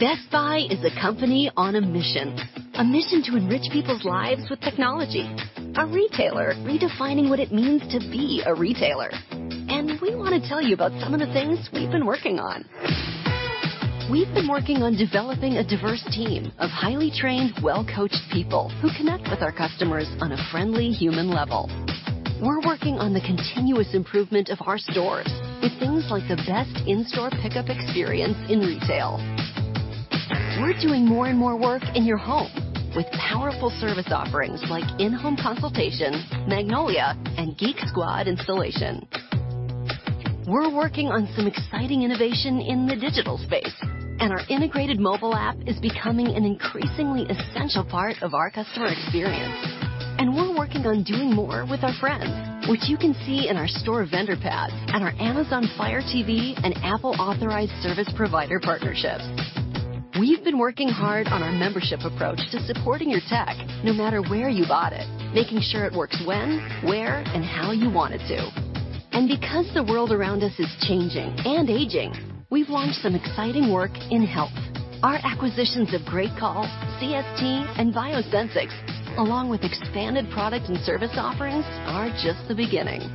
Best Buy is a company on a mission, a mission to enrich people's lives with technology. A retailer redefining what it means to be a retailer. We want to tell you about some of the things we've been working on. We've been working on developing a diverse team of highly trained, well-coached people who connect with our customers on a friendly, human level. We're working on the continuous improvement of our stores with things like the best in-store pickup experience in retail. We're doing more and more work in your home with powerful service offerings like in-home consultations, Magnolia, and Geek Squad installation. We're working on some exciting innovation in the digital space, and our integrated mobile app is becoming an increasingly essential part of our customer experience. We're working on doing more with our friends, which you can see in our store vendor pads and our Amazon Fire TV and Apple Authorized Service Provider partnerships. We've been working hard on our membership approach to supporting your tech, no matter where you bought it, making sure it works when, where, and how you want it to. Because the world around us is changing and aging, we've launched some exciting work in health. Our acquisitions of GreatCall, CST, and BioSensics, along with expanded product and service offerings, are just the beginning.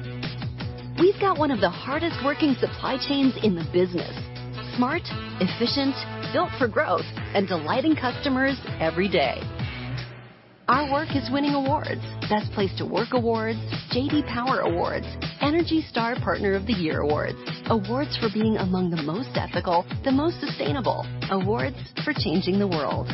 We've got one of the hardest-working supply chains in the business. Smart, efficient, built for growth, and delighting customers every day. Our work is winning awards. Best Place to Work awards, J.D. Power awards, Energy Star Partner of the Year awards. Awards for being among the most ethical, the most sustainable. Awards for changing the world.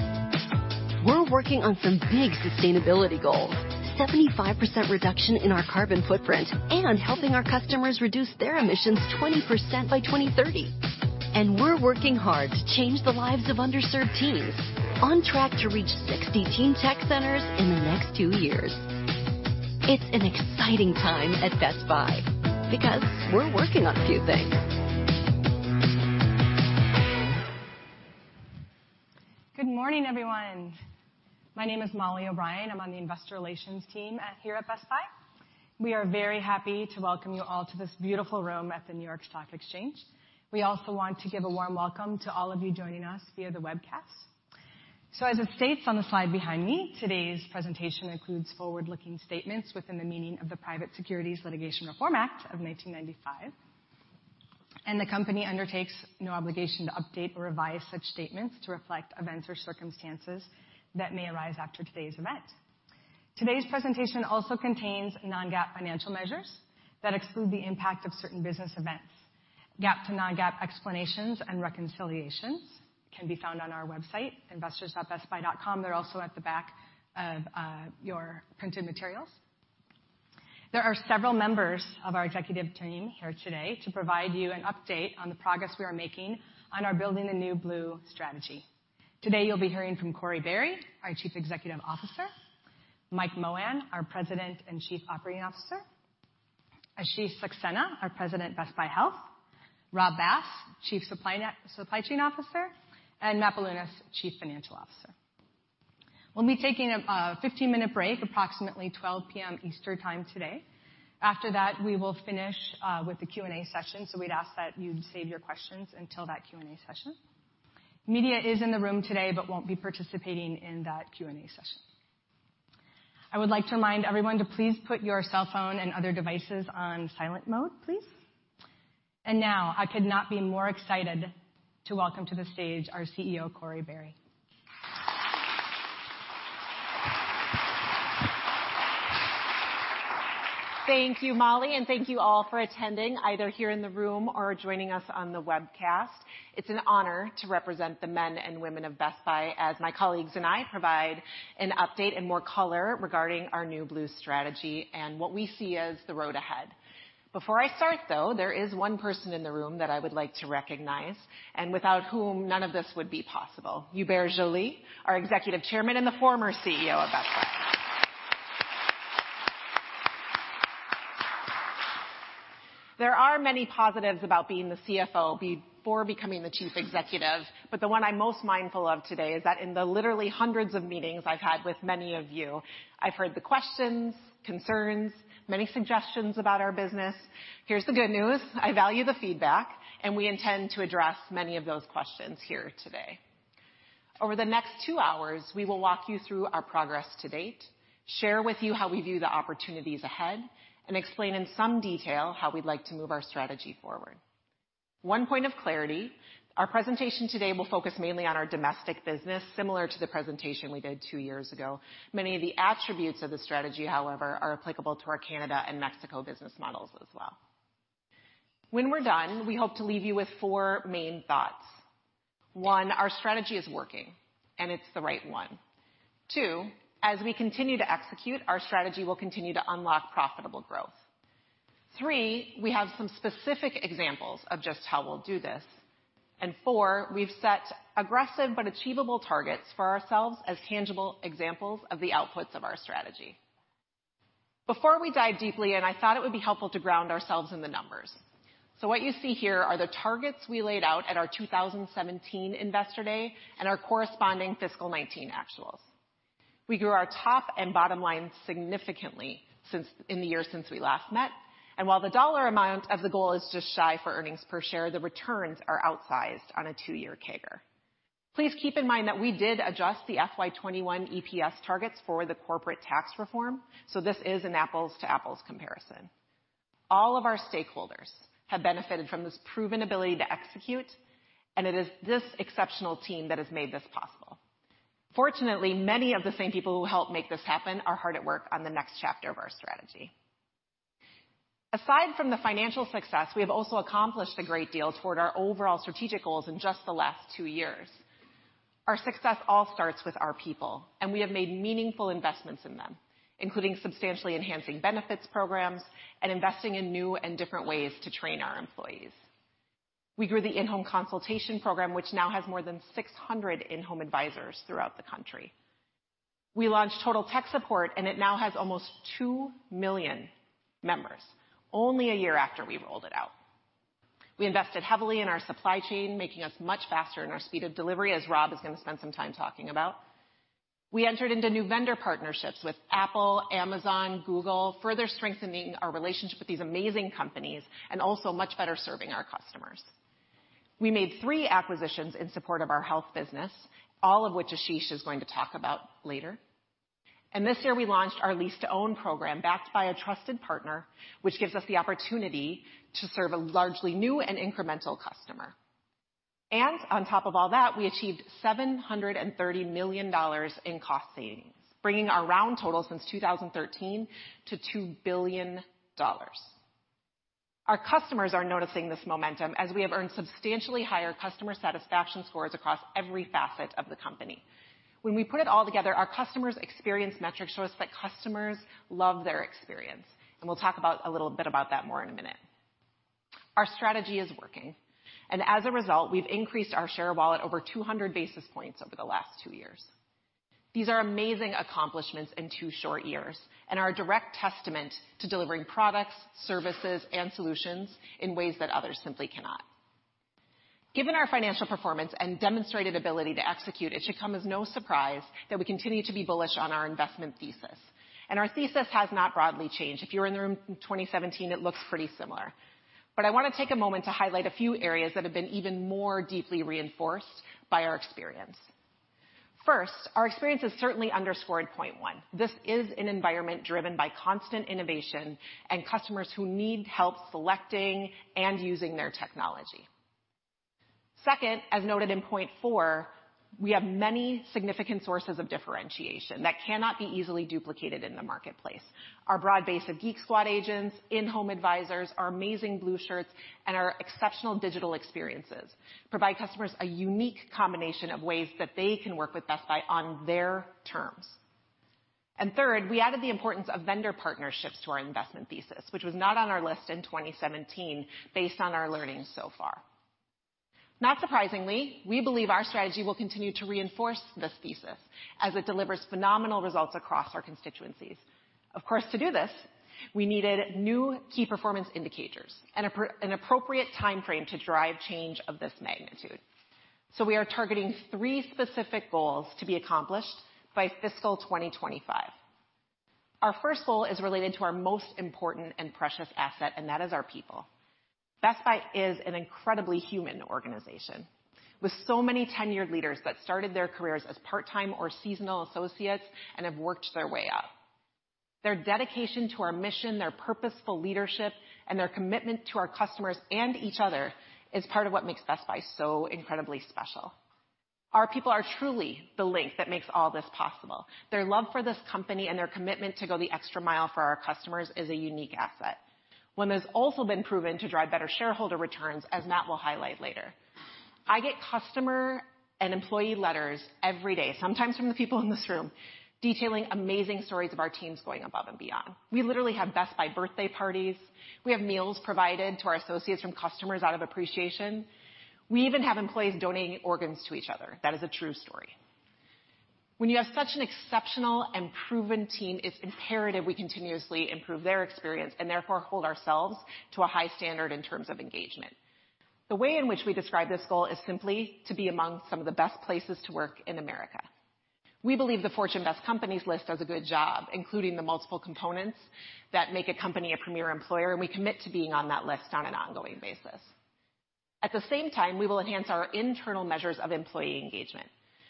We're working on some big sustainability goals. 75% reduction in our carbon footprint and helping our customers reduce their emissions 20% by 2030. We're working hard to change the lives of underserved teens, on track to reach 60 Teen Tech Centers in the next two years. It's an exciting time at Best Buy because we're working on a few things. Good morning, everyone. My name is Mollie O'Brien. I'm on the investor relations team here at Best Buy. We are very happy to welcome you all to this beautiful room at the New York Stock Exchange. We also want to give a warm welcome to all of you joining us via the webcast. As it states on the slide behind me, today's presentation includes forward-looking statements within the meaning of the Private Securities Litigation Reform Act of 1995. The company undertakes no obligation to update or revise such statements to reflect events or circumstances that may arise after today's event. Today's presentation also contains non-GAAP financial measures that exclude the impact of certain business events. GAAP to non-GAAP explanations and reconciliations can be found on our website, investors.bestbuy.com. They're also at the back of your printed materials. There are several members of our executive team here today to provide you an update on the progress we are making on our Building the New Blue strategy. Today, you'll be hearing from Corie Barry, our Chief Executive Officer, Mike Mohan, our President and Chief Operating Officer, Ashish Saxena, our President, Best Buy Health, Rob Bass, Chief Supply Chain Officer, and Matt Bilunas, Chief Financial Officer. We'll be taking a 15-minute break approximately 12:00 P.M. Eastern Time today. After that, we will finish with the Q&A session. We'd ask that you save your questions until that Q&A session. Media is in the room today. Won't be participating in that Q&A session. I would like to remind everyone to please put your cell phone and other devices on silent mode, please. Now, I could not be more excited to welcome to the stage our CEO, Corie Barry. Thank you, Mollie, thank you all for attending, either here in the room or joining us on the webcast. It's an honor to represent the men and women of Best Buy as my colleagues and I provide an update and more color regarding our New Blue strategy and what we see as the road ahead. Before I start, though, there is one person in the room that I would like to recognize, without whom none of this would be possible, Hubert Joly, our Executive Chairman and the former Chief Executive Officer of Best Buy. There are many positives about being the CFO before becoming the Chief Executive, the one I'm most mindful of today is that in the literally hundreds of meetings I've had with many of you, I've heard the questions, concerns, many suggestions about our business. Here's the good news. I value the feedback. We intend to address many of those questions here today. Over the next two hours, we will walk you through our progress to date, share with you how we view the opportunities ahead, and explain in some detail how we'd like to move our strategy forward. One point of clarity, our presentation today will focus mainly on our domestic business, similar to the presentation we did two years ago. Many of the attributes of the strategy, however, are applicable to our Canada and Mexico business models as well. When we're done, we hope to leave you with four main thoughts. One, our strategy is working, and it's the right one. Two, as we continue to execute, our strategy will continue to unlock profitable growth. Three, we have some specific examples of just how we'll do this, and four, we've set aggressive but achievable targets for ourselves as tangible examples of the outputs of our strategy. Before we dive deeply in, I thought it would be helpful to ground ourselves in the numbers. What you see here are the targets we laid out at our 2017 investor day and our corresponding FY '19 actuals. We grew our top and bottom line significantly in the year since we last met, and while the dollar amount of the goal is just shy for earnings per share, the returns are outsized on a two-year CAGR. Please keep in mind that we did adjust the FY '21 EPS targets for the corporate tax reform, so this is an apples to apples comparison. All of our stakeholders have benefited from this proven ability to execute, and it is this exceptional team that has made this possible. Fortunately, many of the same people who helped make this happen are hard at work on the next chapter of our strategy. Aside from the financial success, we have also accomplished a great deal toward our overall strategic goals in just the last two years. Our success all starts with our people, and we have made meaningful investments in them, including substantially enhancing benefits programs and investing in new and different ways to train our employees. We grew the In-Home Consultation Program, which now has more than 600 In-Home Advisors throughout the country. We launched Total Tech Support, and it now has almost 2 million members only a year after we rolled it out. We invested heavily in our supply chain, making us much faster in our speed of delivery, as Rob is going to spend some time talking about. We entered into new vendor partnerships with Apple, Amazon, Google, further strengthening our relationship with these amazing companies, and also much better serving our customers. We made three acquisitions in support of our health business, all of which Ashish is going to talk about later. This year, we launched our lease-to-own program, backed by a trusted partner, which gives us the opportunity to serve a largely new and incremental customer. On top of all that, we achieved $730 million in cost savings, bringing our round total since 2013 to $2 billion. Our customers are noticing this momentum as we have earned substantially higher customer satisfaction scores across every facet of the company. When we put it all together, our customers' experience metric shows that customers love their experience. We'll talk a little bit about that more in a minute. Our strategy is working, and as a result, we've increased our share wallet over 200 basis points over the last two years. These are amazing accomplishments in two short years and are a direct testament to delivering products, services, and solutions in ways that others simply cannot. Given our financial performance and demonstrated ability to execute, it should come as no surprise that we continue to be bullish on our investment thesis, and our thesis has not broadly changed. If you were in the room in 2017, it looks pretty similar. I want to take a moment to highlight a few areas that have been even more deeply reinforced by our experience. First, our experience has certainly underscored point one. This is an environment driven by constant innovation and customers who need help selecting and using their technology. Second, as noted in point four, we have many significant sources of differentiation that cannot be easily duplicated in the marketplace. Our broad base of Geek Squad agents, in-home advisors, our amazing Blue Shirts, and our exceptional digital experiences provide customers a unique combination of ways that they can work with Best Buy on their terms. Third, we added the importance of vendor partnerships to our investment thesis, which was not on our list in 2017 based on our learnings so far. Not surprisingly, we believe our strategy will continue to reinforce this thesis as it delivers phenomenal results across our constituencies. Of course, to do this, we needed new key performance indicators and an appropriate timeframe to drive change of this magnitude. We are targeting three specific goals to be accomplished by fiscal 2025. Our first goal is related to our most important and precious asset, and that is our people. Best Buy is an incredibly human organization with so many tenured leaders that started their careers as part-time or seasonal associates and have worked their way up. Their dedication to our mission, their purposeful leadership, and their commitment to our customers and each other is part of what makes Best Buy so incredibly special. Our people are truly the link that makes all this possible. Their love for this company and their commitment to go the extra mile for our customers is a unique asset. One that has also been proven to drive better shareholder returns, as Matt will highlight later. I get customer and employee letters every day, sometimes from the people in this room, detailing amazing stories of our teams going above and beyond. We literally have Best Buy birthday parties. We have meals provided to our associates from customers out of appreciation. We even have employees donating organs to each other. That is a true story. When you have such an exceptional and proven team, it's imperative we continuously improve their experience and therefore hold ourselves to a high standard in terms of engagement. The way in which we describe this goal is simply to be among some of the best places to work in America. We believe the Fortune Best Companies list does a good job, including the multiple components that make a company a premier employer, and we commit to being on that list on an ongoing basis. At the same time, we will enhance our internal measures of employee engagement.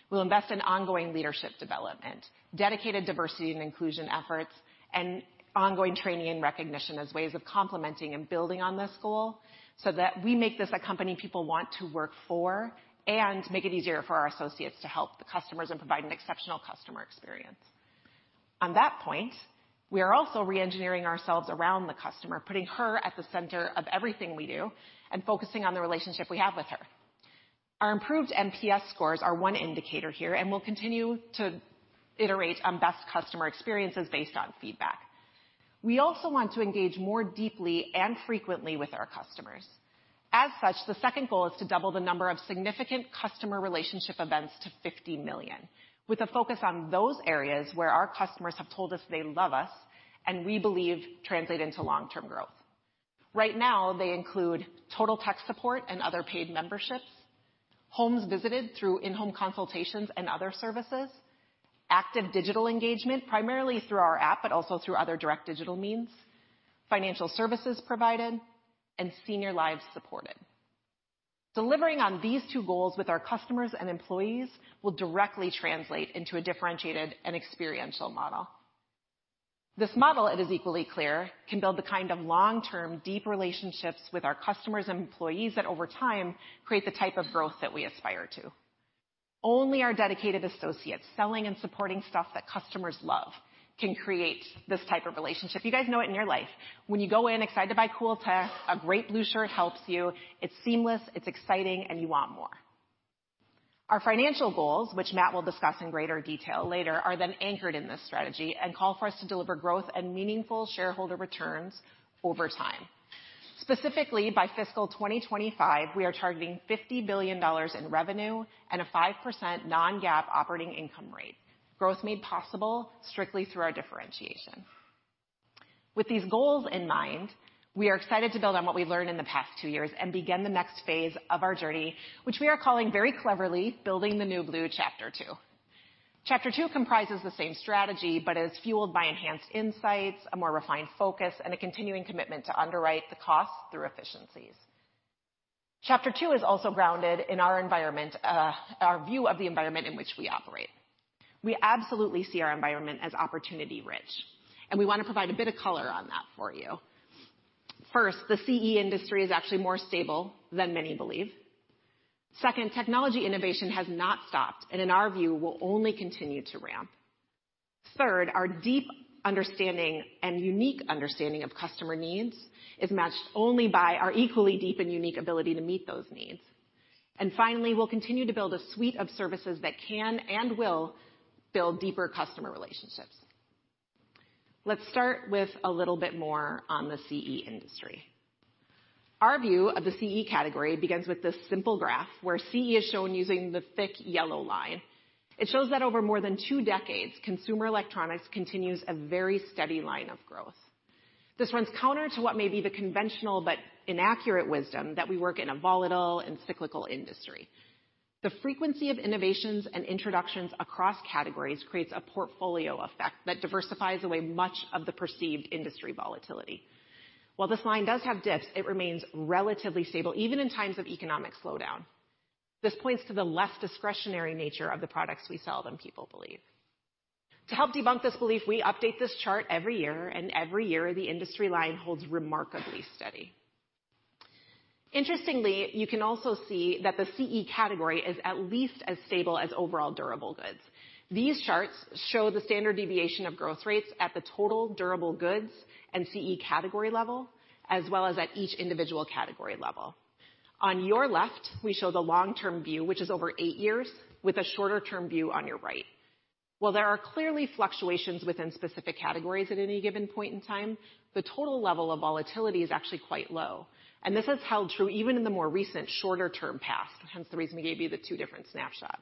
We'll invest in ongoing leadership development, dedicated diversity and inclusion efforts, and ongoing training and recognition as ways of complementing and building on this goal so that we make this a company people want to work for and make it easier for our associates to help the customers and provide an exceptional customer experience. On that point, we are also re-engineering ourselves around the customer, putting her at the center of everything we do and focusing on the relationship we have with her. Our improved NPS scores are one indicator here, and we'll continue to iterate on best customer experiences based on feedback. We also want to engage more deeply and frequently with our customers. As such, the second goal is to double the number of significant customer relationship events to 50 million, with a focus on those areas where our customers have told us they love us and we believe translate into long-term growth. Right now, they include Total Tech Support and other paid memberships, homes visited through in-home consultations and other services, active digital engagement, primarily through our app, but also through other direct digital means, financial services provided, and senior lives supported. Delivering on these two goals with our customers and employees will directly translate into a differentiated and experiential model. This model, it is equally clear, can build the kind of long-term, deep relationships with our customers and employees that over time create the type of growth that we aspire to. Only our dedicated associates selling and supporting stuff that customers love can create this type of relationship. You guys know it in your life. When you go in excited to buy cool tech, a great Blue Shirt helps you. It's seamless, it's exciting, and you want more. Our financial goals, which Matt will discuss in greater detail later, are anchored in this strategy and call for us to deliver growth and meaningful shareholder returns over time. Specifically, by fiscal 2025, we are targeting $50 billion in revenue and a 5% non-GAAP operating income rate. Growth made possible strictly through our differentiation. With these goals in mind, we are excited to build on what we've learned in the past two years and begin the next phase of our journey, which we are calling very cleverly, Building the New Blue: Chapter Two. Chapter Two comprises the same strategy but is fueled by enhanced insights, a more refined focus, and a continuing commitment to underwrite the cost through efficiencies. Chapter Two is also grounded in our view of the environment in which we operate. We absolutely see our environment as opportunity-rich, we want to provide a bit of color on that for you. First, the CE industry is actually more stable than many believe. Second, technology innovation has not stopped, in our view, will only continue to ramp. Third, our deep understanding and unique understanding of customer needs is matched only by our equally deep and unique ability to meet those needs. Finally, we'll continue to build a suite of services that can and will build deeper customer relationships. Let's start with a little bit more on the CE industry. Our view of the CE category begins with this simple graph, where CE is shown using the thick yellow line. It shows that over more than two decades, consumer electronics continues a very steady line of growth. This runs counter to what may be the conventional but inaccurate wisdom that we work in a volatile and cyclical industry. The frequency of innovations and introductions across categories creates a portfolio effect that diversifies away much of the perceived industry volatility. While this line does have dips, it remains relatively stable, even in times of economic slowdown. This points to the less discretionary nature of the products we sell than people believe. To help debunk this belief, we update this chart every year, and every year, the industry line holds remarkably steady. Interestingly, you can also see that the CE category is at least as stable as overall durable goods. These charts show the standard deviation of growth rates at the total durable goods and CE category level, as well as at each individual category level. On your left, we show the long-term view, which is over eight years, with a shorter-term view on your right. Well, there are clearly fluctuations within specific categories at any given point in time. The total level of volatility is actually quite low, and this has held true even in the more recent shorter term past, hence the reason we gave you the two different snapshots.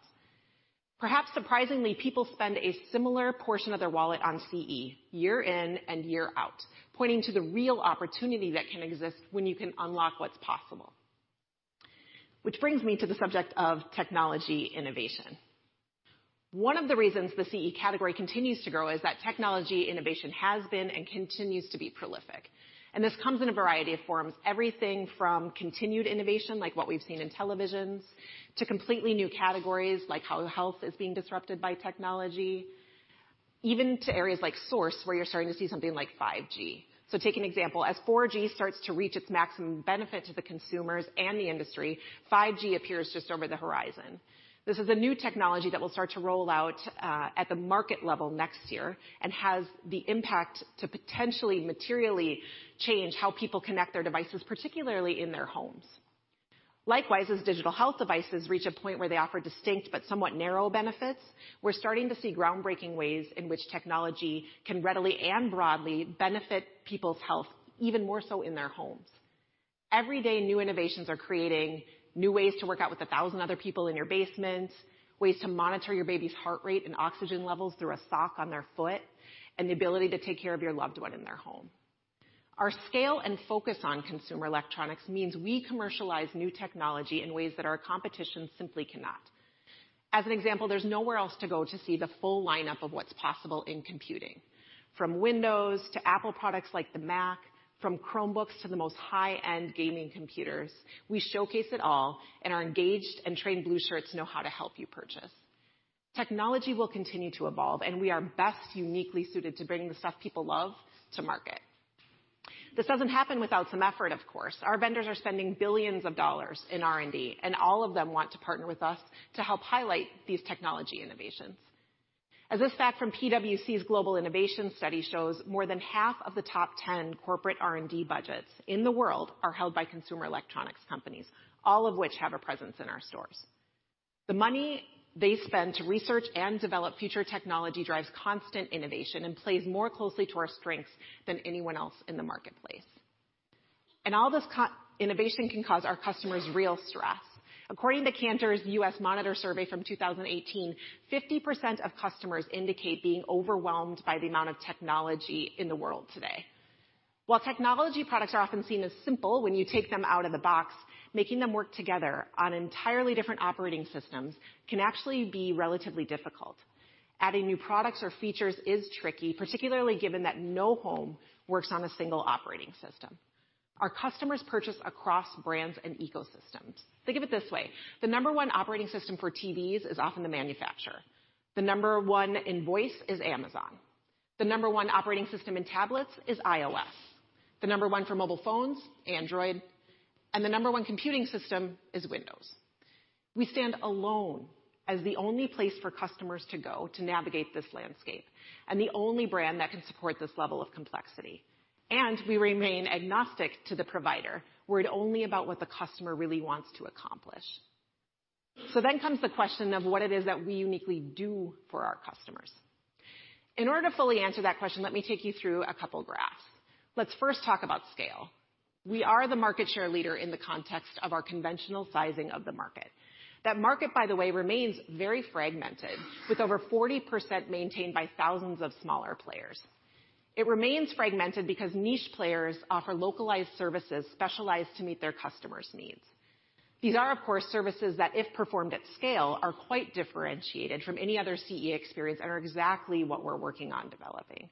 Perhaps surprisingly, people spend a similar portion of their wallet on CE year in and year out, pointing to the real opportunity that can exist when you can unlock what's possible. Which brings me to the subject of technology innovation. One of the reasons the CE category continues to grow is that technology innovation has been and continues to be prolific. This comes in a variety of forms. Everything from continued innovation, like what we've seen in televisions, to completely new categories, like how health is being disrupted by technology, even to areas like source, where you're starting to see something like 5G. Take an example. As 4G starts to reach its maximum benefit to the consumers and the industry, 5G appears just over the horizon. This is a new technology that will start to roll out at the market level next year and has the impact to potentially materially change how people connect their devices, particularly in their homes. Likewise, as digital health devices reach a point where they offer distinct but somewhat narrow benefits, we're starting to see groundbreaking ways in which technology can readily and broadly benefit people's health, even more so in their homes. Every day, new innovations are creating new ways to work out with 1,000 other people in your basement, ways to monitor your baby's heart rate and oxygen levels through a sock on their foot, and the ability to take care of your loved one in their home. Our scale and focus on consumer electronics means we commercialize new technology in ways that our competition simply cannot. As an example, there's nowhere else to go to see the full lineup of what's possible in computing. From Windows to Apple products like the Mac, from Chromebooks to the most high-end gaming computers, we showcase it all, and our engaged and trained Blue Shirts know how to help you purchase. Technology will continue to evolve, and we are best uniquely suited to bring the stuff people love to market. This doesn't happen without some effort, of course. Our vendors are spending $billions in R&D, and all of them want to partner with us to help highlight these technology innovations. As this fact from PwC's global innovation study shows, more than half of the top 10 corporate R&D budgets in the world are held by consumer electronics companies, all of which have a presence in our stores. The money they spend to research and develop future technology drives constant innovation and plays more closely to our strengths than anyone else in the marketplace. All this innovation can cause our customers real stress. According to Kantar's U.S. Monitor survey from 2018, 50% of customers indicate being overwhelmed by the amount of technology in the world today. While technology products are often seen as simple when you take them out of the box, making them work together on entirely different operating systems can actually be relatively difficult. Adding new products or features is tricky, particularly given that no home works on a single operating system. Our customers purchase across brands and ecosystems. Think of it this way. The number one operating system for TVs is often the manufacturer. The number one in voice is Amazon. The number one operating system in tablets is iOS. The number one for mobile phones, Android. The number one computing system is Windows. We stand alone as the only place for customers to go to navigate this landscape and the only brand that can support this level of complexity. We remain agnostic to the provider, worried only about what the customer really wants to accomplish. Comes the question of what it is that we uniquely do for our customers. In order to fully answer that question, let me take you through a couple graphs. Let's first talk about scale. We are the market share leader in the context of our conventional sizing of the market. That market, by the way, remains very fragmented, with over 40% maintained by thousands of smaller players. It remains fragmented because niche players offer localized services specialized to meet their customers' needs. These are, of course, services that, if performed at scale, are quite differentiated from any other CE experience and are exactly what we're working on developing.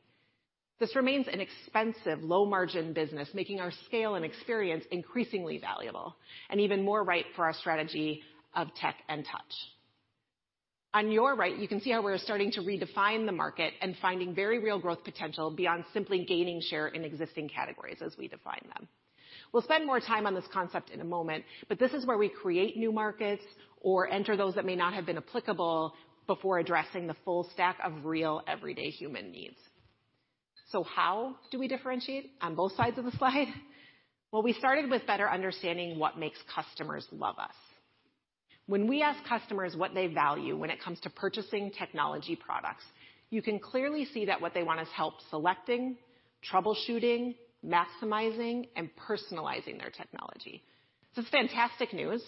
This remains an expensive low-margin business, making our scale and experience increasingly valuable and even more right for our strategy of tech and touch. On your right, you can see how we're starting to redefine the market and finding very real growth potential beyond simply gaining share in existing categories as we define them. We'll spend more time on this concept in a moment, but this is where we create new markets or enter those that may not have been applicable before addressing the full stack of real everyday human needs. How do we differentiate on both sides of the slide? Well, we started with better understanding what makes customers love us. When we ask customers what they value when it comes to purchasing technology products, you can clearly see that what they want is help selecting, troubleshooting, maximizing, and personalizing their technology. It's fantastic news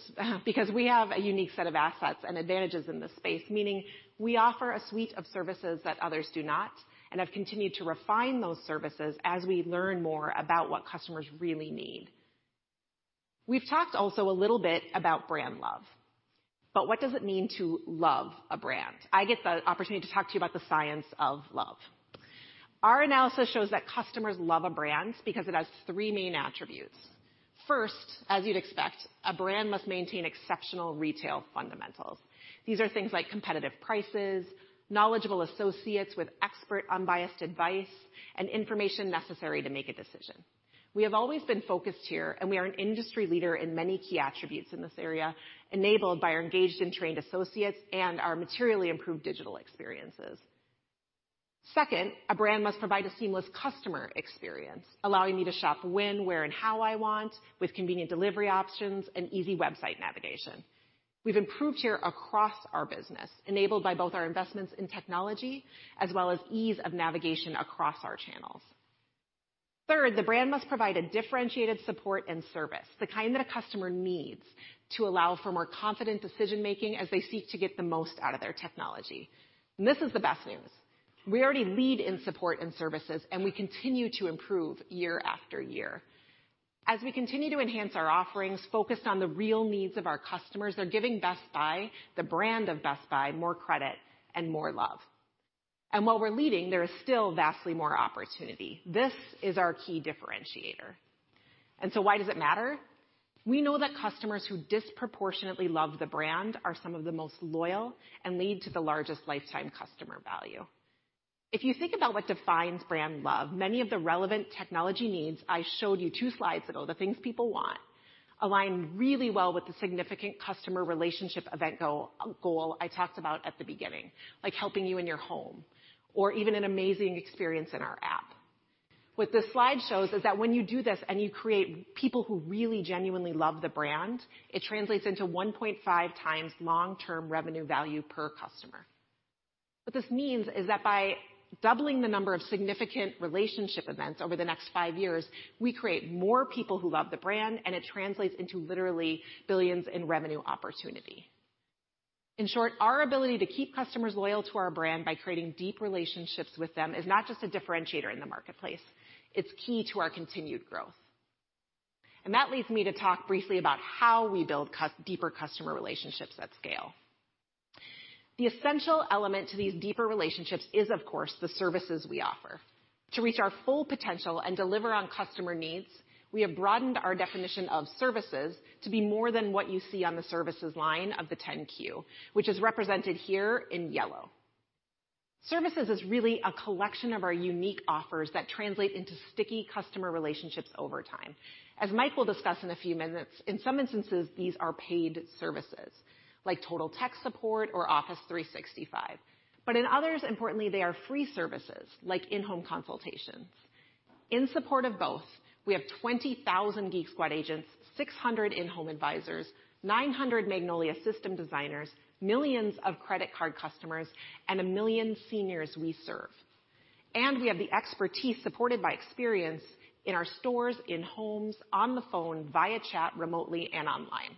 because we have a unique set of assets and advantages in this space, meaning we offer a suite of services that others do not and have continued to refine those services as we learn more about what customers really need. We've talked also a little bit about brand love. What does it mean to love a brand? I get the opportunity to talk to you about the science of love. Our analysis shows that customers love a brand because it has three main attributes. First, as you'd expect, a brand must maintain exceptional retail fundamentals. These are things like competitive prices, knowledgeable associates with expert unbiased advice, and information necessary to make a decision. We have always been focused here, and we are an industry leader in many key attributes in this area, enabled by our engaged and trained associates and our materially improved digital experiences. Second, a brand must provide a seamless customer experience, allowing me to shop when, where, and how I want with convenient delivery options and easy website navigation. We've improved here across our business, enabled by both our investments in technology as well as ease of navigation across our channels. Third, the brand must provide a differentiated support and service, the kind that a customer needs to allow for more confident decision-making as they seek to get the most out of their technology. This is the best news. We already lead in support and services, and we continue to improve year after year. As we continue to enhance our offerings focused on the real needs of our customers, they're giving Best Buy, the brand of Best Buy, more credit and more love. While we're leading, there is still vastly more opportunity. This is our key differentiator. Why does it matter? We know that customers who disproportionately love the brand are some of the most loyal and lead to the largest lifetime customer value. If you think about what defines brand love, many of the relevant technology needs I showed you two slides ago, the things people want, align really well with the significant customer relationship event goal I talked about at the beginning, like helping you in your home or even an amazing experience in our app. What this slide shows is that when you do this and you create people who really genuinely love the brand, it translates into 1.5 times long-term revenue value per customer. What this means is that by doubling the number of significant relationship events over the next five years, we create more people who love the brand. It translates into literally $ billions in revenue opportunity. In short, our ability to keep customers loyal to our brand by creating deep relationships with them is not just a differentiator in the marketplace. It's key to our continued growth. That leads me to talk briefly about how we build deeper customer relationships at scale. The essential element to these deeper relationships is, of course, the services we offer. To reach our full potential and deliver on customer needs, we have broadened our definition of services to be more than what you see on the services line of the 10-Q, which is represented here in yellow. Services is really a collection of our unique offers that translate into sticky customer relationships over time. As Mike will discuss in a few minutes, in some instances, these are paid services like Total Tech Support or Office 365. In others, importantly, they are free services like in-home consultations. In support of both, we have 20,000 Geek Squad agents, 600 in-home advisors, 900 Magnolia System Designers, millions of credit card customers, and a million seniors we serve. We have the expertise supported by experience in our stores, in homes, on the phone, via chat, remotely, and online.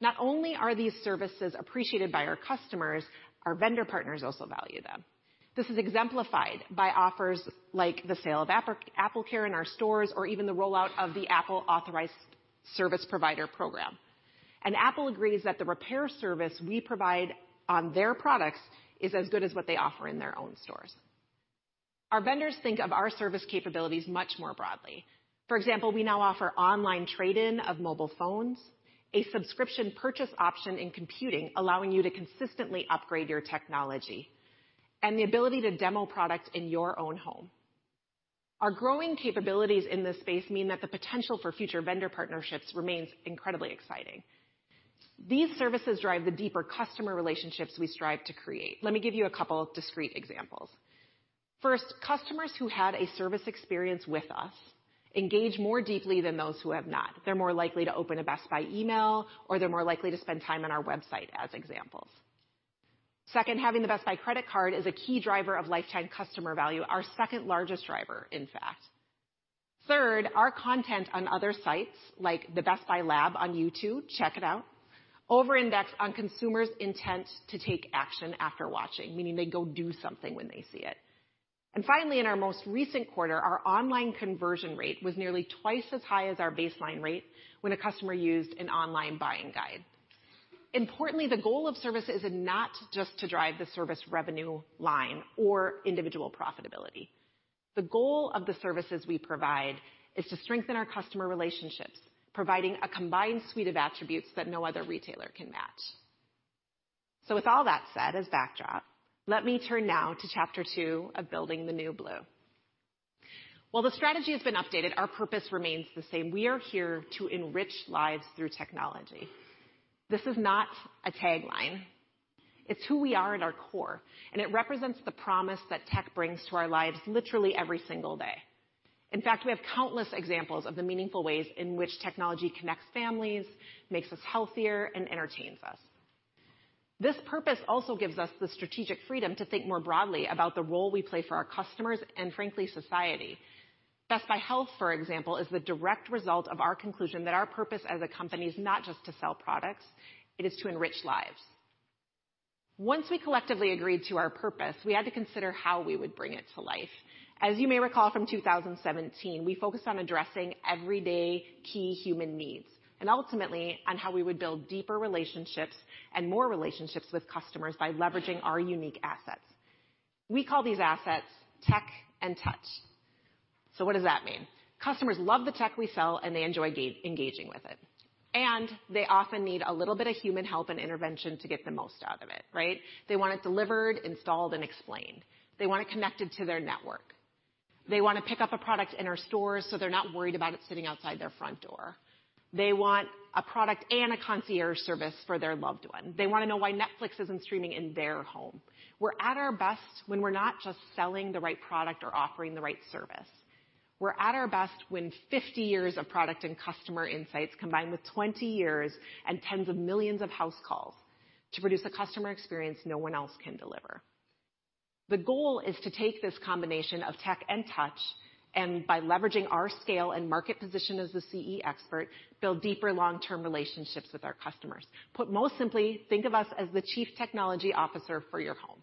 Not only are these services appreciated by our customers, our vendor partners also value them. This is exemplified by offers like the sale of AppleCare in our stores or even the rollout of the Apple Authorized Service Provider program. Apple agrees that the repair service we provide on their products is as good as what they offer in their own stores. Our vendors think of our service capabilities much more broadly. For example, we now offer online trade-in of mobile phones, a subscription purchase option in computing, allowing you to consistently upgrade your technology, and the ability to demo product in your own home. Our growing capabilities in this space mean that the potential for future vendor partnerships remains incredibly exciting. These services drive the deeper customer relationships we strive to create. Let me give you a couple of discrete examples. First, customers who had a service experience with us engage more deeply than those who have not. They're more likely to open a Best Buy email, or they're more likely to spend time on our website as examples. Second, having the Best Buy credit card is a key driver of lifetime customer value, our second-largest driver, in fact. Third, our content on other sites, like the In The Lab on YouTube, check it out, over-index on consumers' intent to take action after watching, meaning they go do something when they see it. Finally, in our most recent quarter, our online conversion rate was nearly twice as high as our baseline rate when a customer used an online buying guide. Importantly, the goal of service is not just to drive the service revenue line or individual profitability. The goal of the services we provide is to strengthen our customer relationships, providing a combined suite of attributes that no other retailer can match. Let me turn now to Chapter 2 of Building the New Blue. While the strategy has been updated, our purpose remains the same. We are here to enrich lives through technology. This is not a tagline. It's who we are at our core, and it represents the promise that tech brings to our lives literally every single day. In fact, we have countless examples of the meaningful ways in which technology connects families, makes us healthier, and entertains us. This purpose also gives us the strategic freedom to think more broadly about the role we play for our customers and frankly, society. Best Buy Health, for example, is the direct result of our conclusion that our purpose as a company is not just to sell products, it is to enrich lives. Once we collectively agreed to our purpose, we had to consider how we would bring it to life. As you may recall from 2017, we focused on addressing everyday key human needs and ultimately on how we would build deeper relationships and more relationships with customers by leveraging our unique assets. We call these assets tech and touch. What does that mean? They often need a little bit of human help and intervention to get the most out of it, right? They want it delivered, installed, and explained. They want it connected to their network. They want to pick up a product in our stores, so they're not worried about it sitting outside their front door. They want a product and a concierge service for their loved one. They want to know why Netflix isn't streaming in their home. We're at our best when we're not just selling the right product or offering the right service. We're at our best when 50 years of product and customer insights combine with 20 years and tens of millions of house calls to produce a customer experience no one else can deliver. The goal is to take this combination of tech and touch, by leveraging our scale and market position as a CE expert, build deeper long-term relationships with our customers. Put most simply, think of us as the chief technology officer for your home.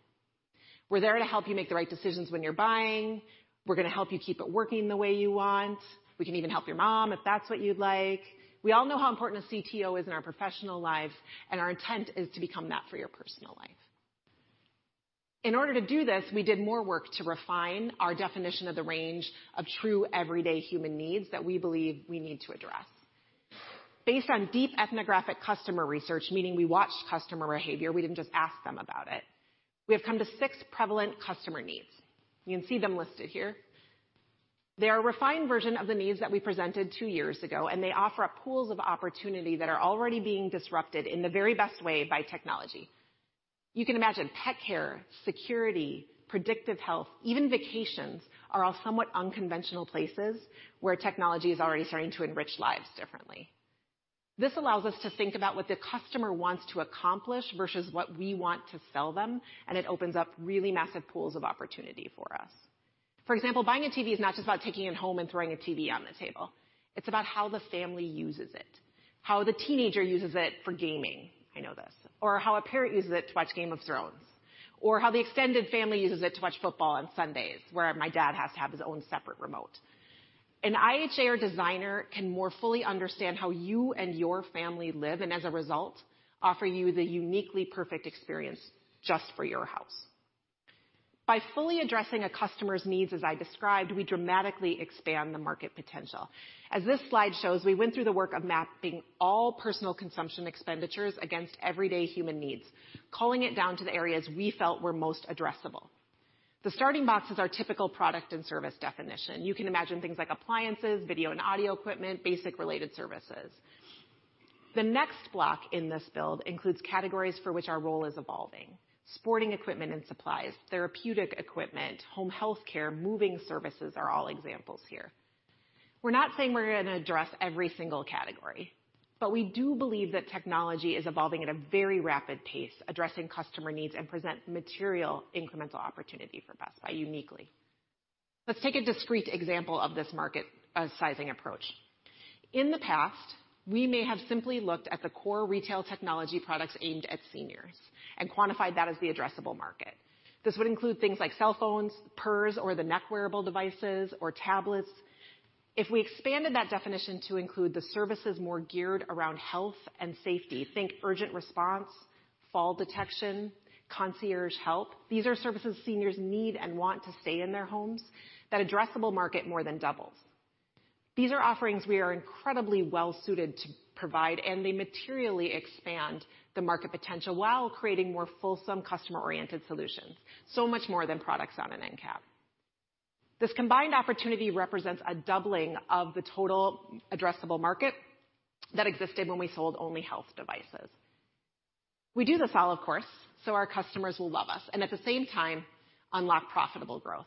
We're there to help you make the right decisions when you're buying. We're going to help you keep it working the way you want. We can even help your mom if that's what you'd like. We all know how important a CTO is in our professional lives, and our intent is to become that for your personal life. In order to do this, we did more work to refine our definition of the range of true everyday human needs that we believe we need to address. Based on deep ethnographic customer research, meaning we watched customer behavior, we didn't just ask them about it, we have come to six prevalent customer needs. You can see them listed here. They're a refined version of the needs that we presented two years ago, and they offer up pools of opportunity that are already being disrupted in the very best way by technology. You can imagine pet care, security, predictive health, even vacations are all somewhat unconventional places where technology is already starting to enrich lives differently. This allows us to think about what the customer wants to accomplish versus what we want to sell them, and it opens up really massive pools of opportunity for us. For example, buying a TV is not just about taking it home and throwing a TV on the table. It's about how the family uses it, how the teenager uses it for gaming. I know this. Or how a parent uses it to watch "Game of Thrones," or how the extended family uses it to watch football on Sundays, where my dad has to have his own separate remote. An IHA designer can more fully understand how you and your family live, and as a result, offer you the uniquely perfect experience just for your house. By fully addressing a customer's needs as I described, we dramatically expand the market potential. As this slide shows, we went through the work of mapping all personal consumption expenditures against everyday human needs, culling it down to the areas we felt were most addressable. The starting box is our typical product and service definition. You can imagine things like appliances, video and audio equipment, basic related services. The next block in this build includes categories for which our role is evolving, sporting equipment and supplies, therapeutic equipment, home health care, moving services are all examples here. We're not saying we're going to address every single category, but we do believe that technology is evolving at a very rapid pace, addressing customer needs and present material incremental opportunity for Best Buy uniquely. Let's take a discrete example of this market sizing approach. In the past, we may have simply looked at the core retail technology products aimed at seniors and quantified that as the addressable market. This would include things like cell phones, PERS or the neck wearable devices, or tablets. If we expanded that definition to include the services more geared around health and safety, think urgent response, fall detection, concierge help. These are services seniors need and want to stay in their homes. That addressable market more than doubles. These are offerings we are incredibly well-suited to provide, and they materially expand the market potential while creating more fulsome customer-oriented solutions. Much more than products on an end cap. This combined opportunity represents a doubling of the total addressable market that existed when we sold only health devices. We do this all, of course, so our customers will love us, and at the same time, unlock profitable growth.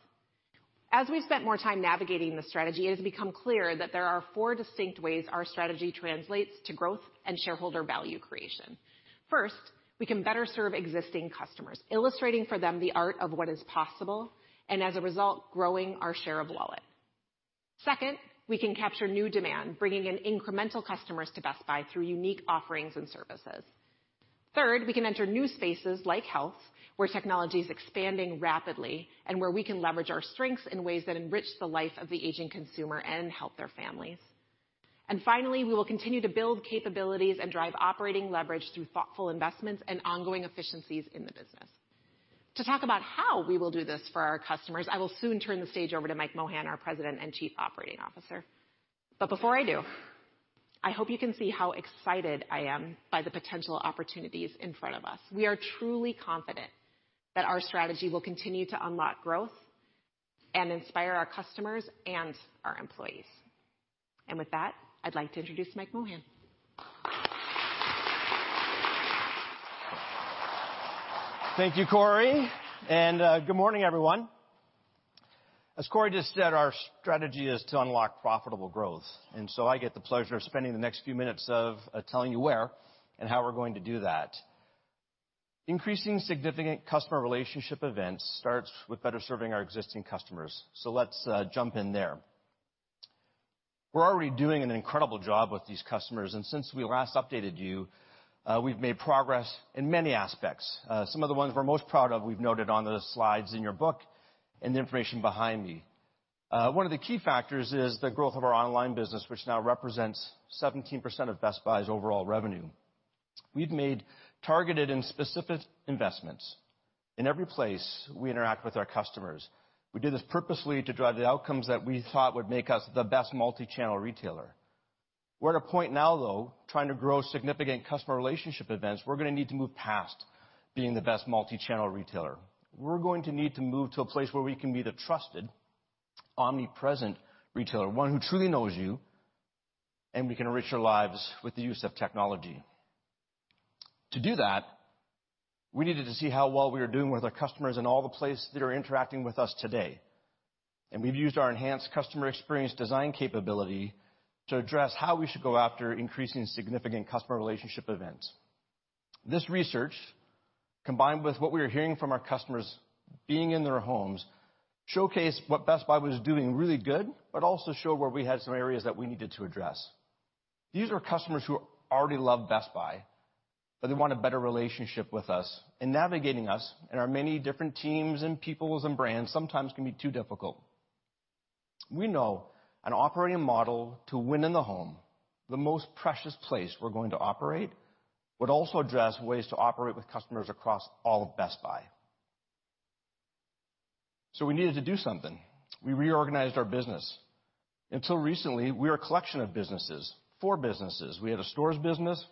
As we've spent more time navigating the strategy, it has become clear that there are four distinct ways our strategy translates to growth and shareholder value creation. First, we can better serve existing customers, illustrating for them the art of what is possible, and as a result, growing our share of wallet. Second, we can capture new demand, bringing in incremental customers to Best Buy through unique offerings and services. Third, we can enter new spaces like Health, where technology is expanding rapidly, and where we can leverage our strengths in ways that enrich the life of the aging consumer and help their families. Finally, we will continue to build capabilities and drive operating leverage through thoughtful investments and ongoing efficiencies in the business. To talk about how we will do this for our customers, I will soon turn the stage over to Mike Mohan, our President and Chief Operating Officer. Before I do, I hope you can see how excited I am by the potential opportunities in front of us. We are truly confident that our strategy will continue to unlock growth and inspire our customers and our employees. With that, I'd like to introduce Mike Mohan. Thank you, Corie. Good morning, everyone. As Corie just said, our strategy is to unlock profitable growth. I get the pleasure of spending the next few minutes of telling you where and how we're going to do that. Increasing significant customer relationship events starts with better serving our existing customers. Let's jump in there. We're already doing an incredible job with these customers, and since we last updated you, we've made progress in many aspects. Some of the ones we're most proud of, we've noted on the slides in your book and the information behind me. One of the key factors is the growth of our online business, which now represents 17% of Best Buy's overall revenue. We've made targeted and specific investments in every place we interact with our customers. We did this purposely to drive the outcomes that we thought would make us the best multi-channel retailer. We're at a point now, though, trying to grow significant customer relationship events, we're going to need to move past being the best multi-channel retailer. We're going to need to move to a place where we can be the trusted, omnipresent retailer, one who truly knows you, and we can enrich your lives with the use of technology. To do that, we needed to see how well we were doing with our customers in all the places that are interacting with us today. We've used our enhanced customer experience design capability to address how we should go after increasing significant customer relationship events. This research, combined with what we are hearing from our customers being in their homes, showcase what Best Buy was doing really good, but also show where we had some areas that we needed to address. These are customers who already love Best Buy, but they want a better relationship with us. Navigating us and our many different teams and peoples and brands sometimes can be too difficult. We know an operating model to win in the home, the most precious place we're going to operate, would also address ways to operate with customers across all of Best Buy. We needed to do something. We reorganized our business. Until recently, we were a collection of businesses, four businesses. We had a stores business,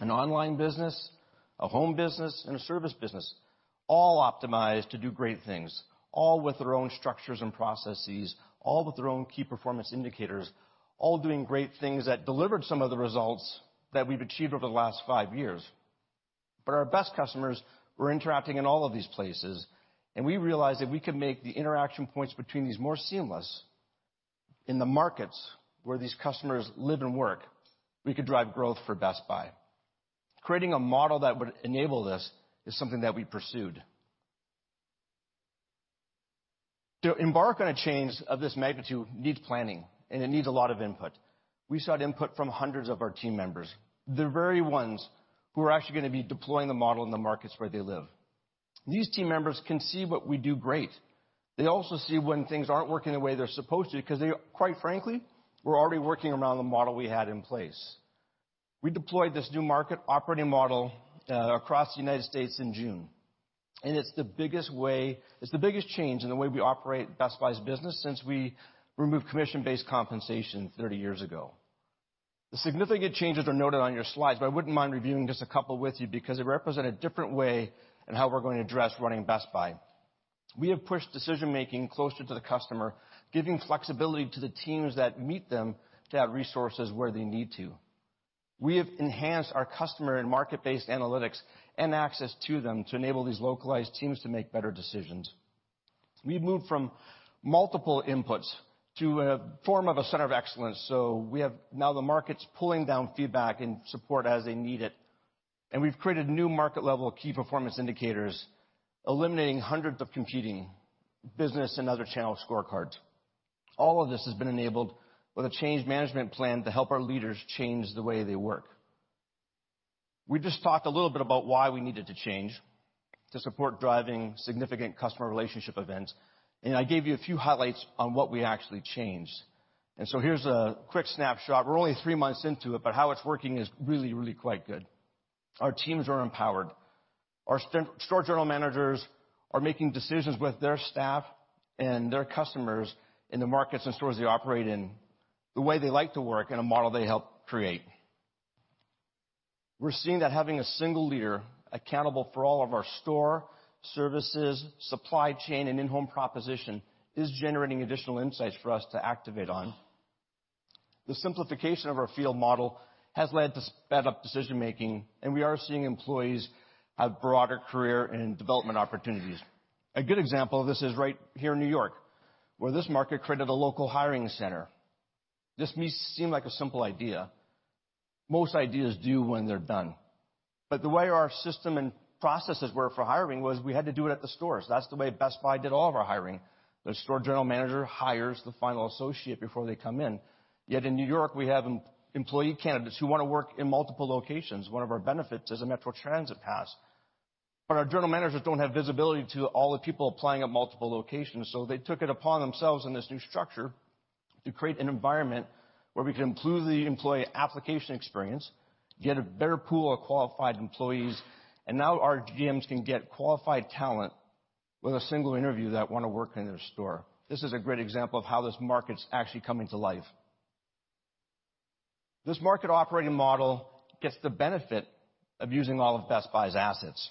an online business, a home business, and a service business, all optimized to do great things, all with their own structures and processes, all with their own key performance indicators, all doing great things that delivered some of the results that we've achieved over the last five years. Our best customers were interacting in all of these places, and we realized that we could make the interaction points between these more seamless in the markets where these customers live and work, we could drive growth for Best Buy. Creating a model that would enable this is something that we pursued. To embark on a change of this magnitude needs planning, and it needs a lot of input. We sought input from hundreds of our team members, the very ones who are actually going to be deploying the model in the markets where they live. These team members can see what we do great. They also see when things aren't working the way they're supposed to, because they, quite frankly, were already working around the model we had in place. We deployed this new market operating model across the United States in June, and it's the biggest change in the way we operate Best Buy's business since we removed commission-based compensation 30 years ago. The significant changes are noted on your slides, but I wouldn't mind reviewing just a couple with you because they represent a different way in how we're going to address running Best Buy. We have pushed decision-making closer to the customer, giving flexibility to the teams that meet them to add resources where they need to. We have enhanced our customer and market-based analytics and access to them to enable these localized teams to make better decisions. We've moved from multiple inputs to a form of a center of excellence. We have now the markets pulling down feedback and support as they need it. We've created new market-level key performance indicators, eliminating hundreds of competing business and other channel scorecards. All of this has been enabled with a change management plan to help our leaders change the way they work. We just talked a little bit about why we needed to change to support driving significant customer relationship events. I gave you a few highlights on what we actually changed. Here's a quick snapshot. We're only three months into it, but how it's working is really quite good. Our teams are empowered. Our store general managers are making decisions with their staff and their customers in the markets and stores they operate in, the way they like to work in a model they helped create. We're seeing that having a single leader accountable for all of our store, services, supply chain, and in-home proposition is generating additional insights for us to activate on. The simplification of our field model has led to sped up decision-making, and we are seeing employees have broader career and development opportunities. A good example of this is right here in New York, where this market created a local hiring center. This may seem like a simple idea. Most ideas do when they're done. The way our system and processes were for hiring was we had to do it at the stores. That's the way Best Buy did all of our hiring. The store general manager hires the final associate before they come in. In N.Y., we have employee candidates who want to work in multiple locations. One of our benefits is a Metro Transit pass. Our general managers don't have visibility to all the people applying at multiple locations. They took it upon themselves in this new structure to create an environment where we can improve the employee application experience, get a better pool of qualified employees, and now our GMs can get qualified talent with a single interview that want to work in their store. This is a great example of how this market's actually coming to life. This market operating model gets the benefit of using all of Best Buy's assets.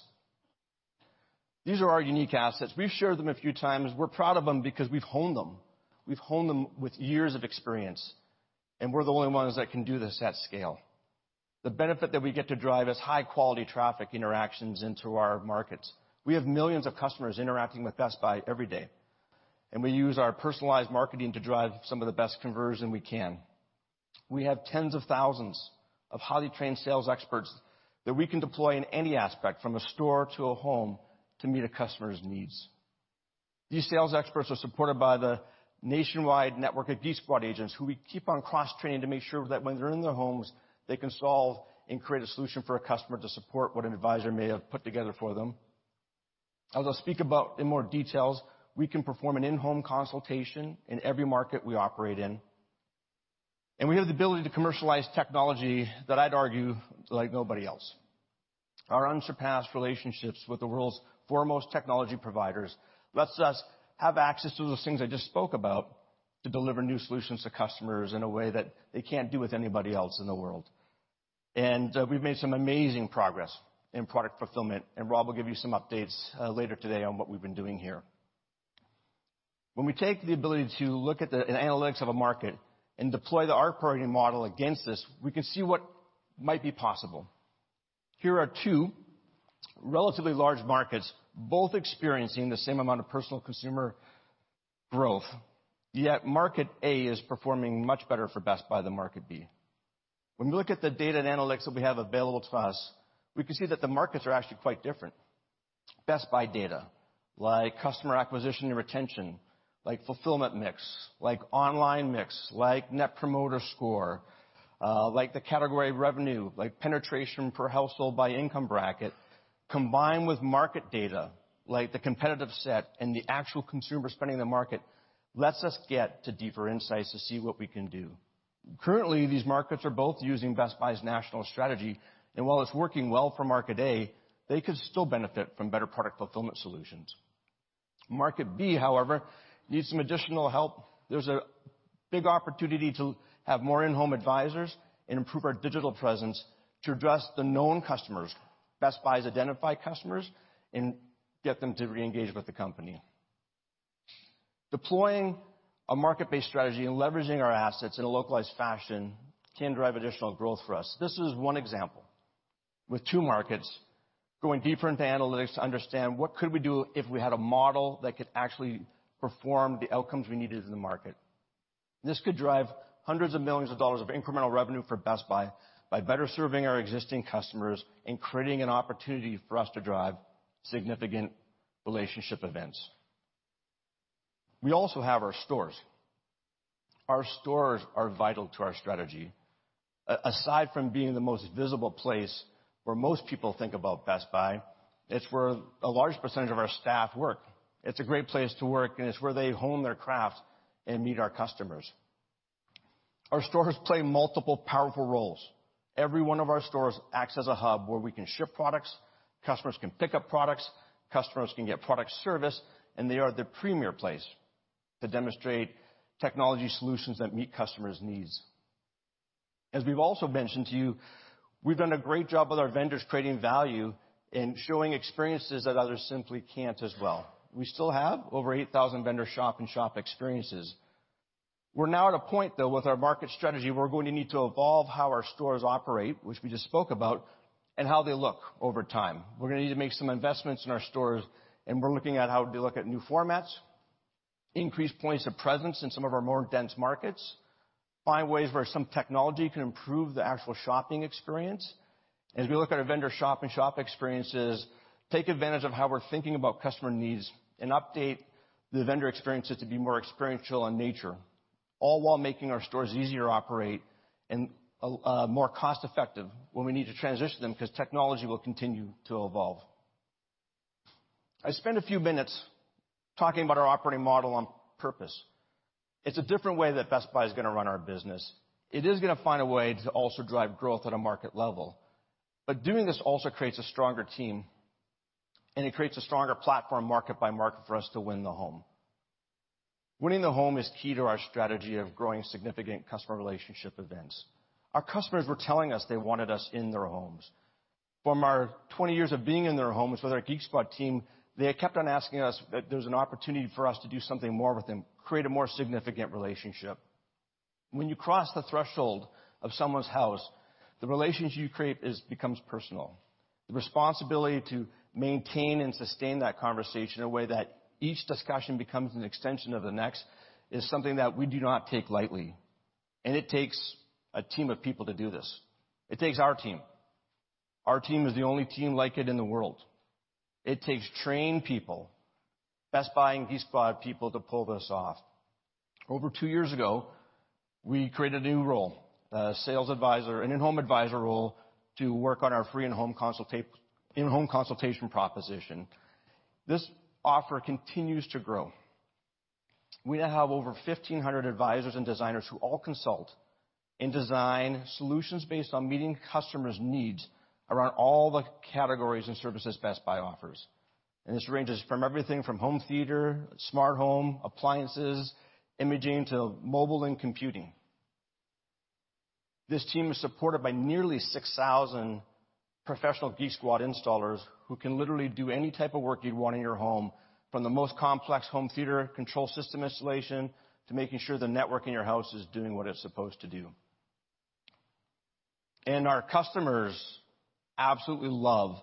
These are our unique assets. We've shared them a few times. We're proud of them because we've honed them. We've honed them with years of experience, and we're the only ones that can do this at scale. The benefit that we get to drive is high-quality traffic interactions into our markets. We have millions of customers interacting with Best Buy every day, and we use our personalized marketing to drive some of the best conversion we can. We have tens of thousands of highly trained sales experts that we can deploy in any aspect, from a store to a home, to meet a customer's needs. These sales experts are supported by the nationwide network of Geek Squad agents, who we keep on cross-training to make sure that when they're in their homes, they can solve and create a solution for a customer to support what an advisor may have put together for them. As I'll speak about in more details, we can perform an in-home consultation in every market we operate in. We have the ability to commercialize technology that I'd argue like nobody else. Our unsurpassed relationships with the world's foremost technology providers lets us have access to those things I just spoke about to deliver new solutions to customers in a way that they can't do with anybody else in the world. We've made some amazing progress in product fulfillment, and Rob will give you some updates later today on what we've been doing here. When we take the ability to look at the analytics of a market and deploy our operating model against this, we can see what might be possible. Here are two relatively large markets, both experiencing the same amount of personal consumer growth, yet market A is performing much better for Best Buy than market B. When we look at the data and analytics that we have available to us, we can see that the markets are actually quite different. Best Buy data, like customer acquisition and retention, like fulfillment mix, like online mix, like Net Promoter Score, like the category revenue, like penetration per household by income bracket, combined with market data, like the competitive set and the actual consumer spending in the market, lets us get to deeper insights to see what we can do. While it's working well for market A, they could still benefit from better product fulfillment solutions. Market B, however, needs some additional help. There's a big opportunity to have more in-home advisors and improve our digital presence to address the known customers, Best Buy's identified customers, and get them to reengage with the company. Deploying a market-based strategy and leveraging our assets in a localized fashion can drive additional growth for us. This is one example with two markets going deeper into analytics to understand what could we do if we had a model that could actually perform the outcomes we needed in the market. This could drive hundreds of millions of dollars of incremental revenue for Best Buy by better serving our existing customers and creating an opportunity for us to drive significant relationship events. We also have our stores. Our stores are vital to our strategy. Aside from being the most visible place where most people think about Best Buy, it's where a large percentage of our staff work. It's a great place to work, and it's where they hone their craft and meet our customers. Our stores play multiple powerful roles. Every one of our stores acts as a hub where we can ship products, customers can pick up products, customers can get product service, and they are the premier place to demonstrate technology solutions that meet customers' needs. As we've also mentioned to you, we've done a great job with our vendors creating value and showing experiences that others simply can't as well. We still have over 8,000 vendor shop-in-shop experiences. We're now at a point, though, with our market strategy, we're going to need to evolve how our stores operate, which we just spoke about, and how they look over time. We're going to need to make some investments in our stores, and we're looking at how to look at new formats, increase points of presence in some of our more dense markets, find ways where some technology can improve the actual shopping experience. As we look at our vendor shop-in-shop experiences, take advantage of how we're thinking about customer needs, and update the vendor experiences to be more experiential in nature, all while making our stores easier to operate and more cost-effective when we need to transition them because technology will continue to evolve. I spent a few minutes talking about our operating model on purpose. It's a different way that Best Buy is going to run our business. It is going to find a way to also drive growth at a market level. Doing this also creates a stronger team and it creates a stronger platform market by market for us to win the home. Winning the home is key to our strategy of growing significant customer relationship events. Our customers were telling us they wanted us in their homes. From our 20 years of being in their homes with our Geek Squad team, they kept on asking us that there's an opportunity for us to do something more with them, create a more significant relationship. When you cross the threshold of someone's house, the relationship you create becomes personal. The responsibility to maintain and sustain that conversation in a way that each discussion becomes an extension of the next is something that we do not take lightly, and it takes a team of people to do this. It takes our team. Our team is the only team like it in the world. It takes trained people, Best Buy and Geek Squad people, to pull this off. Over two years ago, we created a new role, a sales advisor, an in-home advisor role to work on our free in-home consultation proposition. This offer continues to grow. We now have over 1,500 advisors and designers who all consult and design solutions based on meeting customers' needs around all the categories and services Best Buy offers. This ranges from everything from home theater, smart home, appliances, imaging, to mobile and computing. This team is supported by nearly 6,000 professional Geek Squad installers who can literally do any type of work you'd want in your home, from the most complex home theater control system installation to making sure the network in your house is doing what it's supposed to do. Our customers absolutely love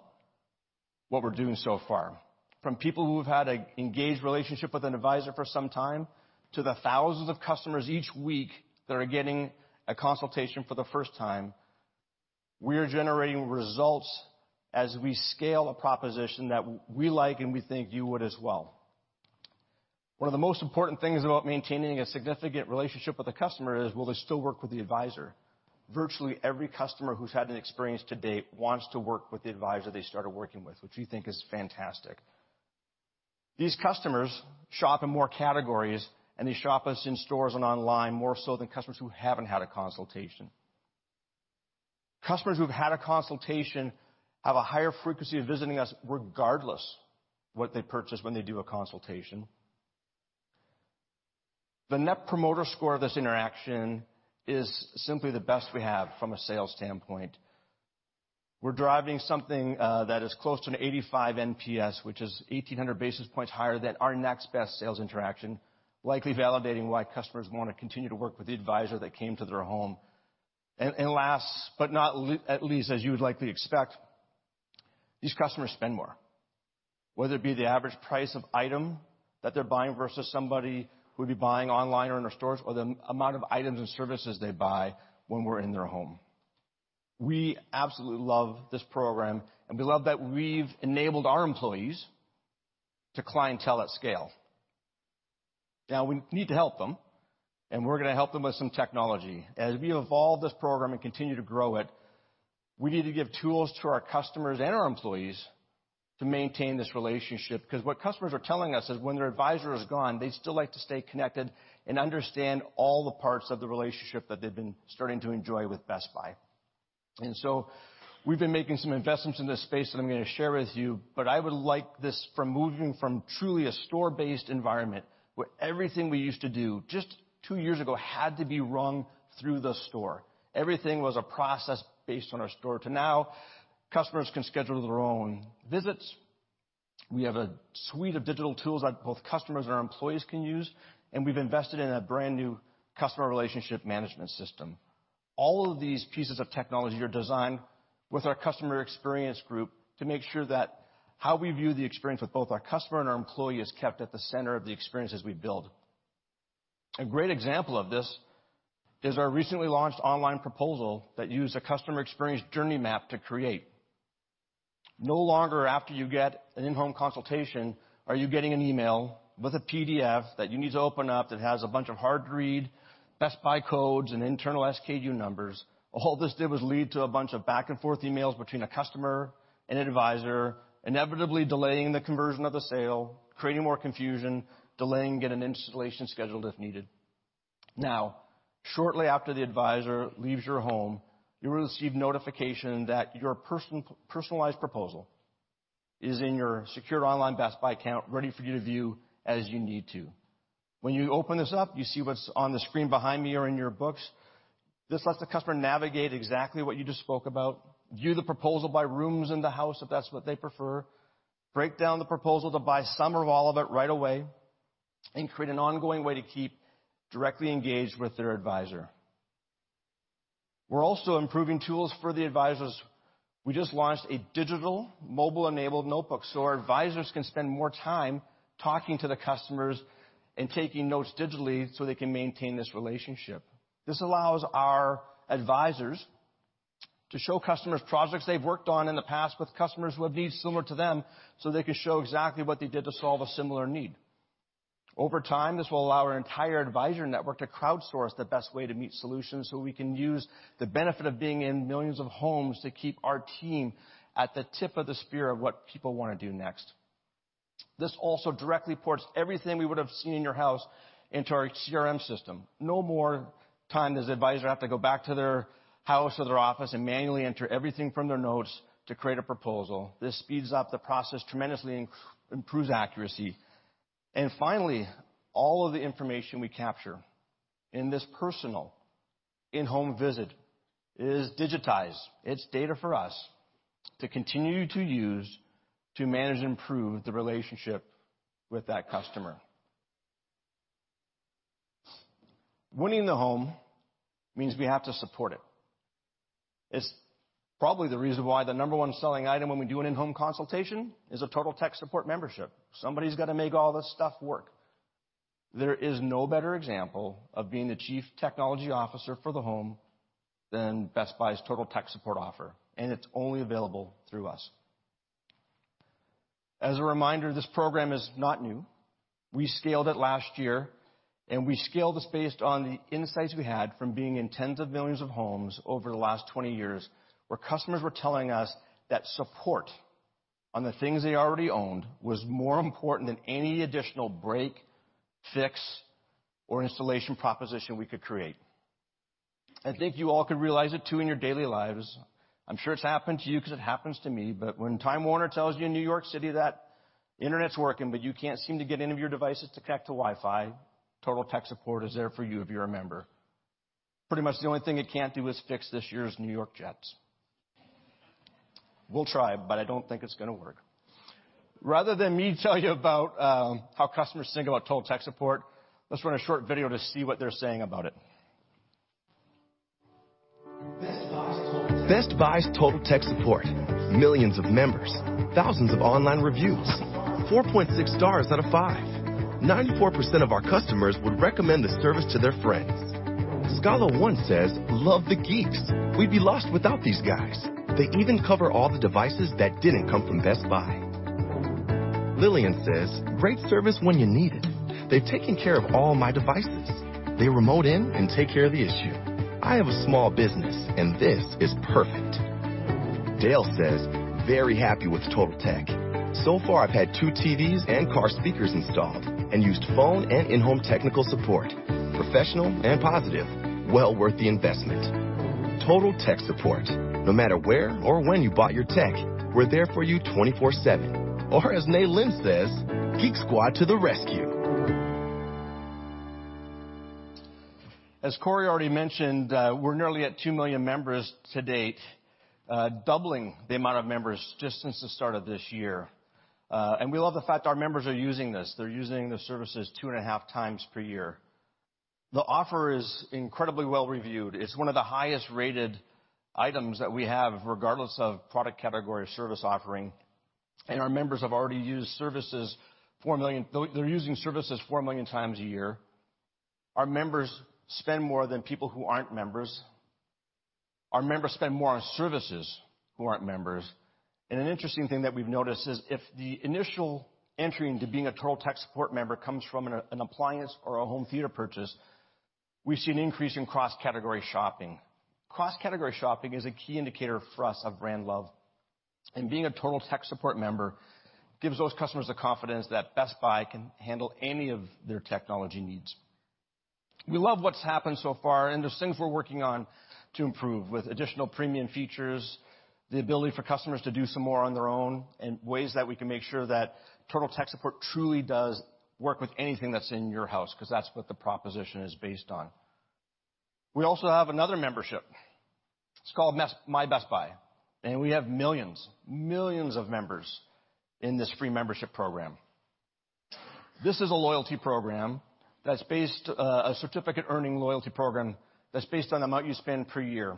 what we're doing so far. From people who have had an engaged relationship with an advisor for some time to the thousands of customers each week that are getting a consultation for the first time, we are generating results as we scale a proposition that we like and we think you would as well. One of the most important things about maintaining a significant relationship with a customer is, will they still work with the advisor? Virtually every customer who's had an experience to date wants to work with the advisor they started working with, which we think is fantastic. These customers shop in more categories, and they shop us in stores and online more so than customers who haven't had a consultation. Customers who've had a consultation have a higher frequency of visiting us regardless what they purchase when they do a consultation. The net promoter score of this interaction is simply the best we have from a sales standpoint. We're driving something that is close to an 85 NPS, which is 1,800 basis points higher than our next best sales interaction, likely validating why customers want to continue to work with the advisor that came to their home. Last but not least, as you would likely expect, these customers spend more, whether it be the average price of item that they're buying versus somebody who would be buying online or in our stores, or the amount of items and services they buy when we're in their home. We absolutely love this program, and we love that we've enabled our employees to clientele at scale. Now, we need to help them, and we're going to help them with some technology. As we evolve this program and continue to grow it, we need to give tools to our customers and our employees to maintain this relationship. What customers are telling us is when their advisor is gone, they'd still like to stay connected and understand all the parts of the relationship that they've been starting to enjoy with Best Buy. We've been making some investments in this space that I'm going to share with you, but I would like this from moving from truly a store-based environment, where everything we used to do just two years ago had to be rung through the store. Everything was a process based on our store, to now, customers can schedule their own visits. We have a suite of digital tools that both customers and our employees can use, and we've invested in a brand-new customer relationship management system. All of these pieces of technology are designed with our customer experience group to make sure that how we view the experience with both our customer and our employee is kept at the center of the experience as we build. A great example of this is our recently launched online proposal that used a customer experience journey map to create. No longer after you get an in-home consultation are you getting an email with a PDF that you need to open up that has a bunch of hard-to-read Best Buy codes and internal SKU numbers. All this did was lead to a bunch of back-and-forth emails between a customer and an advisor, inevitably delaying the conversion of the sale, creating more confusion, delaying get an installation scheduled if needed. Shortly after the advisor leaves your home, you'll receive notification that your personalized proposal is in your secure online Best Buy account, ready for you to view as you need to. When you open this up, you see what's on the screen behind me or in your books. This lets the customer navigate exactly what you just spoke about, view the proposal by rooms in the house if that's what they prefer, break down the proposal to buy some or all of it right away, and create an ongoing way to keep directly engaged with their advisor. We're also improving tools for the advisors. We just launched a digital mobile-enabled notebook, so our advisors can spend more time talking to the customers and taking notes digitally so they can maintain this relationship. This allows our advisors to show customers projects they've worked on in the past with customers who have needs similar to them, so they can show exactly what they did to solve a similar need. Over time, this will allow our entire advisor network to crowdsource the best way to meet solutions so we can use the benefit of being in millions of homes to keep our team at the tip of the spear of what people want to do next. This also directly ports everything we would have seen in your house into our CRM system. No more time does the advisor have to go back to their house or their office and manually enter everything from their notes to create a proposal. This speeds up the process tremendously and improves accuracy. Finally, all of the information we capture in this personal in-home visit is digitized. It's data for us to continue to use to manage and improve the relationship with that customer. Winning the home means we have to support it. It's probably the reason why the number one selling item when we do an in-home consultation is a Total Tech Support membership. Somebody's got to make all this stuff work. There is no better example of being the chief technology officer for the home than Best Buy's Total Tech Support offer. It's only available through us. As a reminder, this program is not new. We scaled it last year, and we scaled this based on the insights we had from being in tens of millions of homes over the last 20 years, where customers were telling us that support on the things they already owned was more important than any additional break, fix, or installation proposition we could create. I think you all could realize it, too, in your daily lives. I'm sure it's happened to you because it happens to me, when Time Warner tells you in New York City that internet's working, but you can't seem to get any of your devices to connect to Wi-Fi, Total Tech Support is there for you if you're a member. Pretty much the only thing it can't do is fix this year's New York Jets. We'll try, but I don't think it's going to work. Rather than me tell you about how customers think about Total Tech Support, let's run a short video to see what they're saying about it. Best Buy's Total Tech Support. Millions of members, thousands of online reviews, 4.6 stars out of 5. 94% of our customers would recommend the service to their friends. Scala1 says, "Love the Geeks. We'd be lost without these guys. They even cover all the devices that didn't come from Best Buy." Lillian says, "Great service when you need it. They've taken care of all my devices. They remote in and take care of the issue. I have a small business, and this is perfect." Dale says, "Very happy with Total Tech. So far I've had two TVs and car speakers installed and used phone and in-home technical support. Professional and positive. Well worth the investment." Total Tech Support. No matter where or when you bought your tech, we're there for you 24/7. As Nay Lynn says, "Geek Squad to the rescue. As Corie already mentioned, we're nearly at 2 million members to date, doubling the amount of members just since the start of this year. We love the fact our members are using this. They're using the services 2.5 times per year. The offer is incredibly well reviewed. It's one of the highest-rated items that we have, regardless of product category or service offering. Our members are using services 4 million times a year. Our members spend more than people who aren't members. Our members spend more on services who aren't members. An interesting thing that we've noticed is if the initial entry into being a Total Tech Support member comes from an appliance or a home theater purchase, we see an increase in cross-category shopping. Cross-category shopping is a key indicator for us of brand love. Being a Total Tech Support member gives those customers the confidence that Best Buy can handle any of their technology needs. We love what's happened so far, and there's things we're working on to improve with additional premium features, the ability for customers to do some more on their own, and ways that we can make sure that Total Tech Support truly does work with anything that's in your house, because that's what the proposition is based on. We also have another membership. It's called My Best Buy, and we have millions of members in this free membership program. This is a certificate-earning loyalty program that's based on amount you spend per year.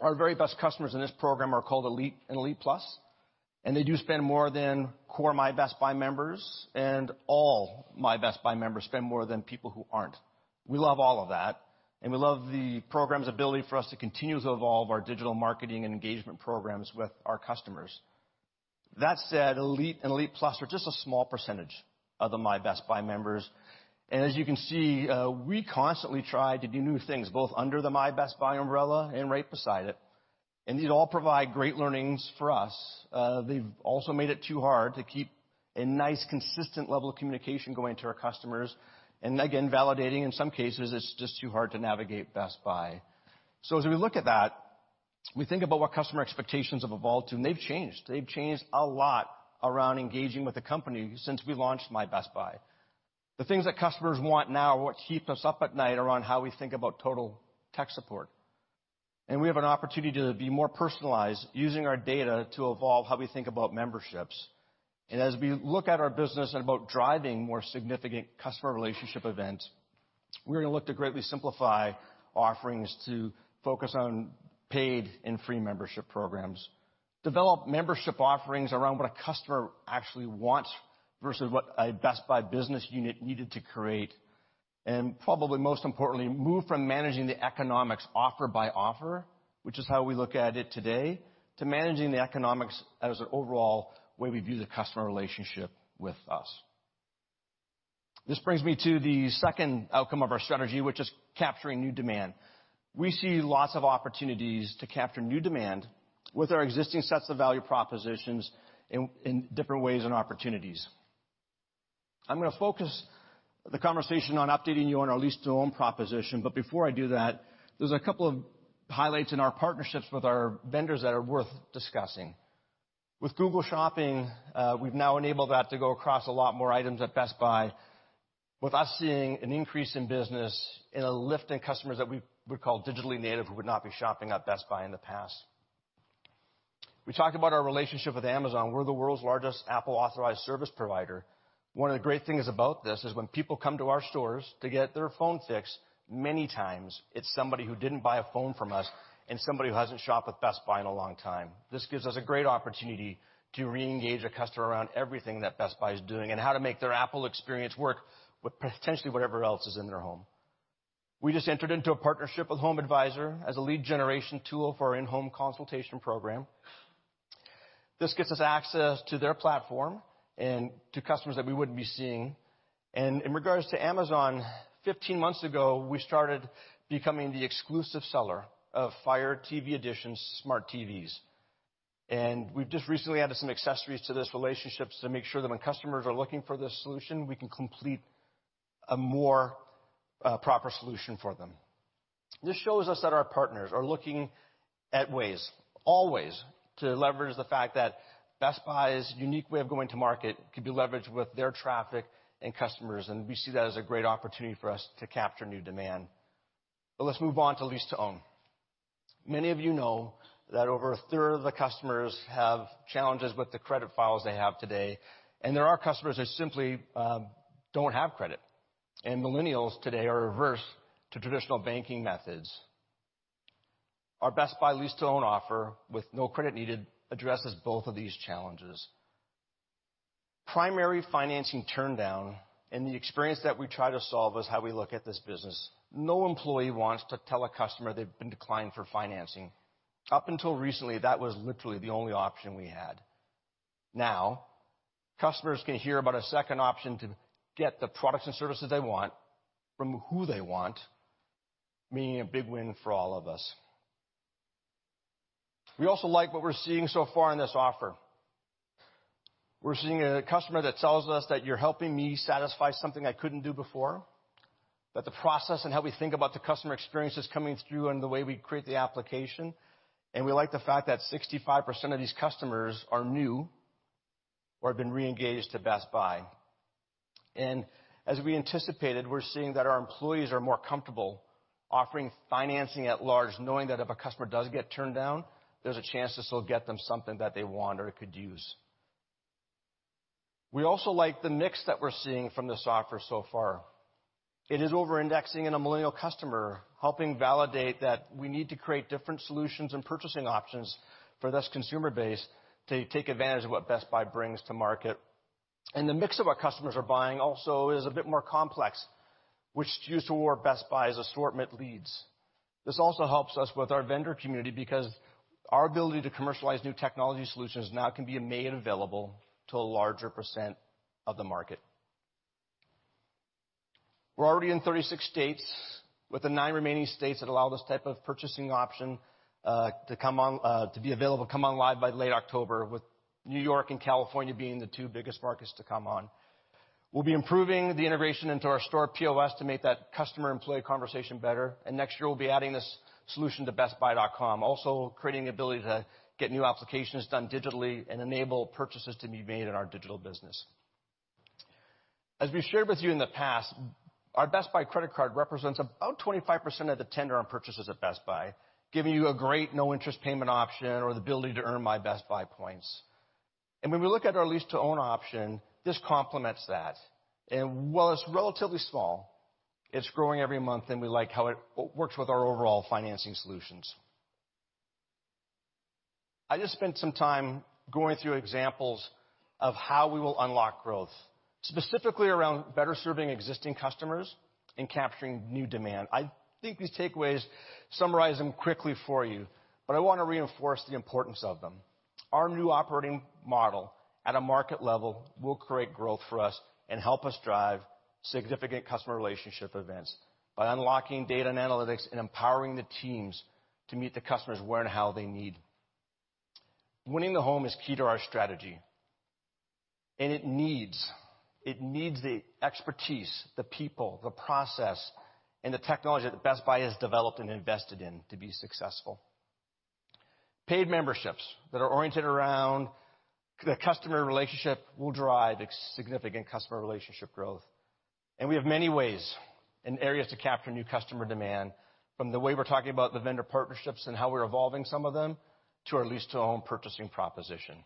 Our very best customers in this program are called Elite and Elite Plus, and they do spend more than core My Best Buy members, and all My Best Buy members spend more than people who aren't. We love all of that, and we love the program's ability for us to continue to evolve our digital marketing and engagement programs with our customers. That said, Elite and Elite Plus are just a small percentage of the My Best Buy members. As you can see, we constantly try to do new things, both under the My Best Buy umbrella and right beside it. These all provide great learnings for us. They've also made it too hard to keep a nice, consistent level of communication going to our customers. Again, validating, in some cases, it's just too hard to navigate Best Buy. As we look at that, we think about what customer expectations have evolved to, and they've changed. They've changed a lot around engaging with the company since we launched My Best Buy. The things that customers want now are what keeps us up at night around how we think about Total Tech Support. We have an opportunity to be more personalized using our data to evolve how we think about memberships. As we look at our business and about driving more significant customer relationship events, we're going to look to greatly simplify offerings to focus on paid and free membership programs. Develop membership offerings around what a customer actually wants versus what a Best Buy business unit needed to create. Probably most importantly, move from managing the economics offer by offer, which is how we look at it today, to managing the economics as an overall way we view the customer relationship with us. This brings me to the second outcome of our strategy, which is capturing new demand. We see lots of opportunities to capture new demand with our existing sets of value propositions in different ways and opportunities. I'm going to focus the conversation on updating you on our lease-to-own proposition, but before I do that, there's a couple of highlights in our partnerships with our vendors that are worth discussing. With Google Shopping, we've now enabled that to go across a lot more items at Best Buy, with us seeing an increase in business and a lift in customers that we would call digitally native who would not be shopping at Best Buy in the past. We talked about our relationship with Amazon. We're the world's largest Apple Authorized Service Provider. One of the great things about this is when people come to our stores to get their phone fixed, many times it's somebody who didn't buy a phone from us and somebody who hasn't shopped with Best Buy in a long time. This gives us a great opportunity to reengage a customer around everything that Best Buy is doing and how to make their Apple experience work with potentially whatever else is in their home. We just entered into a partnership with HomeAdvisor as a lead generation tool for our in-home consultation program. This gets us access to their platform and to customers that we wouldn't be seeing. In regards to Amazon, 15 months ago, we started becoming the exclusive seller of Fire TV Edition smart TVs. We've just recently added some accessories to this relationship to make sure that when customers are looking for this solution, we can complete a more proper solution for them. This shows us that our partners are looking at ways, always, to leverage the fact that Best Buy's unique way of going to market could be leveraged with their traffic and customers, and we see that as a great opportunity for us to capture new demand. Let's move on to lease-to-own. Many of you know that over a third of the customers have challenges with the credit files they have today, and there are customers that simply don't have credit. Millennials today are averse to traditional banking methods. Our Best Buy lease-to-own offer with no credit needed addresses both of these challenges. Primary financing turndown and the experience that we try to solve is how we look at this business. No employee wants to tell a customer they've been declined for financing. Up until recently, that was literally the only option we had. Now, customers can hear about a second option to get the products and services they want from who they want, meaning a big win for all of us. We also like what we're seeing so far in this offer. We're seeing a customer that tells us that you're helping me satisfy something I couldn't do before, that the process and how we think about the customer experience is coming through in the way we create the application, and we like the fact that 65% of these customers are new or have been re-engaged to Best Buy. As we anticipated, we're seeing that our employees are more comfortable offering financing at large, knowing that if a customer does get turned down, there's a chance to still get them something that they want or could use. We also like the mix that we're seeing from this offer so far. It is over-indexing in a millennial customer, helping validate that we need to create different solutions and purchasing options for this consumer base to take advantage of what Best Buy brings to market. The mix of what customers are buying also is a bit more complex, which is used to where Best Buy's assortment leads. This also helps us with our vendor community because our ability to commercialize new technology solutions now can be made available to a larger % of the market. We're already in 36 states, with the nine remaining states that allow this type of purchasing option to be available, come online by late October, with New York and California being the two biggest markets to come on. We'll be improving the integration into our store POS to make that customer-employee conversation better. Next year, we'll be adding this solution to bestbuy.com. Also creating the ability to get new applications done digitally and enable purchases to be made in our digital business. As we shared with you in the past, our Best Buy Credit Card represents about 25% of the tender on purchases at Best Buy, giving you a great no-interest payment option or the ability to earn My Best Buy points. When we look at our lease-to-own option, this complements that. While it's relatively small, it's growing every month and we like how it works with our overall financing solutions. I just spent some time going through examples of how we will unlock growth, specifically around better serving existing customers and capturing new demand. I think these takeaways summarize them quickly for you, but I want to reinforce the importance of them. Our new operating model at a market level will create growth for us and help us drive significant customer relationship events by unlocking data and analytics and empowering the teams to meet the customers where and how they need. Winning the home is key to our strategy, and it needs the expertise, the people, the process, and the technology that Best Buy has developed and invested in to be successful. Paid memberships that are oriented around the customer relationship will drive significant customer relationship growth. We have many ways and areas to capture new customer demand, from the way we're talking about the vendor partnerships and how we're evolving some of them, to our lease-to-own purchasing proposition.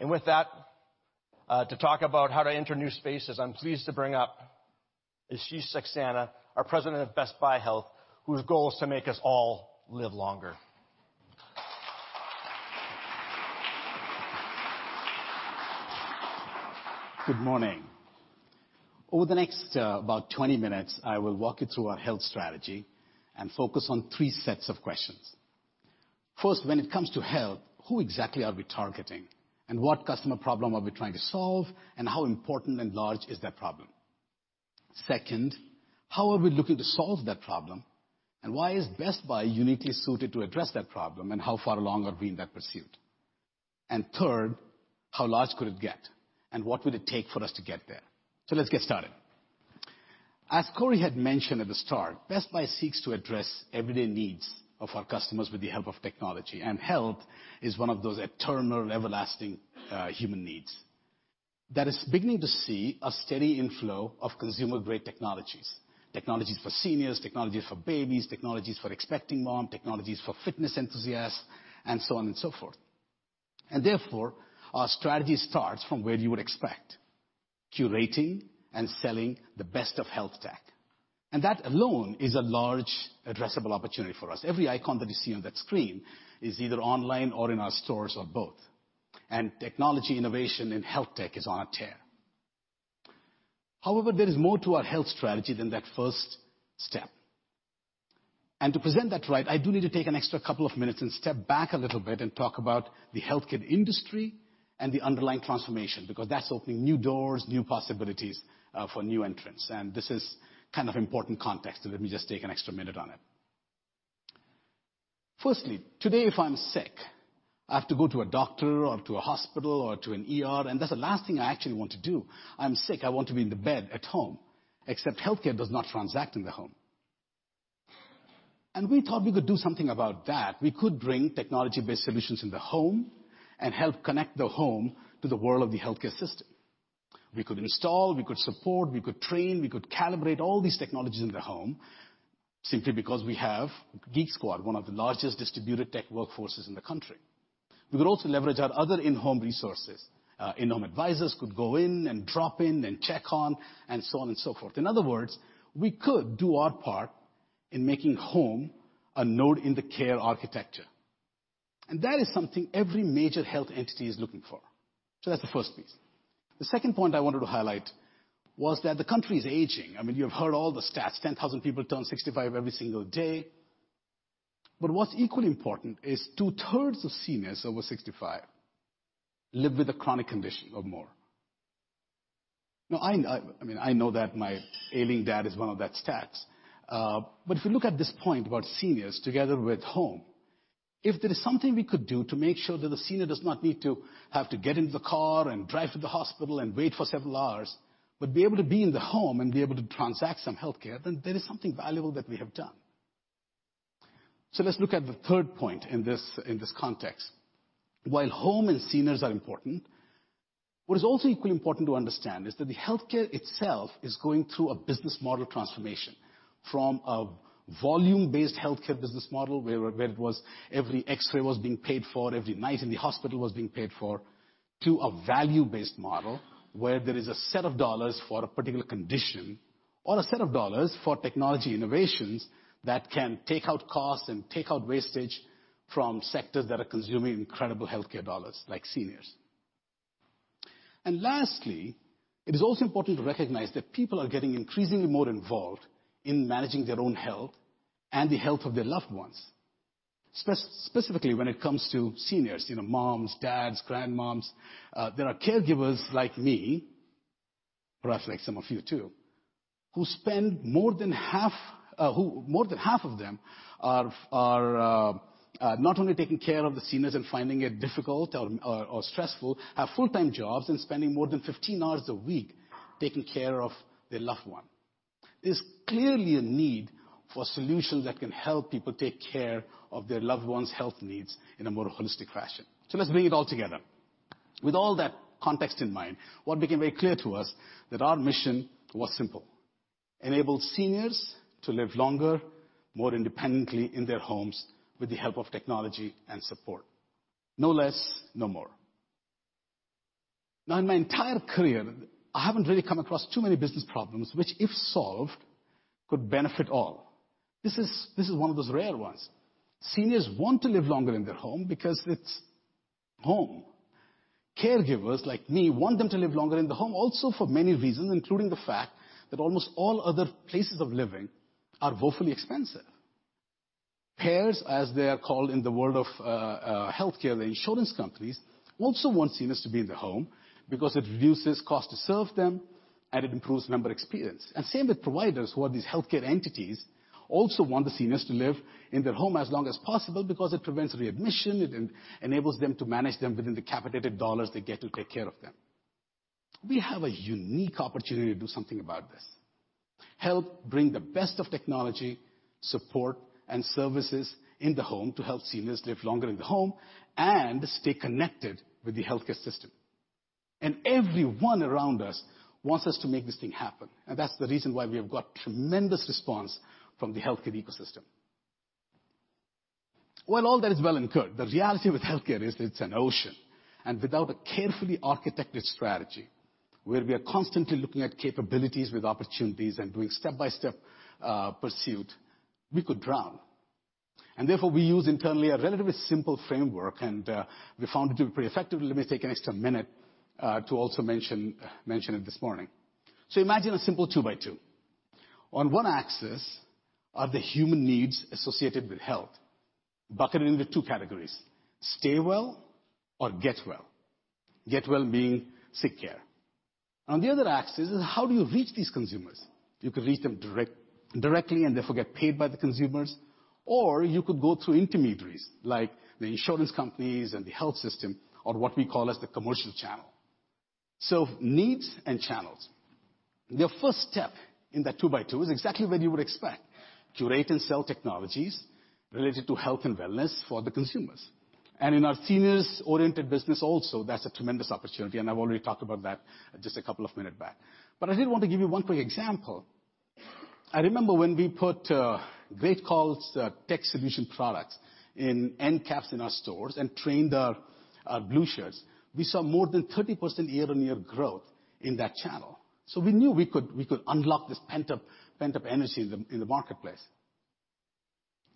With that, to talk about how to enter new spaces, I'm pleased to bring up Ashish Saxena, our President of Best Buy Health, whose goal is to make us all live longer. Good morning. Over the next about 20 minutes, I will walk you through our health strategy and focus on three sets of questions. First, when it comes to health, who exactly are we targeting? What customer problem are we trying to solve, and how important and large is that problem? Second, how are we looking to solve that problem? Why is Best Buy uniquely suited to address that problem, and how far along have we in that pursuit? Third, how large could it get? What would it take for us to get there? Let's get started. As Corie had mentioned at the start, Best Buy seeks to address everyday needs of our customers with the help of technology, and health is one of those eternal, everlasting human needs that is beginning to see a steady inflow of consumer-grade technologies for seniors, technologies for babies, technologies for expecting mom, technologies for fitness enthusiasts, and so on and so forth. Therefore, our strategy starts from where you would expect. Curating and selling the best of health tech. That alone is a large addressable opportunity for us. Every icon that you see on that screen is either online or in our stores or both. Technology innovation in health tech is on a tear. However, there is more to our health strategy than that first step. To present that right, I do need to take an extra couple of minutes and step back a little bit and talk about the healthcare industry and the underlying transformation, because that's opening new doors, new possibilities for new entrants, and this is kind of important context, so let me just take an extra minute on it. Firstly, today, if I'm sick, I have to go to a doctor or to a hospital or to an ER, and that's the last thing I actually want to do. I'm sick. I want to be in the bed at home. Except healthcare does not transact in the home. We thought we could do something about that. We could bring technology-based solutions in the home and help connect the home to the world of the healthcare system. We could install, we could support, we could train, we could calibrate all these technologies in the home simply because we have Geek Squad, one of the largest distributed tech workforces in the country. We could also leverage our other in-home resources. In-Home Advisors could go in and drop in and check on and so on and so forth. In other words, we could do our part in making home a node in the care architecture. That is something every major health entity is looking for. That's the first piece. The second point I wanted to highlight was that the country is aging. I mean, you have heard all the stats, 10,000 people turn 65 every single day. What's equally important is two-thirds of seniors over 65 live with a chronic condition or more. I know that my ailing dad is one of that stats. If you look at this point about seniors together with home, if there is something we could do to make sure that the senior does not need to have to get into the car and drive to the hospital and wait for several hours, but be able to be in the home and be able to transact some healthcare, then there is something valuable that we have done. Let's look at the third point in this context. While home and seniors are important, what is also equally important to understand is that the healthcare itself is going through a business model transformation from a volume-based healthcare business model, where every X-ray was being paid for, every night in the hospital was being paid for, to a value-based model where there is a set of dollars for a particular condition or a set of dollars for technology innovations that can take out costs and take out wastage from sectors that are consuming incredible healthcare dollars, like seniors. Lastly, it is also important to recognize that people are getting increasingly more involved in managing their own health and the health of their loved ones. Specifically, when it comes to seniors, moms, dads, grandmoms, there are caregivers like me, perhaps like some of you too, who more than half of them are not only taking care of the seniors and finding it difficult or stressful, have full-time jobs and spending more than 15 hours a week taking care of their loved one. There is clearly a need for solutions that can help people take care of their loved ones' health needs in a more holistic fashion. Let's bring it all together. With all that context in mind, what became very clear to us that our mission was simple: enable seniors to live longer, more independently in their homes with the help of technology and support. No less, no more. In my entire career, I haven't really come across too many business problems, which, if solved, could benefit all. This is one of those rare ones. Seniors want to live longer in their home because it's home. Caregivers like me want them to live longer in the home also for many reasons, including the fact that almost all other places of living are woefully expensive. Payers, as they are called in the world of healthcare, the insurance companies, also want seniors to be in the home because it reduces cost to serve them and it improves member experience. Same with providers who are these healthcare entities also want the seniors to live in their home as long as possible because it prevents readmission, it enables them to manage them within the capitated dollars they get to take care of them. We have a unique opportunity to do something about this. Help bring the best of technology, support, and services in the home to help seniors live longer in the home and stay connected with the healthcare system. Everyone around us wants us to make this thing happen. That's the reason why we have got tremendous response from the healthcare ecosystem. While all that is well and good, the reality with healthcare is it's an ocean, and without a carefully architected strategy, where we are constantly looking at capabilities with opportunities and doing step-by-step pursuit, we could drown. Therefore, we use internally a relatively simple framework, and we found it to be pretty effective. Let me take an extra minute to also mention it this morning. Imagine a simple two by two. On one axis are the human needs associated with health, bucketed into 2 categories: stay well or get well. Get well, meaning sick care. On the other axis is how do you reach these consumers. You could reach them directly and therefore get paid by the consumers, or you could go through intermediaries like the insurance companies and the health system or what we call as the commercial channel. Needs and channels. The first step in that two by two is exactly what you would expect. Curate and sell technologies related to health and wellness for the consumers. In our seniors-oriented business also, that's a tremendous opportunity, and I've already talked about that just a couple of minute back. I did want to give you one quick example. I remember when we put GreatCall's tech solution products in end caps in our stores and trained our Blue Shirts, we saw more than 30% year-on-year growth in that channel. We knew we could unlock this pent-up energy in the marketplace.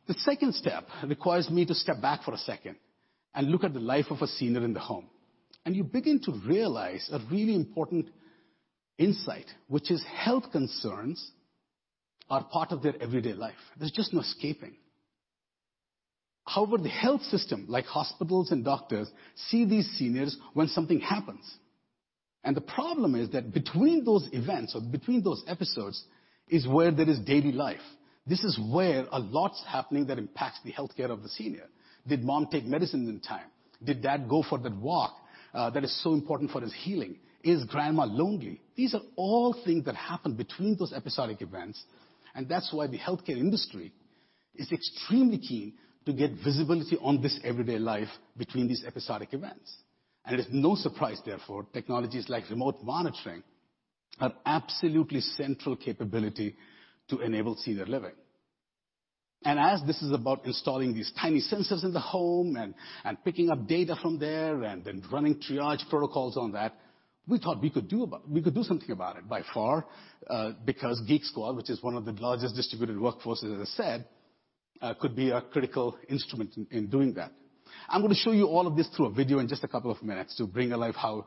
The second step requires me to step back for a second and look at the life of a senior in the home. You begin to realize a really important insight, which is health concerns are part of their everyday life. There's just no escaping. However, the health system, like hospitals and doctors, see these seniors when something happens. The problem is that between those events or between those episodes is where there is daily life. This is where a lot's happening that impacts the healthcare of the senior. Did mom take medicine in time? Did dad go for that walk that is so important for his healing? Is grandma lonely? These are all things that happen between those episodic events. That's why the healthcare industry is extremely keen to get visibility on this everyday life between these episodic events. It's no surprise, therefore, technologies like remote monitoring are absolutely central capability to enable senior living. As this is about installing these tiny sensors in the home and picking up data from there and then running triage protocols on that, we thought we could do something about it by far because Geek Squad, which is one of the largest distributed workforces, as I said, could be a critical instrument in doing that. I'm going to show you all of this through a video in just a couple of minutes to bring alive how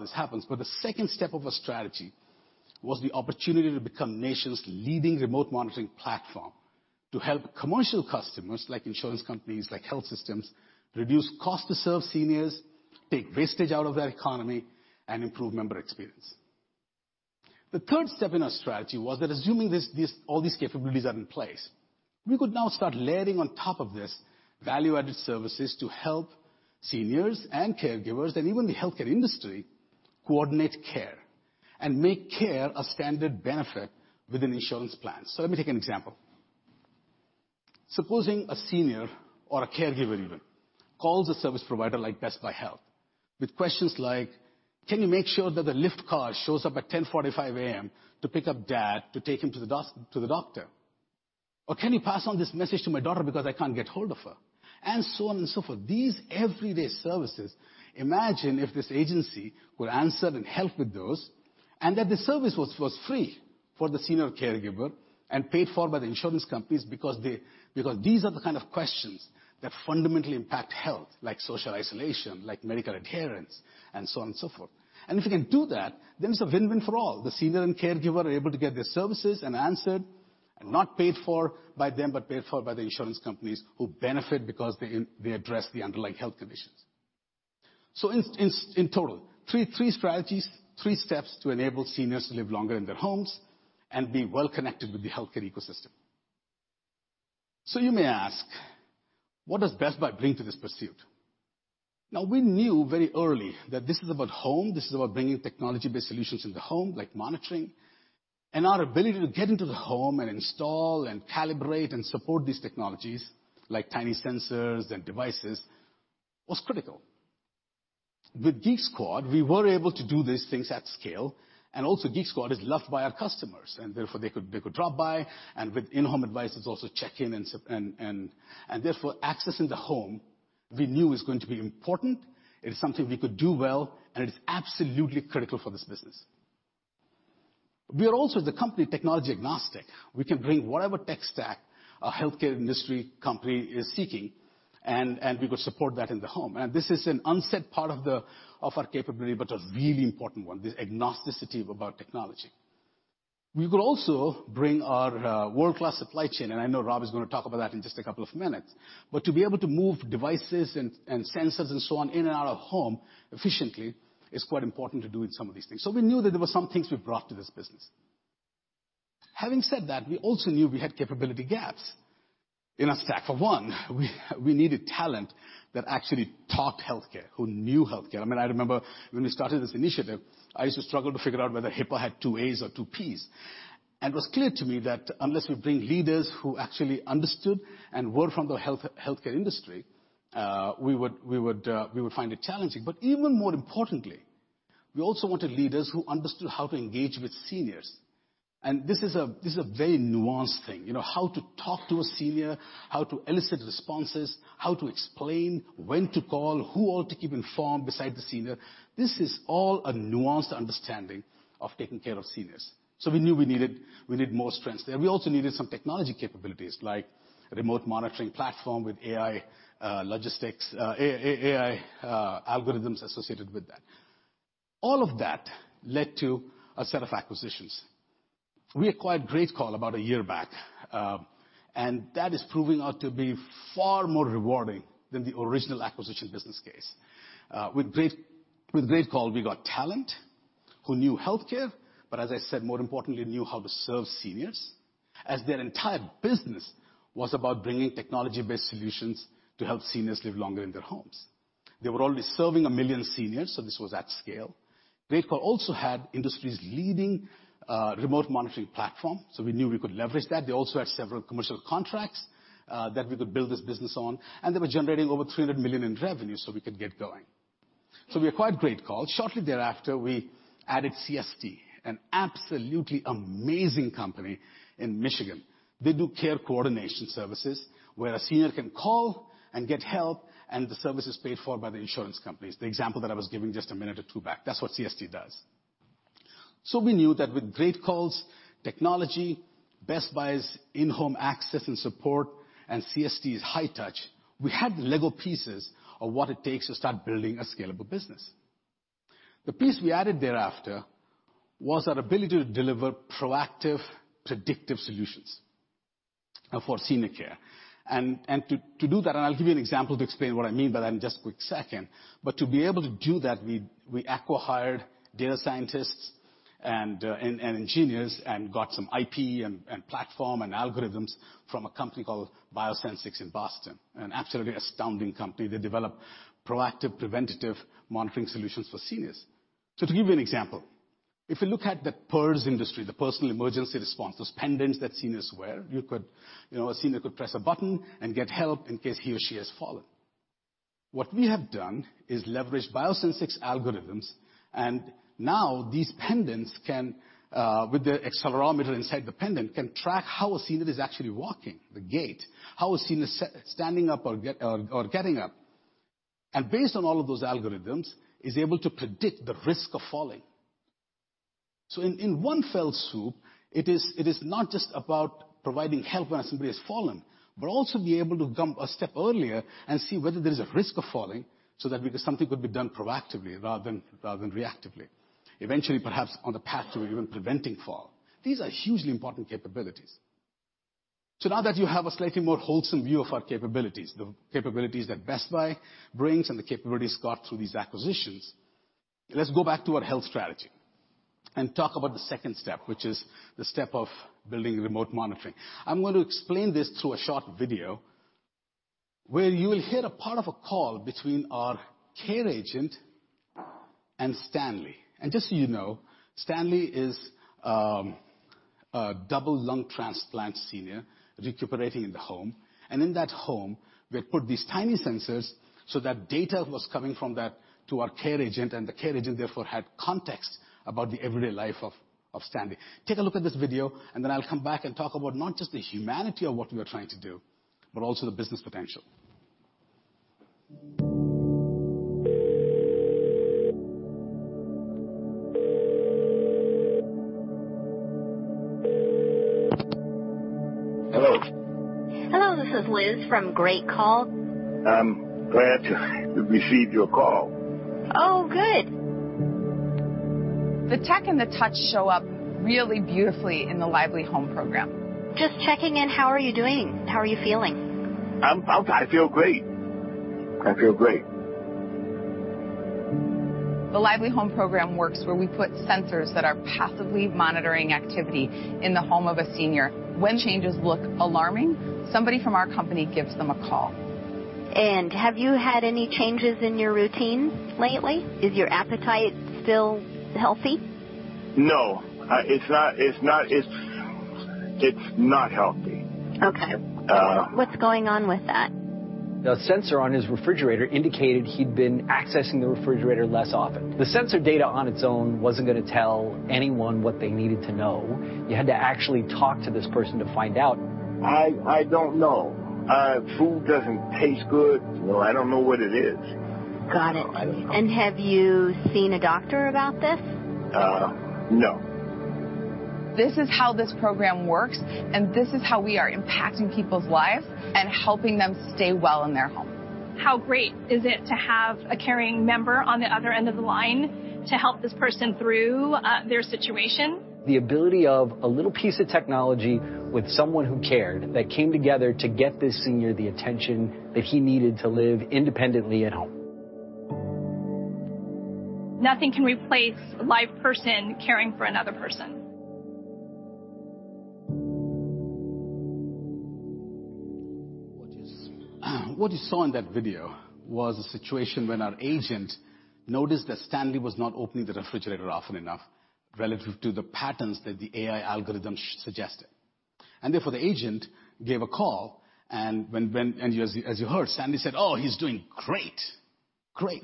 this happens. The second step of a strategy was the opportunity to become nation's leading remote monitoring platform to help commercial customers like insurance companies, like health systems, reduce cost to serve seniors, take wastage out of their economy, and improve member experience. The third step in our strategy was that assuming all these capabilities are in place, we could now start layering on top of this value-added services to help seniors and caregivers and even the healthcare industry coordinate care and make care a standard benefit with an insurance plan. Let me take an example. Supposing a senior or a caregiver even calls a service provider like Best Buy Health with questions like, "Can you make sure that the Lyft car shows up at 10:45 AM to pick up Dad to take him to the doctor?" "Can you pass on this message to my daughter because I can't get hold of her?" So on and so forth. These everyday services, imagine if this agency could answer and help with those, and that the service was free for the senior caregiver and paid for by the insurance companies because these are the kind of questions that fundamentally impact health, like social isolation, like medical adherence, and so on and so forth. If you can do that, then it's a win-win for all. The senior and caregiver are able to get their services and answered, and not paid for by them, but paid for by the insurance companies who benefit because they address the underlying health conditions. In total, three strategies, three steps to enable seniors to live longer in their homes and be well connected with the healthcare ecosystem. You may ask, what does Best Buy bring to this pursuit? Now, we knew very early that this is about home, this is about bringing technology-based solutions in the home, like monitoring, and our ability to get into the home and install and calibrate and support these technologies, like tiny sensors and devices, was critical. With Geek Squad, we were able to do these things at scale, and also Geek Squad is loved by our customers, and therefore they could drop by, and with in-home advice is also check in and therefore accessing the home we knew is going to be important, it is something we could do well, and it is absolutely critical for this business. We are also, as a company, technology agnostic. We can bring whatever tech stack a healthcare industry company is seeking, and we will support that in the home. This is an unsaid part of our capability, but a really important one, this agnosticity about technology. We could also bring our world-class supply chain, and I know Rob is going to talk about that in just a couple of minutes. To be able to move devices and sensors and so on in and out of home efficiently is quite important to doing some of these things. We knew that there were some things we brought to this business. Having said that, we also knew we had capability gaps in our stack. For one, we needed talent that actually talked healthcare, who knew healthcare. I remember when we started this initiative, I used to struggle to figure out whether HIPAA had two A's or two P's. It was clear to me that unless we bring leaders who actually understood and were from the healthcare industry, we would find it challenging. Even more importantly, we also wanted leaders who understood how to engage with seniors. This is a very nuanced thing. How to talk to a senior, how to elicit responses, how to explain, when to call, who all to keep informed besides the senior. This is all a nuanced understanding of taking care of seniors. We knew we need more strengths there. We also needed some technology capabilities like a remote monitoring platform with AI logistics, AI algorithms associated with that. All of that led to a set of acquisitions. We acquired GreatCall about one year back, and that is proving out to be far more rewarding than the original acquisition business case. With GreatCall we got talent who knew healthcare, but as I said, more importantly, knew how to serve seniors, as their entire business was about bringing technology-based solutions to help seniors live longer in their homes. They were already serving 1 million seniors, this was at scale. GreatCall also had industry's leading remote monitoring platform, we knew we could leverage that. They also had several commercial contracts that we could build this business on, and they were generating over $300 million in revenue so we could get going. We acquired GreatCall. Shortly thereafter, we added CST, an absolutely amazing company in Michigan. They do care coordination services where a senior can call and get help, and the service is paid for by the insurance companies. The example that I was giving just a minute or two back, that's what CST does. We knew that with GreatCall's technology, Best Buy's in-home access and support, and CST's high touch, we had Lego pieces of what it takes to start building a scalable business. The piece we added thereafter was that ability to deliver proactive, predictive solutions for senior care. To do that, and I'll give you an example to explain what I mean by that in just a quick second, but to be able to do that, we acqui-hired data scientists and engineers and got some IP and platform and algorithms from a company called BioSensics in Boston. An absolutely astounding company. They develop proactive, preventative monitoring solutions for seniors. To give you an example, if you look at the PERS industry, the personal emergency response, those pendants that seniors wear. A senior could press a button and get help in case he or she has fallen. What we have done is leverage BioSensics algorithms. Now these pendants, with the accelerometer inside the pendant, can track how a senior is actually walking, the gait, how a senior is standing up or getting up. Based on all of those algorithms, is able to predict the risk of falling. In one fell swoop, it is not just about providing help when somebody has fallen, but also be able to jump a step earlier and see whether there is a risk of falling so that something could be done proactively rather than reactively, eventually perhaps on the path to even preventing fall. These are hugely important capabilities. Now that you have a slightly more wholesome view of our capabilities, the capabilities that Best Buy brings and the capabilities got through these acquisitions, let's go back to our health strategy and talk about the second step, which is the step of building remote monitoring. I'm going to explain this through a short video where you will hear a part of a call between our care agent and Stanley. Just so you know, Stanley is a double lung transplant senior recuperating in the home. In that home, we had put these tiny sensors so that data was coming from that to our care agent, and the care agent, therefore, had context about the everyday life of Stanley. Take a look at this video, and then I'll come back and talk about not just the humanity of what we are trying to do, but also the business potential. Hello. Hello, this is Liz from GreatCall. I'm glad to receive your call. Oh, good. The tech and the touch show up really beautifully in the Lively Home program. Just checking in. How are you doing? How are you feeling? I feel great. The Lively Home program works where we put sensors that are passively monitoring activity in the home of a senior. When changes look alarming, somebody from our company gives them a call. Have you had any changes in your routine lately? Is your appetite still healthy? No, it's not healthy. Okay. What's going on with that? The sensor on his refrigerator indicated he'd been accessing the refrigerator less often. The sensor data on its own wasn't going to tell anyone what they needed to know. You had to actually talk to this person to find out. I don't know. Food doesn't taste good. Well, I don't know what it is. Got it. I don't know. Have you seen a doctor about this? No. This is how this program works, and this is how we are impacting people's lives and helping them stay well in their home. How great is it to have a caring member on the other end of the line to help this person through their situation? The ability of a little piece of technology with someone who cared that came together to get this senior the attention that he needed to live independently at home. Nothing can replace a live person caring for another person. What you saw in that video was a situation when our agent noticed that Stanley was not opening the refrigerator often enough relative to the patterns that the AI algorithm suggested. Therefore, the agent gave a call, and as you heard, Stanley said, "Oh, he's doing great."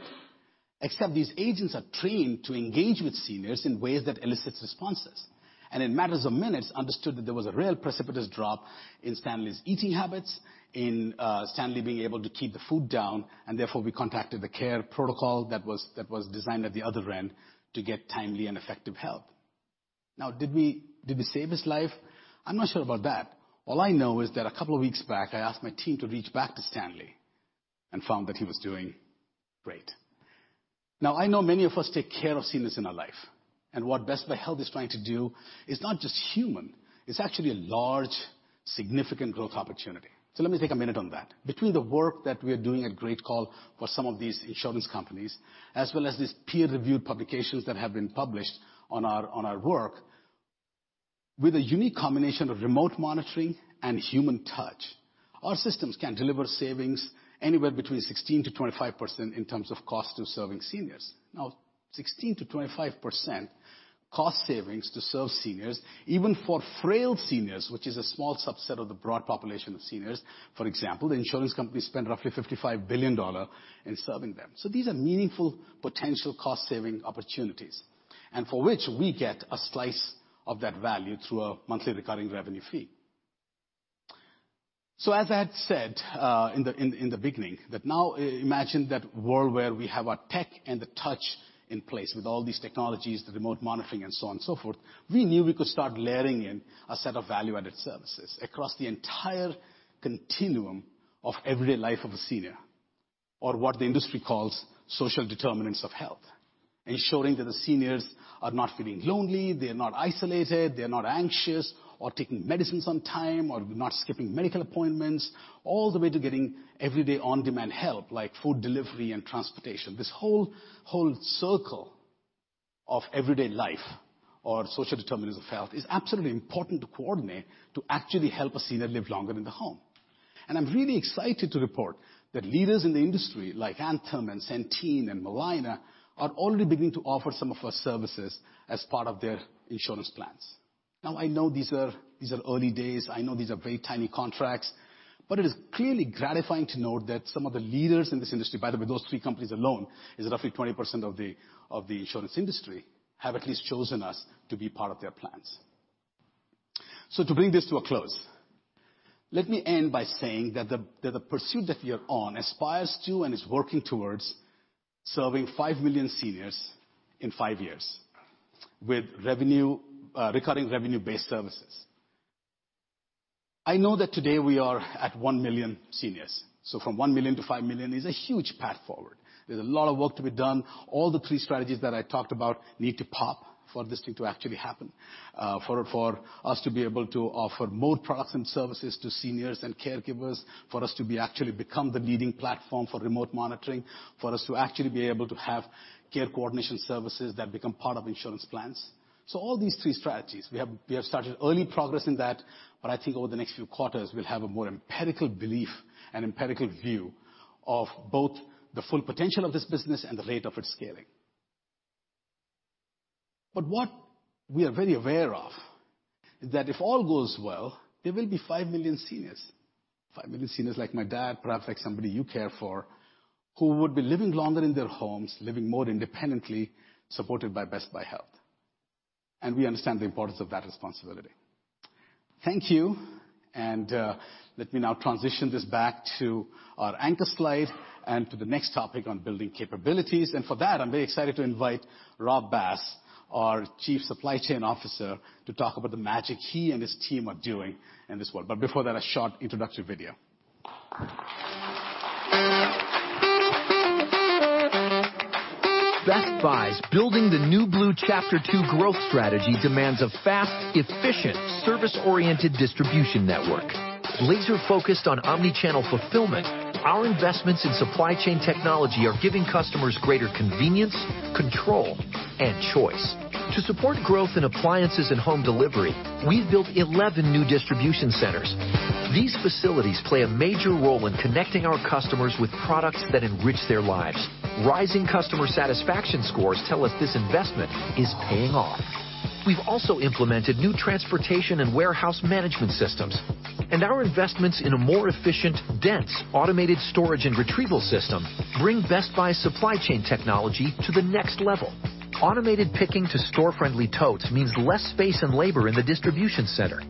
Except these agents are trained to engage with seniors in ways that elicits responses. In matters of minutes, understood that there was a real precipitous drop in Stanley's eating habits, in Stanley being able to keep the food down, and therefore, we contacted the care protocol that was designed at the other end to get timely and effective help. Did we save his life? I'm not sure about that. All I know is that a couple of weeks back, I asked my team to reach back to Stanley and found that he was doing great. I know many of us take care of seniors in our life, and what Best Buy Health is trying to do is not just human. It is actually a large, significant growth opportunity. Let me take a minute on that. Between the work that we are doing at GreatCall for some of these insurance companies, as well as these peer-reviewed publications that have been published on our work, with a unique combination of remote monitoring and human touch, our systems can deliver savings anywhere between 16%-25% in terms of cost to serving seniors. 16%-25% cost savings to serve seniors, even for frail seniors, which is a small subset of the broad population of seniors. For example, the insurance companies spend roughly $55 billion in serving them. These are meaningful potential cost-saving opportunities, and for which we get a slice of that value through a monthly recurring revenue fee. As I had said in the beginning that now imagine that world where we have our tech and the touch in place with all these technologies, the remote monitoring and so on and so forth, we knew we could start layering in a set of value-added services across the entire continuum of everyday life of a senior, or what the industry calls social determinants of health. Ensuring that the seniors are not feeling lonely, they're not isolated, they're not anxious or taking medicines on time, or not skipping medical appointments, all the way to getting everyday on-demand help, like food delivery and transportation. This whole circle of everyday life or social determinants of health is absolutely important to coordinate to actually help a senior live longer in the home. I'm really excited to report that leaders in the industry, like Anthem and Centene and Molina, are already beginning to offer some of our services as part of their insurance plans. I know these are early days. I know these are very tiny contracts. It is clearly gratifying to know that some of the leaders in this industry, by the way, those three companies alone is roughly 20% of the insurance industry, have at least chosen us to be part of their plans. To bring this to a close, let me end by saying that the pursuit that we are on aspires to and is working towards serving 5 million seniors in 5 years with recurring revenue-based services. I know that today we are at 1 million seniors. From 1 million to 5 million is a huge path forward. There's a lot of work to be done. All the 3 strategies that I talked about need to pop for this thing to actually happen. For us to be able to offer more products and services to seniors and caregivers, for us to be actually become the leading platform for remote monitoring, for us to actually be able to have care coordination services that become part of insurance plans. All these three strategies, we have started early progress in that, but I think over the next few quarters, we'll have a more empirical belief and empirical view of both the full potential of this business and the rate of its scaling. What we are very aware of is that if all goes well, there will be 5 million seniors. 5 million seniors like my dad, perhaps like somebody you care for, who would be living longer in their homes, living more independently, supported by Best Buy Health. We understand the importance of that responsibility. Thank you. Let me now transition this back to our anchor slide and to the next topic on building capabilities. For that, I'm very excited to invite Rob Bass, our Chief Supply Chain Officer, to talk about the magic he and his team are doing in this world. Before that, a short introductory video. Best Buy's Building the New Blue: Chapter Two growth strategy demands a fast, efficient, service-oriented distribution network. Laser-focused on omni-channel fulfillment, our investments in supply chain technology are giving customers greater convenience, control, and choice. To support growth in appliances and home delivery, we've built 11 new distribution centers. These facilities play a major role in connecting our customers with products that enrich their lives. Rising customer satisfaction scores tell us this investment is paying off. We've also implemented new transportation and warehouse management systems, and our investments in a more efficient, dense, automated storage and retrieval system bring Best Buy's supply chain technology to the next level. Automated picking to store-friendly totes means less space and labor in the distribution center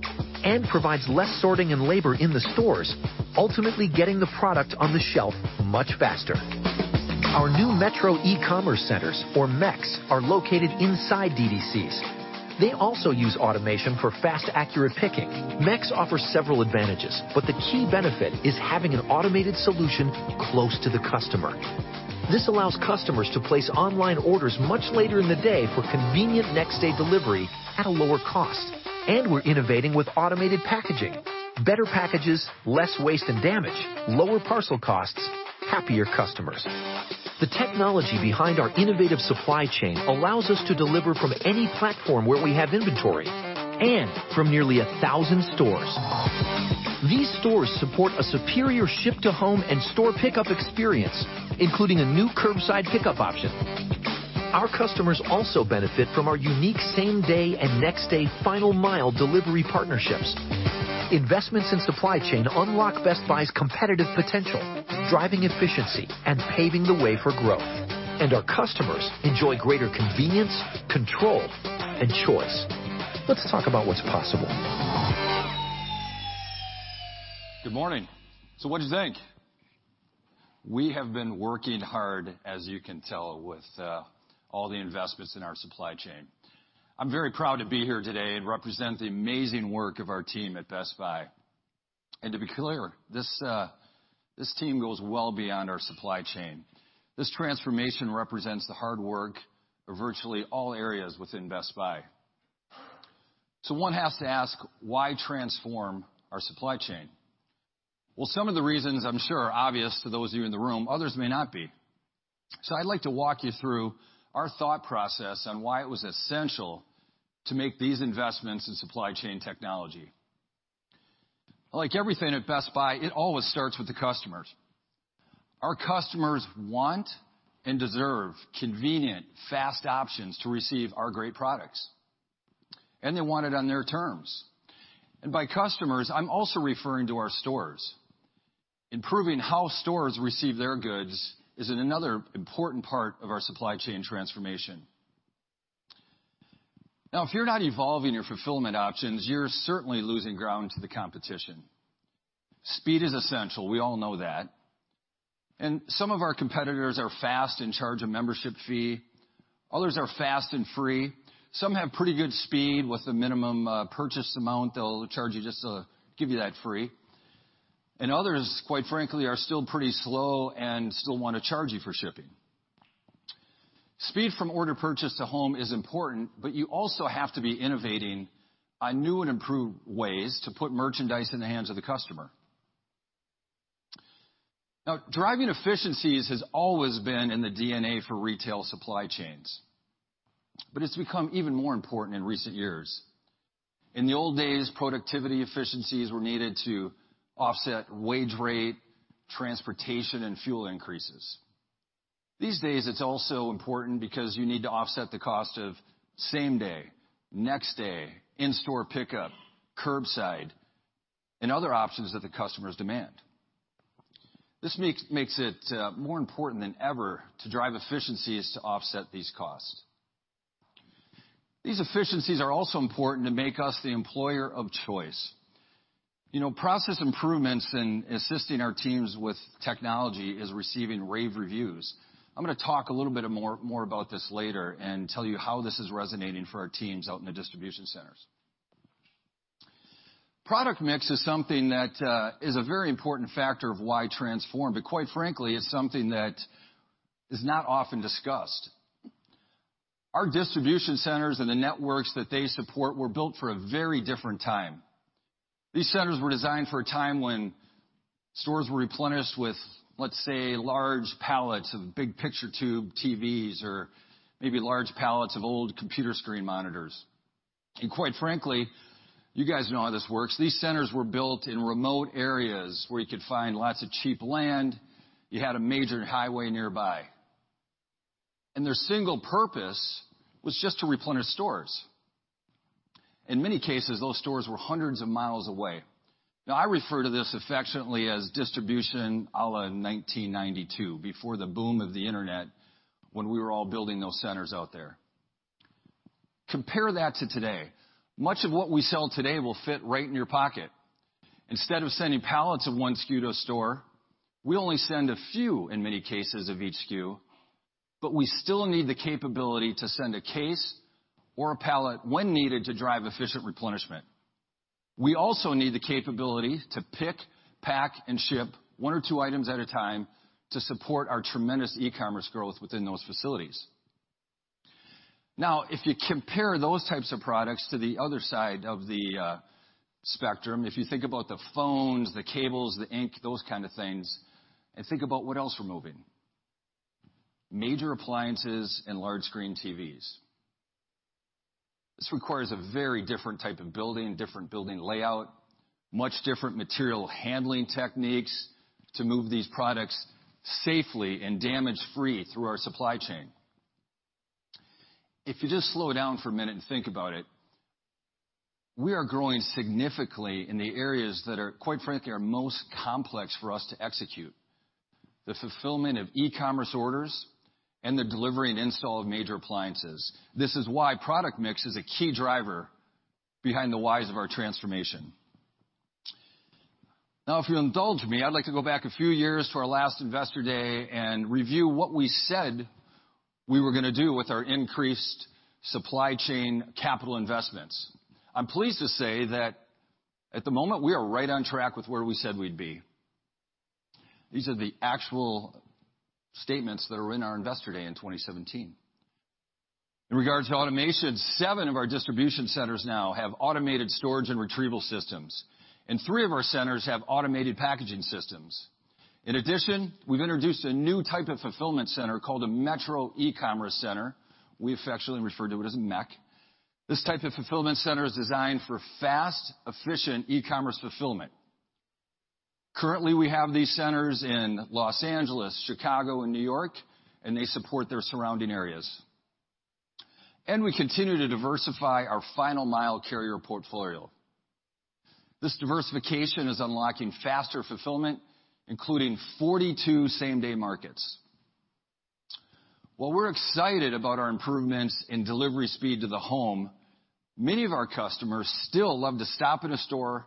and provides less sorting and labor in the stores, ultimately getting the product on the shelf much faster. Our new metro e-commerce centers, or MECs, are located inside DDC. They also use automation for fast, accurate picking. MECs offer several advantages, the key benefit is having an automated solution close to the customer. This allows customers to place online orders much later in the day for convenient next-day delivery at a lower cost. We're innovating with automated packaging. Better packages, less waste and damage, lower parcel costs, happier customers. The technology behind our innovative supply chain allows us to deliver from any platform where we have inventory and from nearly 1,000 stores. These stores support a superior ship-to-home and store pickup experience, including a new curbside pickup option. Our customers also benefit from our unique same-day and next-day final-mile delivery partnerships. Investments in supply chain unlock Best Buy's competitive potential, driving efficiency and paving the way for growth. Our customers enjoy greater convenience, control, and choice. Let's talk about what's possible. Good morning. What'd you think? We have been working hard, as you can tell, with all the investments in our supply chain. I'm very proud to be here today and represent the amazing work of our team at Best Buy. To be clear, this team goes well beyond our supply chain. This transformation represents the hard work of virtually all areas within Best Buy. One has to ask, why transform our supply chain? Well, some of the reasons I'm sure are obvious to those of you in the room, others may not be. I'd like to walk you through our thought process on why it was essential to make these investments in supply chain technology. Like everything at Best Buy, it always starts with the customers. Our customers want and deserve convenient, fast options to receive our great products, and they want it on their terms. By customers, I'm also referring to our stores. Improving how stores receive their goods is another important part of our supply chain transformation. If you're not evolving your fulfillment options, you're certainly losing ground to the competition. Speed is essential. We all know that. Some of our competitors are fast and charge a membership fee. Others are fast and free. Some have pretty good speed with a minimum purchase amount they'll charge you just to give you that free. Others, quite frankly, are still pretty slow and still want to charge you for shipping. Speed from order purchase to home is important, but you also have to be innovating on new and improved ways to put merchandise in the hands of the customer. Driving efficiencies has always been in the DNA for retail supply chains, but it's become even more important in recent years. In the old days, productivity efficiencies were needed to offset wage rate, transportation, and fuel increases. These days, it's also important because you need to offset the cost of same day, next day, in-store pickup, curbside, and other options that the customers demand. This makes it more important than ever to drive efficiencies to offset these costs. These efficiencies are also important to make us the employer of choice. Process improvements in assisting our teams with technology is receiving rave reviews. I'm going to talk a little bit more about this later and tell you how this is resonating for our teams out in the distribution centers. Product mix is something that is a very important factor of why transform, but quite frankly, is something that is not often discussed. Our distribution centers and the networks that they support were built for a very different time. These centers were designed for a time when stores were replenished with, let's say, large palettes of big picture tube TVs, or maybe large palettes of old computer screen monitors. Quite frankly, you guys know how this works. These centers were built in remote areas where you could find lots of cheap land, you had a major highway nearby. Their single purpose was just to replenish stores. In many cases, those stores were hundreds of miles away. I refer to this affectionately as distribution à la 1992, before the boom of the internet, when we were all building those centers out there. Compare that to today. Much of what we sell today will fit right in your pocket. Instead of sending pallets of one SKU to a store, we only send a few, in many cases, of each SKU. We still need the capability to send a case or a pallet when needed to drive efficient replenishment. We also need the capability to pick, pack, and ship one or two items at a time to support our tremendous e-commerce growth within those facilities. If you compare those types of products to the other side of the spectrum, if you think about the phones, the cables, the ink, those kind of things, think about what else we're moving, Major appliances and large screen TVs. This requires a very different type of building, different building layout, much different material handling techniques to move these products safely and damage-free through our supply chain. If you just slow down for a minute and think about it, we are growing significantly in the areas that are, quite frankly, are most complex for us to execute. The fulfillment of e-commerce orders and the delivery and install of major appliances. This is why product mix is a key driver behind the whys of our transformation. Now, if you'll indulge me, I'd like to go back a few years to our last investor day and review what we said we were going to do with our increased supply chain capital investments. I'm pleased to say that at the moment, we are right on track with where we said we'd be. These are the actual statements that are in our investor day in 2017. In regards to automation, seven of our distribution centers now have automated storage and retrieval systems, and three of our centers have automated packaging systems. In addition, we've introduced a new type of fulfillment center called a Metro E-commerce Center. We affectionately refer to it as MEC. This type of fulfillment center is designed for fast, efficient e-commerce fulfillment. Currently, we have these centers in L.A., Chicago, and N.Y., and they support their surrounding areas. We continue to diversify our final mile carrier portfolio. This diversification is unlocking faster fulfillment, including 42 same-day markets. While we're excited about our improvements in delivery speed to the home, many of our customers still love to stop at a store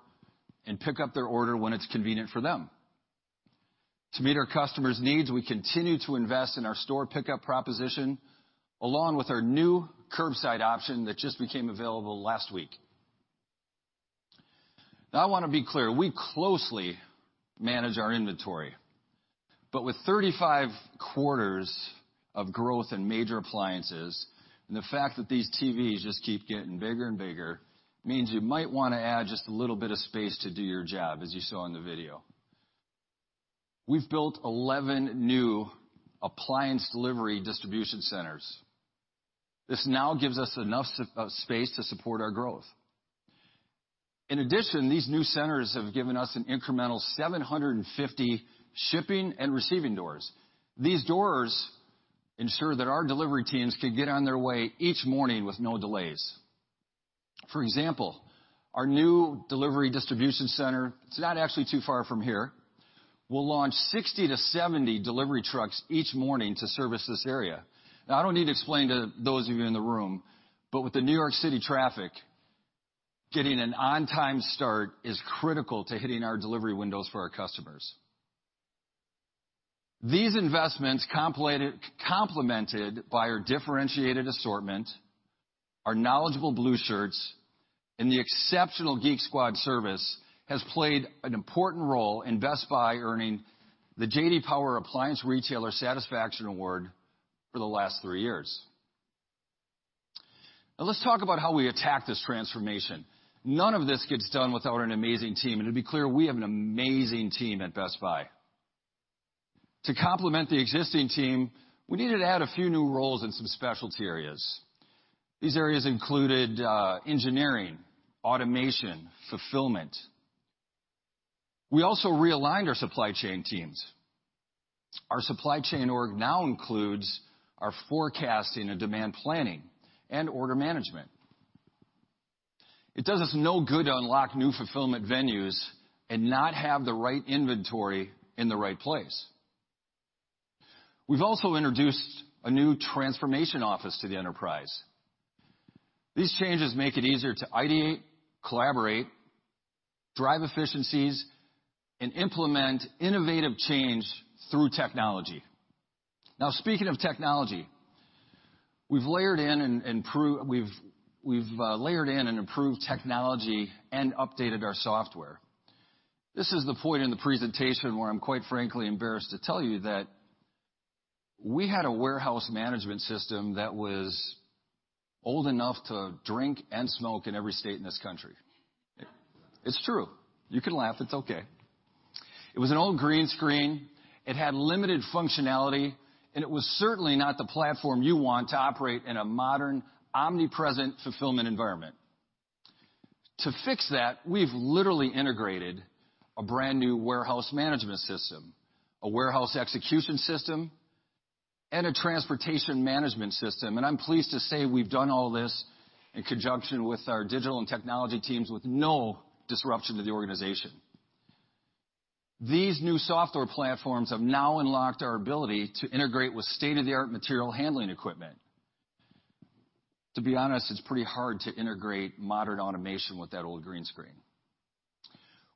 and pick up their order when it's convenient for them. To meet our customers' needs, we continue to invest in our store pickup proposition, along with our new curbside option that just became available last week. I want to be clear, we closely manage our inventory, with 35 quarters of growth in major appliances, and the fact that these TVs just keep getting bigger and bigger, means you might want to add just a little bit of space to do your job, as you saw in the video. We've built 11 new appliance delivery distribution centers. This now gives us enough space to support our growth. In addition, these new centers have given us an incremental 750 shipping and receiving doors. These doors ensure that our delivery teams can get on their way each morning with no delays. For example, our new delivery distribution center, it's not actually too far from here, will launch 60 to 70 delivery trucks each morning to service this area. I don't need to explain to those of you in the room, but with the New York City traffic, getting an on-time start is critical to hitting our delivery windows for our customers. These investments, complemented by our differentiated assortment, our knowledgeable Blue Shirts, and the exceptional Geek Squad service, has played an important role in Best Buy earning the J.D. Power Appliance Retailer Satisfaction Award for the last three years. Let's talk about how we attack this transformation. None of this gets done without an amazing team. To be clear, we have an amazing team at Best Buy. To complement the existing team, we needed to add a few new roles in some specialty areas. These areas included engineering, automation, fulfillment. We also realigned our supply chain teams. Our supply chain org now includes our forecasting and demand planning and order management. It does us no good to unlock new fulfillment venues and not have the right inventory in the right place. We've also introduced a new transformation office to the enterprise. These changes make it easier to ideate, collaborate, drive efficiencies, and implement innovative change through technology. Now, speaking of technology, we've layered in and improved technology and updated our software. This is the point in the presentation where I'm quite frankly embarrassed to tell you that we had a warehouse management system that was old enough to drink and smoke in every state in this country. It's true. You can laugh. It's okay. It was an old green screen, it had limited functionality, and it was certainly not the platform you want to operate in a modern, omnipresent fulfillment environment. To fix that, we've literally integrated a brand-new warehouse management system, a warehouse execution system, and a transportation management system. I'm pleased to say we've done all this in conjunction with our digital and technology teams with no disruption to the organization. These new software platforms have now unlocked our ability to integrate with state-of-the-art material handling equipment. To be honest, it's pretty hard to integrate modern automation with that old green screen.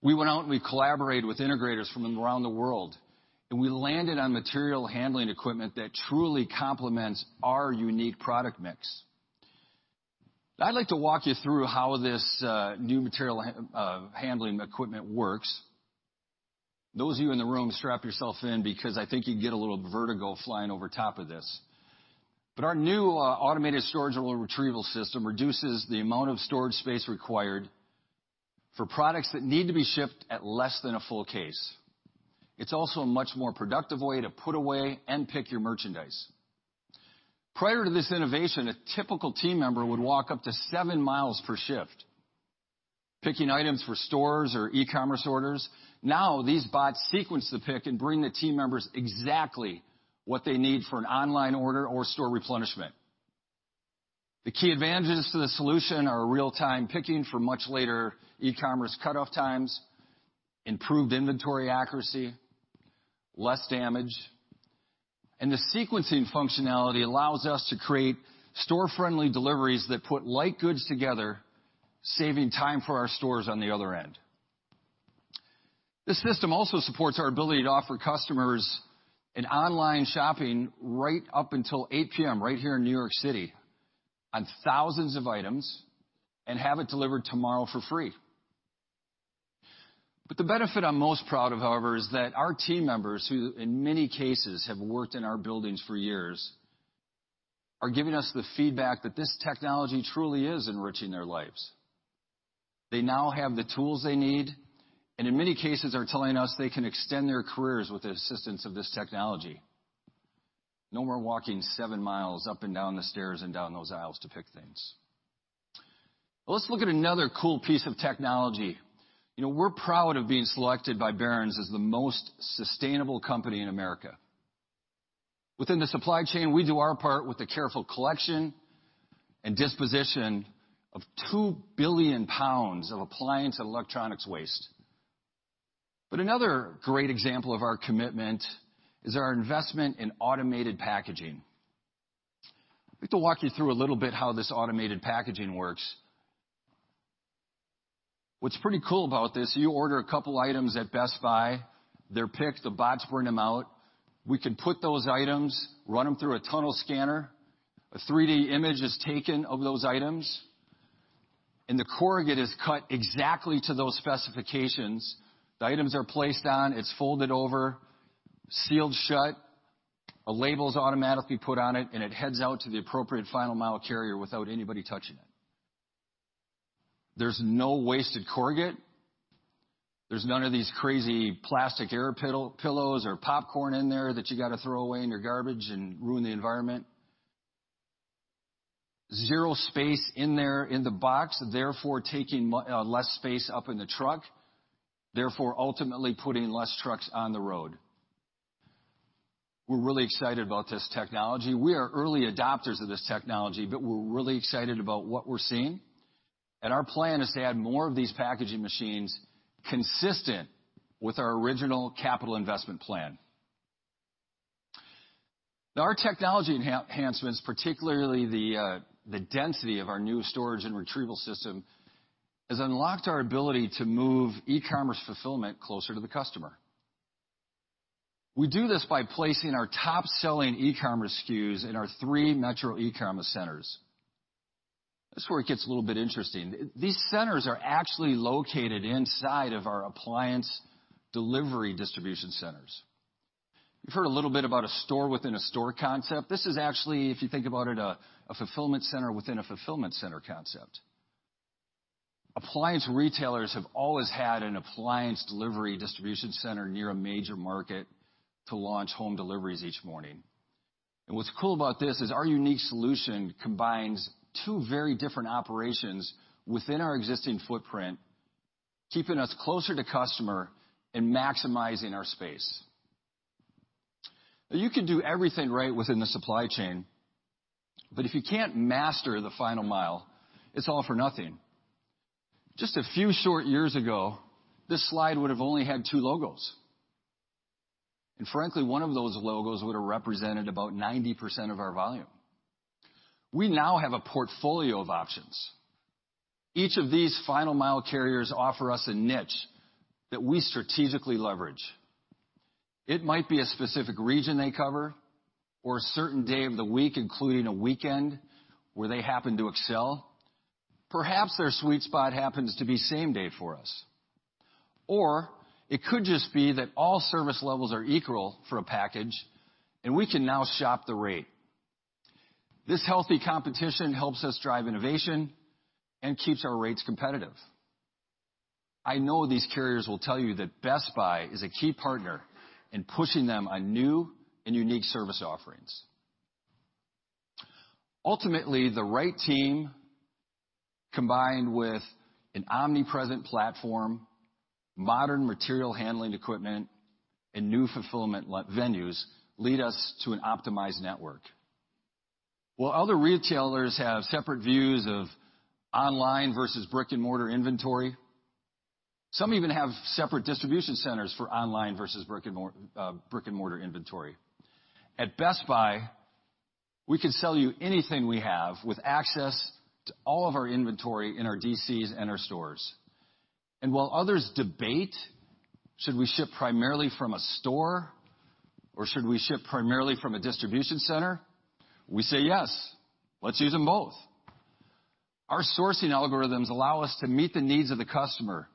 We went out and we collaborated with integrators from around the world, and we landed on material handling equipment that truly complements our unique product mix. I'd like to walk you through how this new material handling equipment works. Those of you in the room, strap yourselves in, because I think you can get a little vertigo flying over top of this. Our new automated storage and retrieval system reduces the amount of storage space required for products that need to be shipped at less than a full case. It's also a much more productive way to put away and pick your merchandise. Prior to this innovation, a typical team member would walk up to seven miles per shift, picking items for stores or e-commerce orders. Now, these bots sequence the pick and bring the team members exactly what they need for an online order or store replenishment. The key advantages to the solution are real-time picking for much later e-commerce cutoff times, improved inventory accuracy, less damage, and the sequencing functionality allows us to create store-friendly deliveries that put like goods together, saving time for our stores on the other end. This system also supports our ability to offer customers an online shopping right up until 8:00 P.M., right here in New York City, on thousands of items, and have it delivered tomorrow for free. The benefit I'm most proud of, however, is that our team members, who in many cases have worked in our buildings for years, are giving us the feedback that this technology truly is enriching their lives. They now have the tools they need, and in many cases, are telling us they can extend their careers with the assistance of this technology. No more walking seven miles up and down the stairs and down those aisles to pick things. Let's look at another cool piece of technology. We're proud of being selected by Barron's as the most sustainable company in America. Within the supply chain, we do our part with the careful collection and disposition of 2 billion pounds of appliance and electronics waste. Another great example of our commitment is our investment in automated packaging. I'd like to walk you through a little bit how this automated packaging works. What's pretty cool about this, you order a couple items at Best Buy, they're picked, the bots bring them out. We can put those items, run them through a tunnel scanner, a 3D image is taken of those items, and the corrugate is cut exactly to those specifications. The items are placed on, it's folded over, sealed shut, a label's automatically put on it, and it heads out to the appropriate final mile carrier without anybody touching it. There's no wasted corrugate. There's none of these crazy plastic air pillows or popcorn in there that you got to throw away in your garbage and ruin the environment. Zero space in there in the box, therefore taking less space up in the truck, therefore ultimately putting less trucks on the road. We're really excited about this technology. We are early adopters of this technology, but we're really excited about what we're seeing. Our plan is to add more of these packaging machines consistent with our original capital investment plan. Now, our technology enhancements, particularly the density of our new storage and retrieval system, has unlocked our ability to move e-commerce fulfillment closer to the customer. We do this by placing our top-selling e-commerce SKUs in our three metro e-commerce centers. This is where it gets a little bit interesting. These centers are actually located inside of our appliance delivery distribution centers. You've heard a little bit about a store within a store concept. This is actually, if you think about it, a fulfillment center within a fulfillment center concept. Appliance retailers have always had an appliance delivery distribution center near a major market to launch home deliveries each morning. What's cool about this is our unique solution combines two very different operations within our existing footprint, keeping us closer to customer and maximizing our space. You can do everything right within the supply chain, but if you can't master the final mile, it's all for nothing. Just a few short years ago, this slide would have only had two logos. Frankly, one of those logos would have represented about 90% of our volume. We now have a portfolio of options. Each of these final mile carriers offer us a niche that we strategically leverage. It might be a specific region they cover or a certain day of the week, including a weekend, where they happen to excel. Perhaps their sweet spot happens to be same-day for us. It could just be that all service levels are equal for a package, and we can now shop the rate. This healthy competition helps us drive innovation and keeps our rates competitive. I know these carriers will tell you that Best Buy is a key partner in pushing them on new and unique service offerings. Ultimately, the right team, combined with an omnipresent platform, modern material handling equipment, and new fulfillment venues, lead us to an optimized network. While other retailers have separate views of online versus brick-and-mortar inventory, some even have separate distribution centers for online versus brick-and-mortar inventory. At Best Buy, we can sell you anything we have with access to all of our inventory in our DCs and our stores. While others debate, should we ship primarily from a store or should we ship primarily from a distribution center? We say, yes. Let's use them both. Our sourcing algorithms allow us to meet the needs of the customer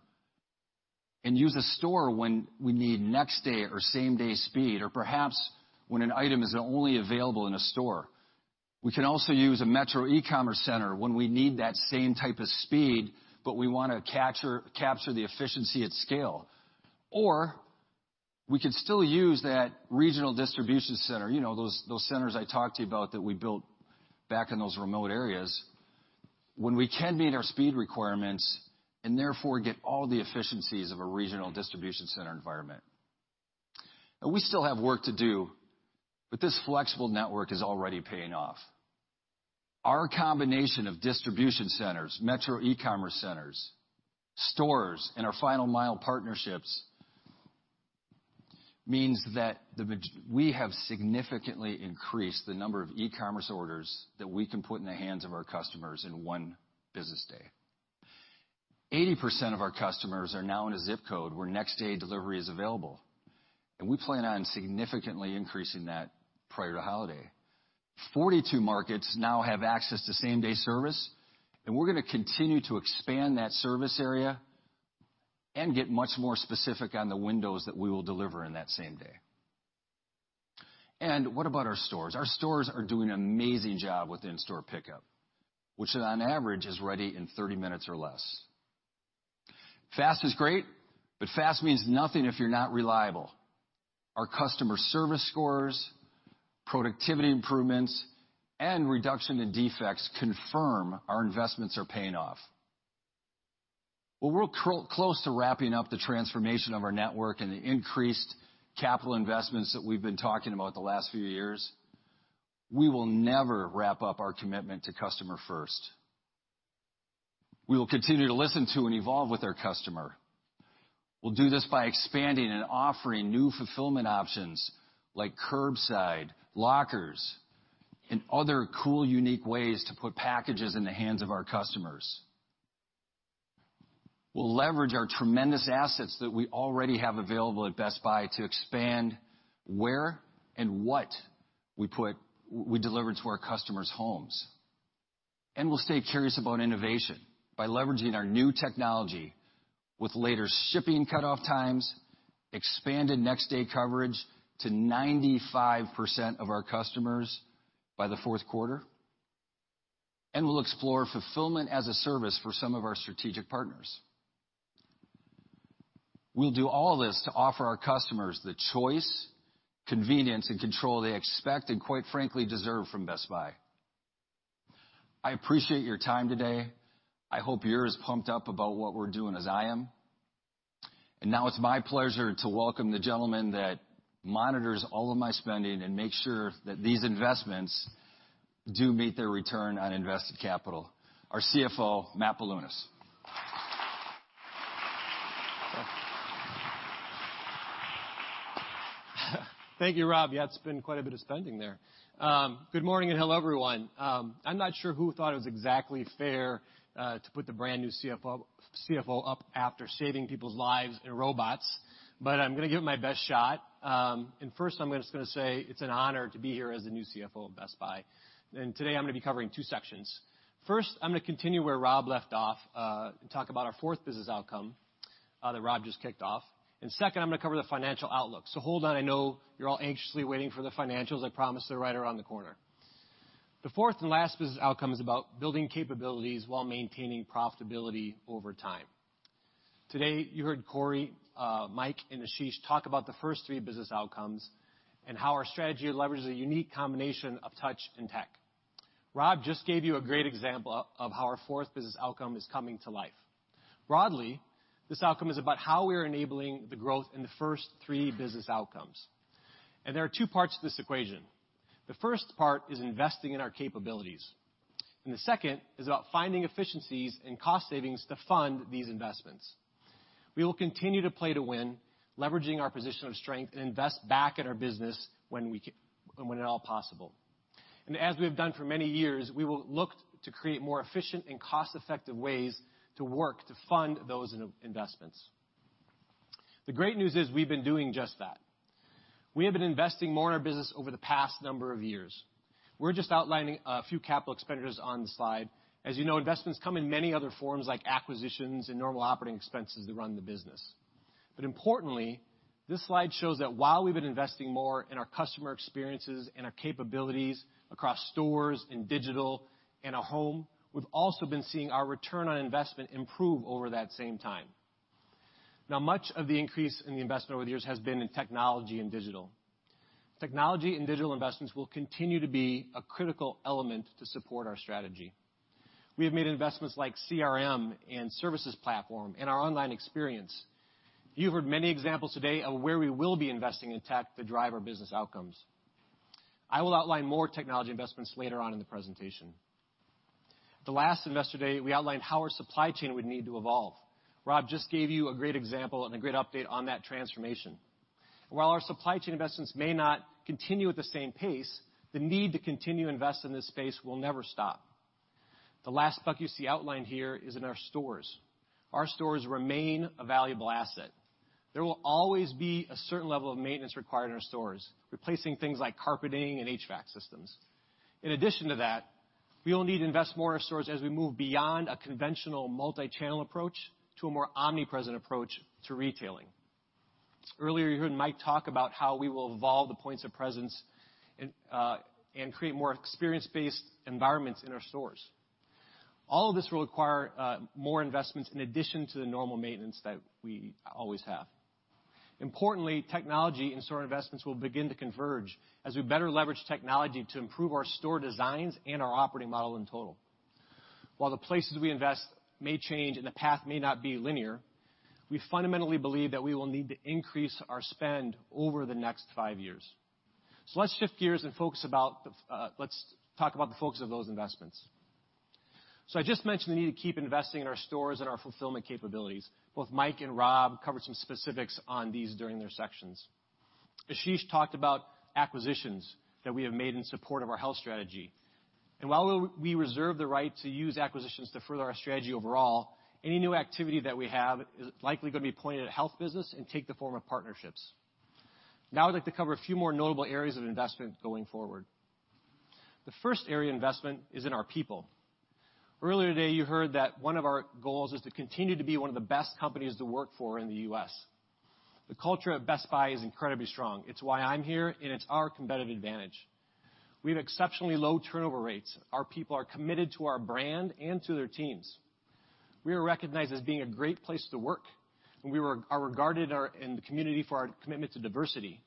and use a store when we need next-day or same-day speed, or perhaps when an item is only available in a store. We can also use a metro e-commerce center when we need that same type of speed, we want to capture the efficiency at scale. We could still use that regional distribution center, those centers I talked to you about that we built back in those remote areas, when we can meet our speed requirements and therefore get all the efficiencies of a regional distribution center environment. We still have work to do, this flexible network is already paying off. Our combination of distribution centers, metro e-commerce centers, stores, and our final mile partnerships means that we have significantly increased the number of e-commerce orders that we can put in the hands of our customers in one business day. 80% of our customers are now in a ZIP code where next-day delivery is available, and we plan on significantly increasing that prior to holiday. 42 markets now have access to same-day service, and we're going to continue to expand that service area and get much more specific on the windows that we will deliver in that same day. What about our stores? Our stores are doing an amazing job with in-store pickup, which on average is ready in 30 minutes or less. Fast is great, fast means nothing if you're not reliable. Our customer service scores, productivity improvements, and reduction in defects confirm our investments are paying off. While we're close to wrapping up the transformation of our network and the increased capital investments that we've been talking about the last few years, we will never wrap up our commitment to customer first. We will continue to listen to and evolve with our customer. We'll do this by expanding and offering new fulfillment options like curbside, lockers, and other cool, unique ways to put packages in the hands of our customers. We'll leverage our tremendous assets that we already have available at Best Buy to expand where and what we deliver to our customers' homes. We'll stay curious about innovation by leveraging our new technology with later shipping cutoff times, expanded next-day coverage to 95% of our customers by the fourth quarter, and we'll explore fulfillment as a service for some of our strategic partners. We'll do all this to offer our customers the choice, convenience, and control they expect and quite frankly, deserve from Best Buy. I appreciate your time today. I hope you're as pumped up about what we're doing as I am. Now it's my pleasure to welcome the gentleman that monitors all of my spending and makes sure that these investments do meet their return on invested capital. Our CFO, Matt Bilunas. Thank you, Rob. Yeah, it's been quite a bit of spending there. Good morning and hello, everyone. I'm not sure who thought it was exactly fair to put the brand new CFO up after saving people's lives and robots, but I'm going to give it my best shot. First, I'm just going to say it's an honor to be here as the new CFO of Best Buy. Today, I'm going to be covering two sections. First, I'm going to continue where Rob left off, and talk about our fourth business outcome that Rob just kicked off. Second, I'm going to cover the financial outlook. Hold on, I know you're all anxiously waiting for the financials. I promise they're right around the corner. The fourth and last business outcome is about building capabilities while maintaining profitability over time. Today, you heard Corie, Mike, and Ashish talk about the first three business outcomes and how our strategy leverages a unique combination of touch and tech. Rob just gave you a great example of how our fourth business outcome is coming to life. Broadly, this outcome is about how we are enabling the growth in the first three business outcomes. There are two parts to this equation. The first part is investing in our capabilities, and the second is about finding efficiencies and cost savings to fund these investments. We will continue to play to win, leveraging our position of strength, and invest back in our business when at all possible. As we've done for many years, we will look to create more efficient and cost-effective ways to work to fund those investments. The great news is we've been doing just that. We have been investing more in our business over the past number of years. We're just outlining a few capital expenditures on the slide. As you know, investments come in many other forms, like acquisitions and normal operating expenses that run the business. Importantly, this slide shows that while we've been investing more in our customer experiences and our capabilities across stores, in digital, and at home, we've also been seeing our return on investment improve over that same time. Much of the increase in the investment over the years has been in technology and digital. Technology and digital investments will continue to be a critical element to support our strategy. We have made investments like CRM and services platform in our online experience. You've heard many examples today of where we will be investing in tech to drive our business outcomes. I will outline more technology investments later on in the presentation. At the last Investor Day, we outlined how our supply chain would need to evolve. Rob just gave you a great example and a great update on that transformation. While our supply chain investments may not continue at the same pace, the need to continue to invest in this space will never stop. The last bucket you see outlined here is in our stores. Our stores remain a valuable asset. There will always be a certain level of maintenance required in our stores, replacing things like carpeting and HVAC systems. In addition to that, we will need to invest more in our stores as we move beyond a conventional multi-channel approach to a more omnipresent approach to retailing. Earlier, you heard Mike talk about how we will evolve the points of presence, and create more experience-based environments in our stores. All of this will require more investments in addition to the normal maintenance that we always have. Importantly, technology and store investments will begin to converge as we better leverage technology to improve our store designs and our operating model in total. While the places we invest may change and the path may not be linear, we fundamentally believe that we will need to increase our spend over the next five years. Let's shift gears and let's talk about the focus of those investments. I just mentioned the need to keep investing in our stores and our fulfillment capabilities. Both Mike and Rob covered some specifics on these during their sections. Ashish talked about acquisitions that we have made in support of our health strategy. While we reserve the right to use acquisitions to further our strategy overall, any new activity that we have is likely going to be pointed at Best Buy Health and take the form of partnerships. I'd like to cover a few more notable areas of investment going forward. The first area investment is in our people. Earlier today, you heard that one of our goals is to continue to be one of the best companies to work for in the U.S. The culture at Best Buy is incredibly strong. It's why I'm here, and it's our competitive advantage. We have exceptionally low turnover rates. Our people are committed to our brand and to their teams. We are recognized as being a great place to work, and we are regarded in the community for our commitment to diversity.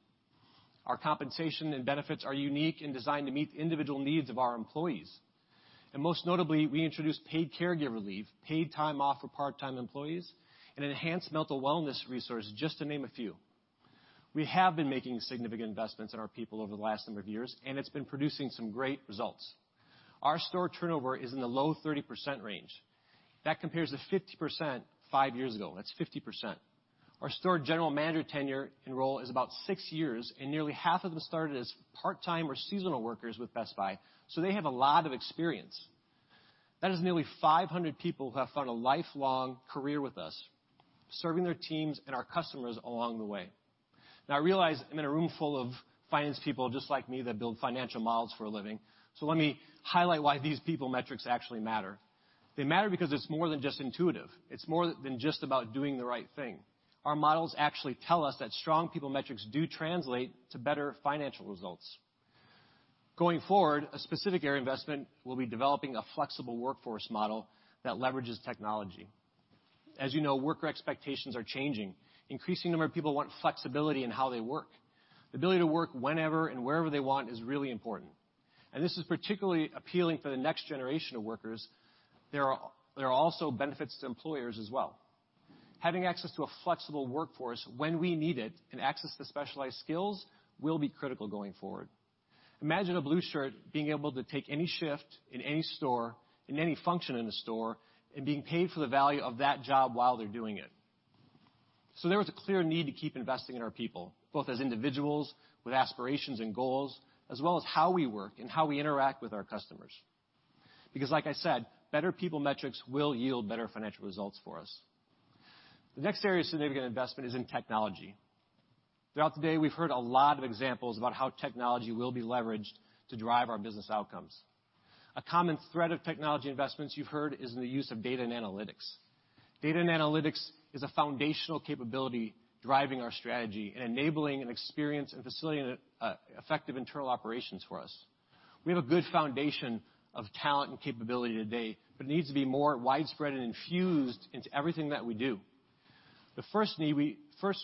Our compensation and benefits are unique and designed to meet the individual needs of our employees. Most notably, we introduced paid caregiver leave, paid time off for part-time employees, and enhanced mental wellness resources, just to name a few. We have been making significant investments in our people over the last number of years, and it's been producing some great results. Our store turnover is in the low 30% range. That compares to 50% five years ago. That's 50%. Our store general manager tenure in role is about six years, and nearly half of them started as part-time or seasonal workers with Best Buy, so they have a lot of experience. That is nearly 500 people who have found a lifelong career with us, serving their teams and our customers along the way. I realize I'm in a room full of finance people just like me that build financial models for a living. Let me highlight why these people metrics actually matter. They matter because it's more than just intuitive. It's more than just about doing the right thing. Our models actually tell us that strong people metrics do translate to better financial results. Going forward, a specific area investment will be developing a flexible workforce model that leverages technology. As you know, worker expectations are changing. Increasing number of people want flexibility in how they work. The ability to work whenever and wherever they want is really important. This is particularly appealing for the next generation of workers. There are also benefits to employers as well. Having access to a flexible workforce when we need it and access to specialized skills will be critical going forward. Imagine a Blue Shirt being able to take any shift in any store, in any function in the store, and being paid for the value of that job while they're doing it. There is a clear need to keep investing in our people, both as individuals with aspirations and goals, as well as how we work and how we interact with our customers. Like I said, better people metrics will yield better financial results for us. The next area of significant investment is in technology. Throughout the day, we've heard a lot of examples about how technology will be leveraged to drive our business outcomes. A common thread of technology investments you've heard is in the use of data and analytics. Data and analytics is a foundational capability driving our strategy and enabling an experience and facility and effective internal operations for us. We have a good foundation of talent and capability today, but it needs to be more widespread and infused into everything that we do. First, we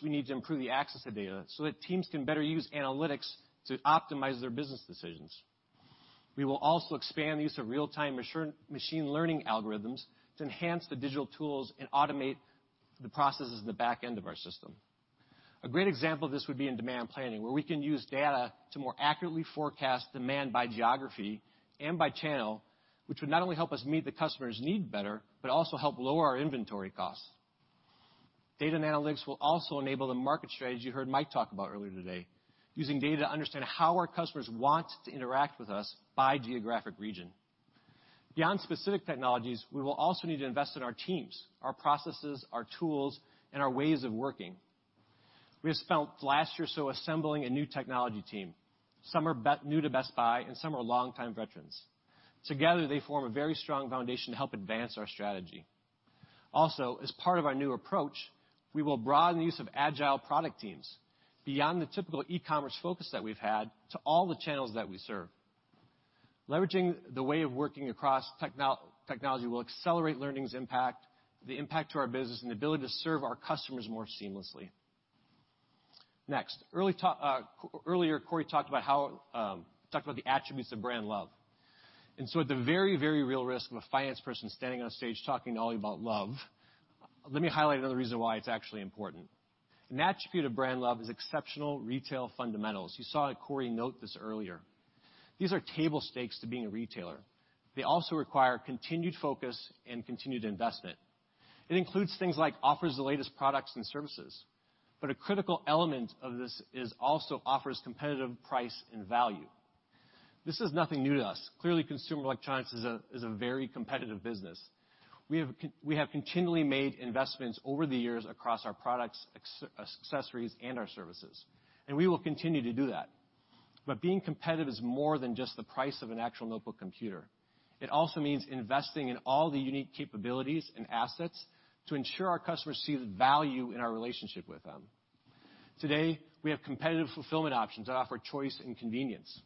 need to improve the access to data so that teams can better use analytics to optimize their business decisions. We will also expand the use of real-time machine learning algorithms to enhance the digital tools and automate the processes in the back end of our system. A great example of this would be in demand planning, where we can use data to more accurately forecast demand by geography and by channel, which would not only help us meet the customer's need better, but also help lower our inventory costs. Data and analytics will also enable the market strategy you heard Mike talk about earlier today, using data to understand how our customers want to interact with us by geographic region. Beyond specific technologies, we will also need to invest in our teams, our processes, our tools, and our ways of working. We have spent the last year or so assembling a new technology team. Some are new to Best Buy and some are longtime veterans. Together, they form a very strong foundation to help advance our strategy. As part of our new approach, we will broaden the use of agile product teams beyond the typical e-commerce focus that we've had to all the channels that we serve. Leveraging the way of working across technology will accelerate learning's impact, the impact to our business, and the ability to serve our customers more seamlessly. Earlier, Corie talked about the attributes of brand love. At the very real risk of a finance person standing on a stage talking to all of you about love, let me highlight another reason why it's actually important. An attribute of brand love is exceptional retail fundamentals. You saw Corie note this earlier. These are table stakes to being a retailer. They also require continued focus and continued investment. It includes things like offers the latest products and services, but a critical element of this is also offers competitive price and value. This is nothing new to us. Clearly, consumer electronics is a very competitive business. We have continually made investments over the years across our products, accessories, and our services, and we will continue to do that. Being competitive is more than just the price of an actual notebook computer. It also means investing in all the unique capabilities and assets to ensure our customers see the value in our relationship with them. Today, we have competitive fulfillment options that offer choice and convenience.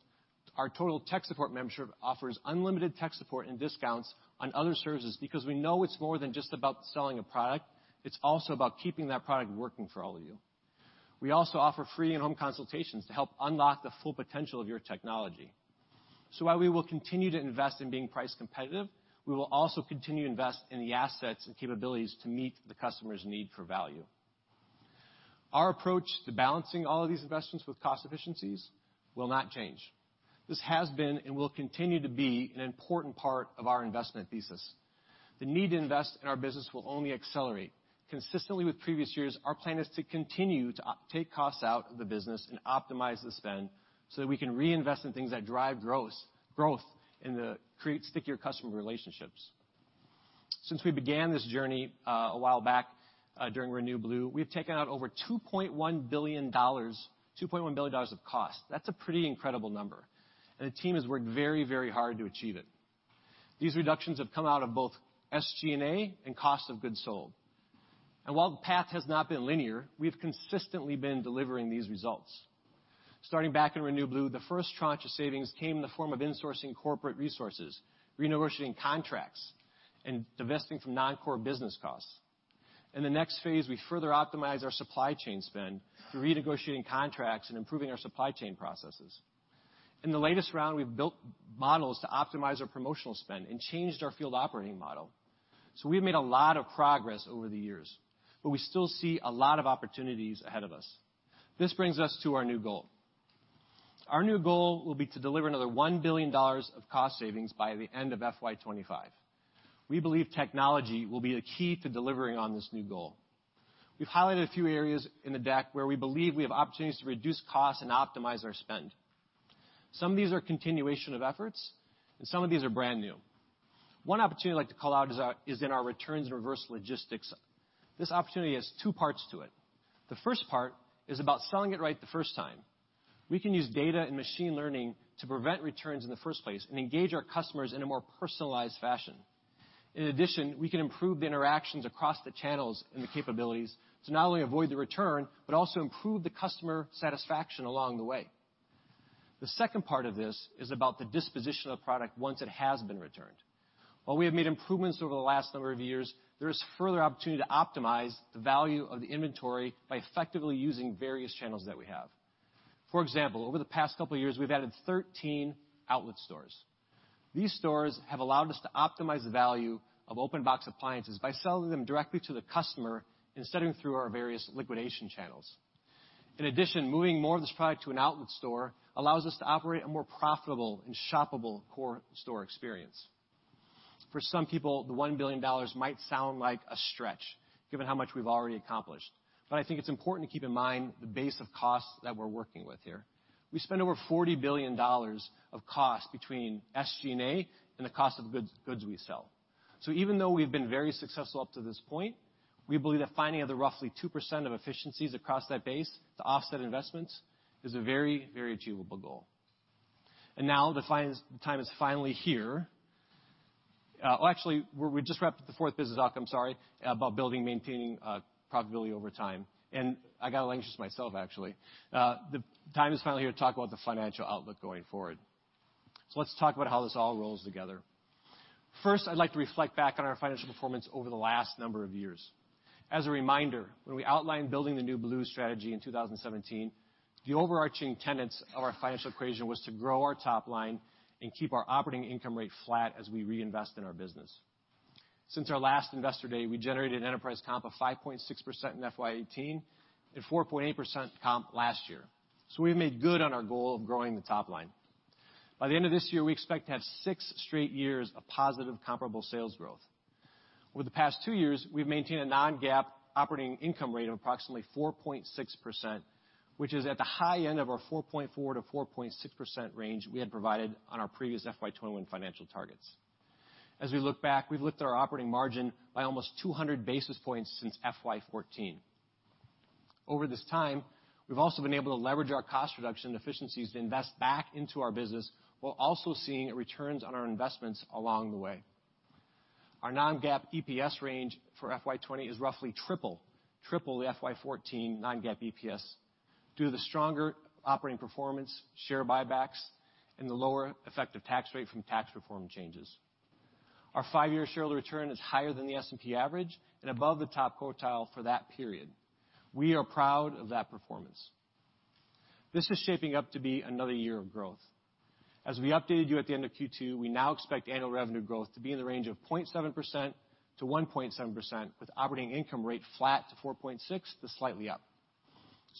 Our Total Tech Support membership offers unlimited tech support and discounts on other services because we know it's more than just about selling a product, it's also about keeping that product working for all of you. We also offer free in-home consultations to help unlock the full potential of your technology. While we will continue to invest in being price competitive, we will also continue to invest in the assets and capabilities to meet the customer's need for value. Our approach to balancing all of these investments with cost efficiencies will not change. This has been and will continue to be an important part of our investment thesis. The need to invest in our business will only accelerate. Consistently with previous years, our plan is to continue to take costs out of the business and optimize the spend so that we can reinvest in things that drive growth and create stickier customer relationships. Since we began this journey a while back during Renew Blue, we've taken out over $2.1 billion of cost. That's a pretty incredible number, and the team has worked very hard to achieve it. These reductions have come out of both SG&A and cost of goods sold. While the path has not been linear, we've consistently been delivering these results. Starting back in Renew Blue, the first tranche of savings came in the form of insourcing corporate resources, renegotiating contracts, and divesting from non-core business costs. In the next phase, we further optimized our supply chain spend through renegotiating contracts and improving our supply chain processes. In the latest round, we've built models to optimize our promotional spend and changed our field operating model. We've made a lot of progress over the years, but we still see a lot of opportunities ahead of us. This brings us to our new goal. Our new goal will be to deliver another $1 billion of cost savings by the end of FY 2025. We believe technology will be the key to delivering on this new goal. We've highlighted a few areas in the deck where we believe we have opportunities to reduce costs and optimize our spend. Some of these are continuation of efforts, and some of these are brand new. One opportunity I'd like to call out is in our returns and reverse logistics. This opportunity has two parts to it. The first part is about selling it right the first time. We can use data and machine learning to prevent returns in the first place and engage our customers in a more personalized fashion. In addition, we can improve the interactions across the channels and the capabilities to not only avoid the return, but also improve the customer satisfaction along the way. The second part of this is about the disposition of product once it has been returned. While we have made improvements over the last number of years, there is further opportunity to optimize the value of the inventory by effectively using various channels that we have. For example, over the past couple of years, we've added 13 outlet stores. These stores have allowed us to optimize the value of open box appliances by selling them directly to the customer instead of through our various liquidation channels. Moving more of this product to an outlet store allows us to operate a more profitable and shoppable core store experience. For some people, the $1 billion might sound like a stretch given how much we've already accomplished. I think it's important to keep in mind the base of costs that we're working with here. We spend over $40 billion of cost between SG&A and the cost of goods we sell. Even though we've been very successful up to this point, we believe that finding of the roughly 2% of efficiencies across that base to offset investments is a very achievable goal. Now the time is finally here. Actually, we just wrapped the fourth business doc, I'm sorry, about building, maintaining profitability over time, and I got a little anxious myself, actually. The time is finally here to talk about the financial outlook going forward. Let's talk about how this all rolls together. First, I'd like to reflect back on our financial performance over the last number of years. As a reminder, when we outlined Building the New Blue strategy in 2017, the overarching tenets of our financial equation was to grow our top line and keep our operating income rate flat as we reinvest in our business. Since our last investor day, we generated an enterprise comp of 5.6% in FY 2018 and 4.8% comp last year. We have made good on our goal of growing the top line. By the end of this year, we expect to have six straight years of positive comparable sales growth. Over the past two years, we've maintained a non-GAAP operating income rate of approximately 4.6%, which is at the high end of our 4.4%-4.6% range we had provided on our previous FY 2021 financial targets. As we look back, we've lifted our operating margin by almost 200 basis points since FY 2014. Over this time, we've also been able to leverage our cost reduction efficiencies to invest back into our business, while also seeing returns on our investments along the way. Our non-GAAP EPS range for FY 2020 is roughly triple the FY 2014 non-GAAP EPS due to the stronger operating performance, share buybacks, and the lower effective tax rate from tax reform changes. Our five-year shareholder return is higher than the S&P average and above the top quartile for that period. We are proud of that performance. This is shaping up to be another year of growth. As we updated you at the end of Q2, we now expect annual revenue growth to be in the range of 0.7% to 1.7%, with operating income rate flat to 4.6% to slightly up.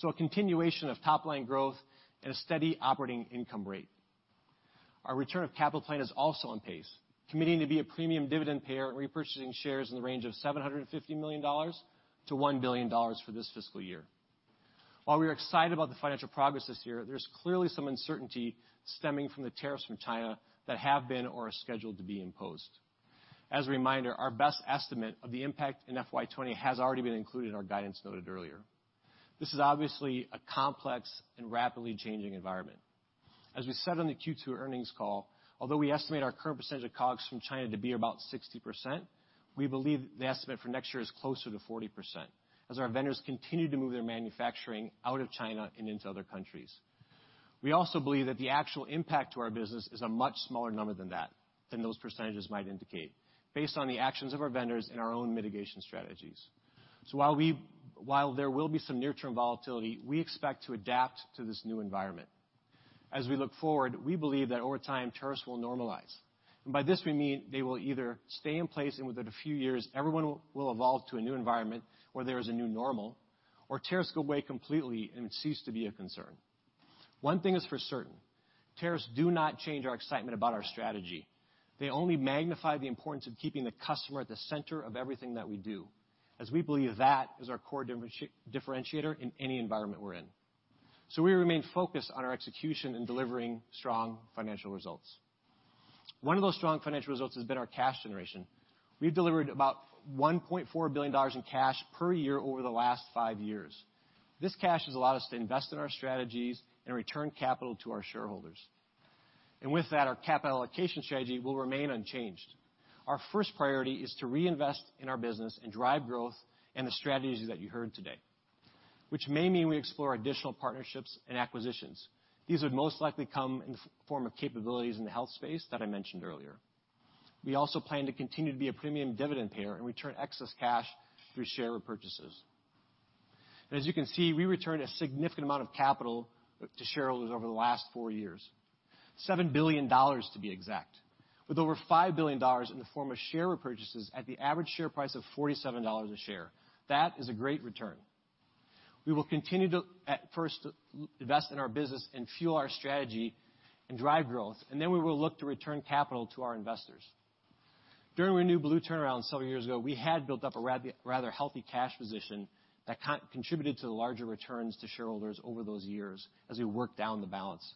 A continuation of top-line growth and a steady operating income rate. Our return of capital plan is also on pace, committing to be a premium dividend payer, repurchasing shares in the range of $750 million-$1 billion for this fiscal year. While we are excited about the financial progress this year, there's clearly some uncertainty stemming from the tariffs from China that have been or are scheduled to be imposed. As a reminder, our best estimate of the impact in FY 2020 has already been included in our guidance noted earlier. This is obviously a complex and rapidly changing environment. As we said on the Q2 earnings call, although we estimate our current percentage of COGS from China to be about 60%, we believe the estimate for next year is closer to 40% as our vendors continue to move their manufacturing out of China and into other countries. We also believe that the actual impact to our business is a much smaller number than those percentages might indicate, based on the actions of our vendors and our own mitigation strategies. While there will be some near-term volatility, we expect to adapt to this new environment. As we look forward, we believe that over time, tariffs will normalize. By this we mean they will either stay in place and within a few years everyone will evolve to a new environment where there is a new normal, or tariffs go away completely and cease to be a concern. One thing is for certain, tariffs do not change our excitement about our strategy. They only magnify the importance of keeping the customer at the center of everything that we do, as we believe that is our core differentiator in any environment we're in. We remain focused on our execution in delivering strong financial results. One of those strong financial results has been our cash generation. We've delivered about $1.4 billion in cash per year over the last five years. This cash has allowed us to invest in our strategies and return capital to our shareholders. With that, our capital allocation strategy will remain unchanged. Our first priority is to reinvest in our business and drive growth in the strategies that you heard today, which may mean we explore additional partnerships and acquisitions. These would most likely come in the form of capabilities in the health space that I mentioned earlier. We also plan to continue to be a premium dividend payer and return excess cash through share repurchases. As you can see, we returned a significant amount of capital to shareholders over the last 4 years, $7 billion to be exact, with over $5 billion in the form of share repurchases at the average share price of $47 a share. That is a great return. We will continue to at first invest in our business and fuel our strategy and drive growth, and then we will look to return capital to our investors. During our Renew Blue turnaround several years ago, we had built up a rather healthy cash position that contributed to the larger returns to shareholders over those years as we worked down the balance.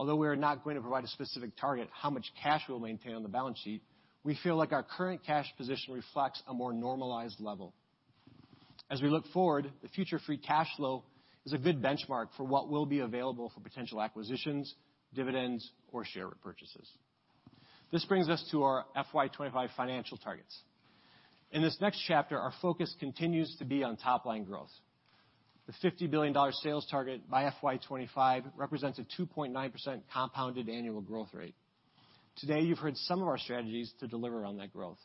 Although we are not going to provide a specific target how much cash we'll maintain on the balance sheet, we feel like our current cash position reflects a more normalized level. As we look forward, the future free cash flow is a good benchmark for what will be available for potential acquisitions, dividends, or share repurchases. This brings us to our FY 2025 financial targets. In this next chapter, our focus continues to be on top-line growth. The $50 billion sales target by FY 2025 represents a 2.9% compounded annual growth rate. Today, you've heard some of our strategies to deliver on that growth.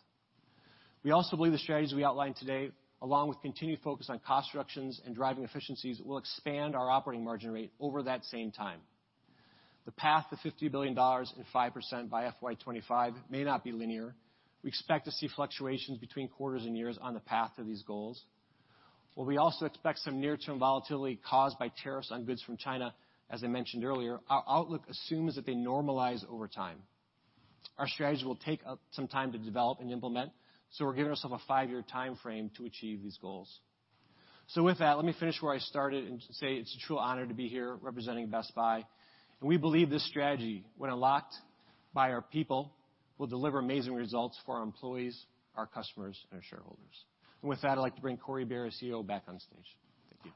We also believe the strategies we outlined today, along with continued focus on cost reductions and driving efficiencies, will expand our operating margin rate over that same time. The path to $50 billion and 5% by FY 2025 may not be linear. We expect to see fluctuations between quarters and years on the path to these goals. We also expect some near-term volatility caused by tariffs on goods from China, as I mentioned earlier, our outlook assumes that they normalize over time. Our strategies will take some time to develop and implement, we're giving ourselves a five-year timeframe to achieve these goals. With that, let me finish where I started and say it's a true honor to be here representing Best Buy, we believe this strategy, when unlocked by our people, will deliver amazing results for our employees, our customers, and our shareholders. With that, I'd like to bring Corie Barry, CEO, back on stage. Thank you.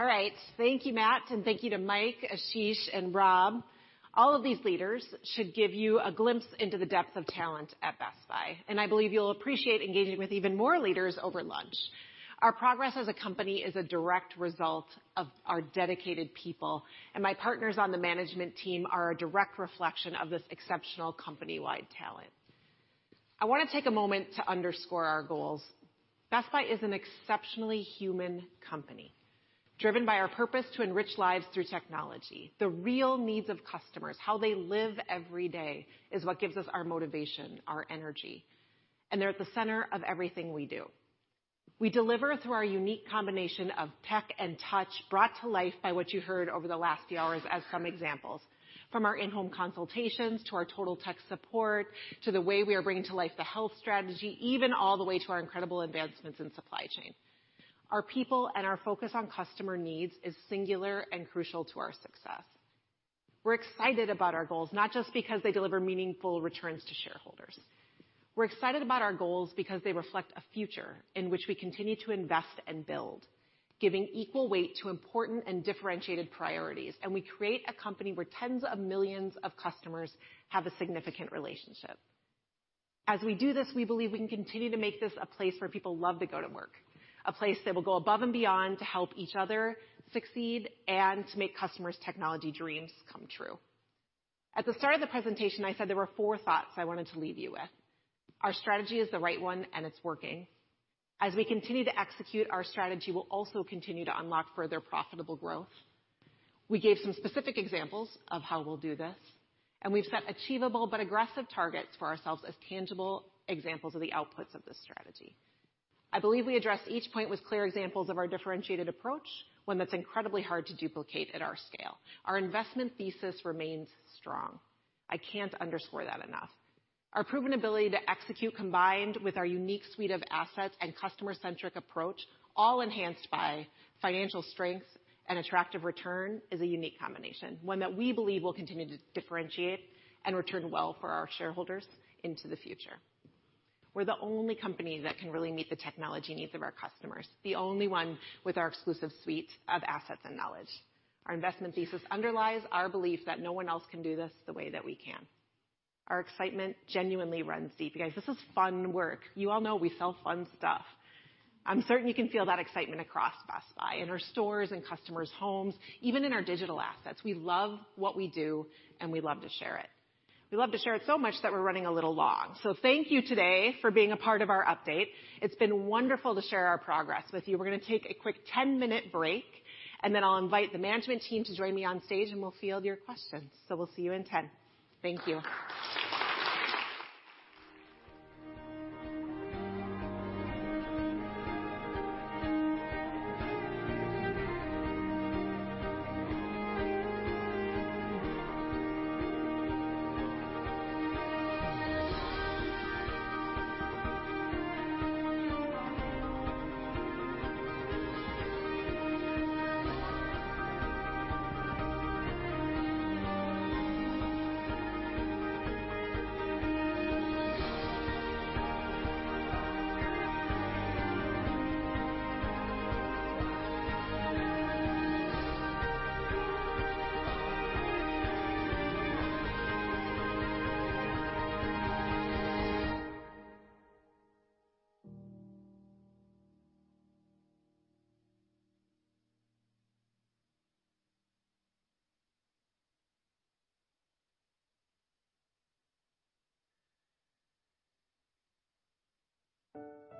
All right. Thank you, Matt, and thank you to Mike, Ashish, and Rob. All of these leaders should give you a glimpse into the depth of talent at Best Buy, and I believe you'll appreciate engaging with even more leaders over lunch. Our progress as a company is a direct result of our dedicated people, and my partners on the management team are a direct reflection of this exceptional company-wide talent. I want to take a moment to underscore our goals. Best Buy is an exceptionally human company, driven by our purpose to enrich lives through technology. The real needs of customers, how they live every day, is what gives us our motivation, our energy. They're at the center of everything we do. We deliver through our unique combination of tech and touch brought to life by what you heard over the last few hours as some examples. From our in-home consultations, to our Total Tech Support, to the way we are bringing to life the Health strategy, even all the way to our incredible advancements in supply chain. Our people and our focus on customer needs is singular and crucial to our success. We're excited about our goals, not just because they deliver meaningful returns to shareholders. We're excited about our goals because they reflect a future in which we continue to invest and build, giving equal weight to important and differentiated priorities. We create a company where tens of millions of customers have a significant relationship. As we do this, we believe we can continue to make this a place where people love to go to work, a place they will go above and beyond to help each other succeed and to make customers' technology dreams come true. At the start of the presentation, I said there were four thoughts I wanted to leave you with. Our strategy is the right one, and it's working. As we continue to execute our strategy, we'll also continue to unlock further profitable growth. We gave some specific examples of how we'll do this, and we've set achievable but aggressive targets for ourselves as tangible examples of the outputs of this strategy. I believe we address each point with clear examples of our differentiated approach, one that's incredibly hard to duplicate at our scale. Our investment thesis remains strong. I can't underscore that enough. Our proven ability to execute, combined with our unique suite of assets and customer-centric approach, all enhanced by financial strength and attractive return, is a unique combination, one that we believe will continue to differentiate and return well for our shareholders into the future. We're the only company that can really meet the technology needs of our customers, the only one with our exclusive suites of assets and knowledge. Our investment thesis underlies our belief that no one else can do this the way that we can. Our excitement genuinely runs deep. You guys, this is fun work. You all know we sell fun stuff. I'm certain you can feel that excitement across Best Buy in our stores and customers' homes, even in our digital assets. We love what we do and we love to share it. We love to share it so much that we're running a little long. Thank you today for being a part of our update. It's been wonderful to share our progress with you. We're going to take a quick 10-minute break, and then I'll invite the management team to join me on stage and we'll field your questions. We'll see you in 10. Thank you. Welcome back, everybody.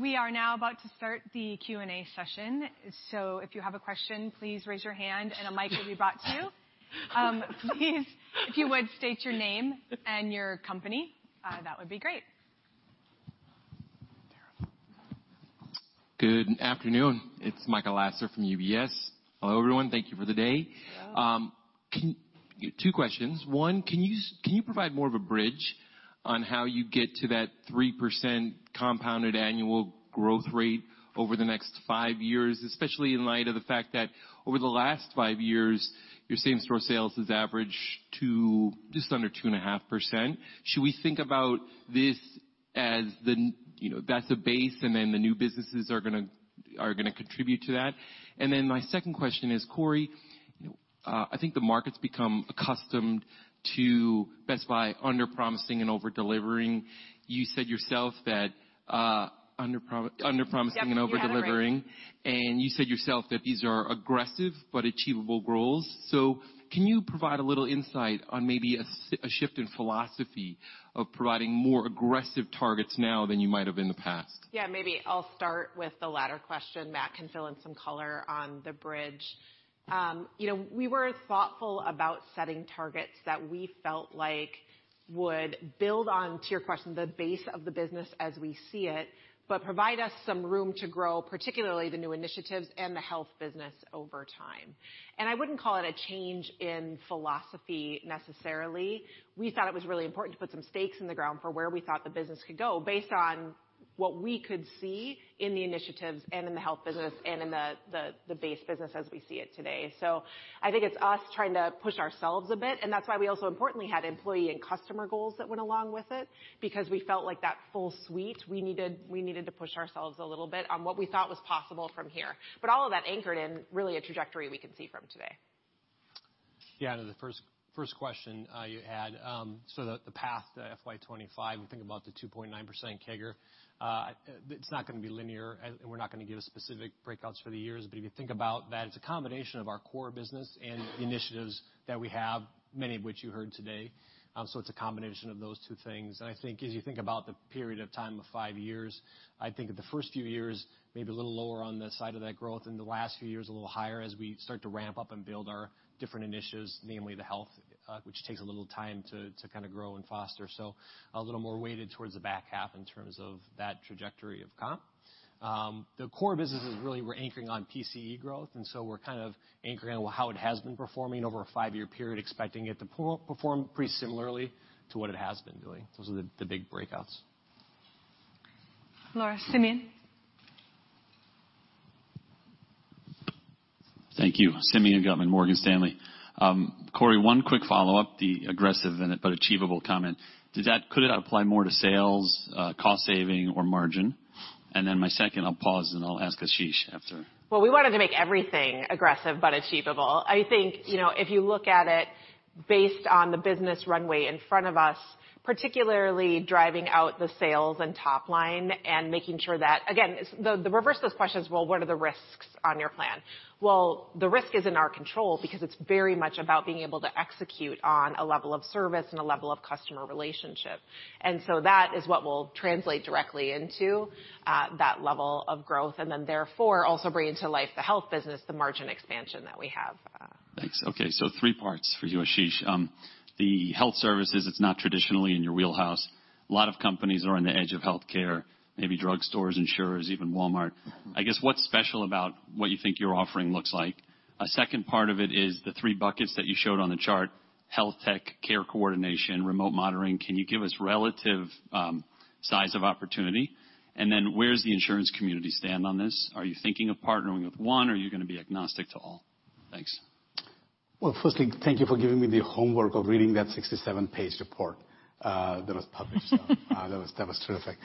We are now about to start the Q&A session. If you have a question, please raise your hand and a mic will be brought to you. Please, if you would state your name and your company, that would be great. Good afternoon. It's Michael Lasser from UBS. Hello, everyone. Thank you for the day. You're welcome. Two questions. One, can you provide more of a bridge on how you get to that 3% compounded annual growth rate over the next five years, especially in light of the fact that over the last five years, your same-store sales has averaged to just under 2.5%? Should we think about this as, that's the base and then the new businesses are going to contribute to that? My second question is, Corie, I think the market's become accustomed to Best Buy underpromising and over-delivering. Definitely had it right. promising and over-delivering, and you said yourself that these are aggressive but achievable goals. Can you provide a little insight on maybe a shift in philosophy of providing more aggressive targets now than you might have in the past? Yeah. Maybe I'll start with the latter question. Matt can fill in some color on the bridge. We were thoughtful about setting targets that we felt like would build on, to your question, the base of the business as we see it, but provide us some room to grow, particularly the new initiatives and the health business over time. I wouldn't call it a change in philosophy, necessarily. We thought it was really important to put some stakes in the ground for where we thought the business could go based on what we could see in the initiatives and in the health business and in the base business as we see it today. I think it's us trying to push ourselves a bit, and that's why we also importantly had employee and customer goals that went along with it because we felt like that full suite, we needed to push ourselves a little bit on what we thought was possible from here. All of that anchored in really a trajectory we can see from today. To the first question you had, the path to FY 2025, we think about the 2.9% CAGR. It's not going to be linear, we're not going to give specific breakouts for the years. If you think about that, it's a combination of our core business and the initiatives that we have, many of which you heard today. It's a combination of those two things. As you think about the period of time of five years, I think that the first few years may be a little lower on the side of that growth, and the last few years a little higher as we start to ramp up and build our different initiatives, namely the Health, which takes a little time to kind of grow and foster. A little more weighted towards the back half in terms of that trajectory of comp. The core business is really we're anchoring on PCE growth, and so we're kind of anchoring on how it has been performing over a five-year period, expecting it to perform pretty similarly to what it has been doing. Those are the big breakouts. Laura, Simeon. Thank you. Simeon Gutman, Morgan Stanley. Corie, one quick follow-up, the aggressive in it, but achievable comment. Could it apply more to sales, cost saving or margin? My second, I'll pause and I'll ask Ashish after. Well, we wanted to make everything aggressive but achievable. I think, if you look at it based on the business runway in front of us, particularly driving out the sales and top line and making sure that, again, the reverse of this question is, well, what are the risks on your plan? Well, the risk is in our control because it's very much about being able to execute on a level of service and a level of customer relationship. That is what will translate directly into that level of growth, and then therefore, also bring to life the health business, the margin expansion that we have. Thanks. Okay. Three parts for you, Ashish. The health services, it's not traditionally in your wheelhouse. A lot of companies are on the edge of healthcare, maybe drugstores, insurers, even Walmart. I guess, what's special about what you think your offering looks like? A second part of it is the three buckets that you showed on the chart, health tech, care coordination, remote monitoring. Can you give us relative size of opportunity? Where does the insurance community stand on this? Are you thinking of partnering with one or are you going to be agnostic to all? Thanks. Well, firstly, thank you for giving me the homework of reading that 67-page report that was published. That was terrific.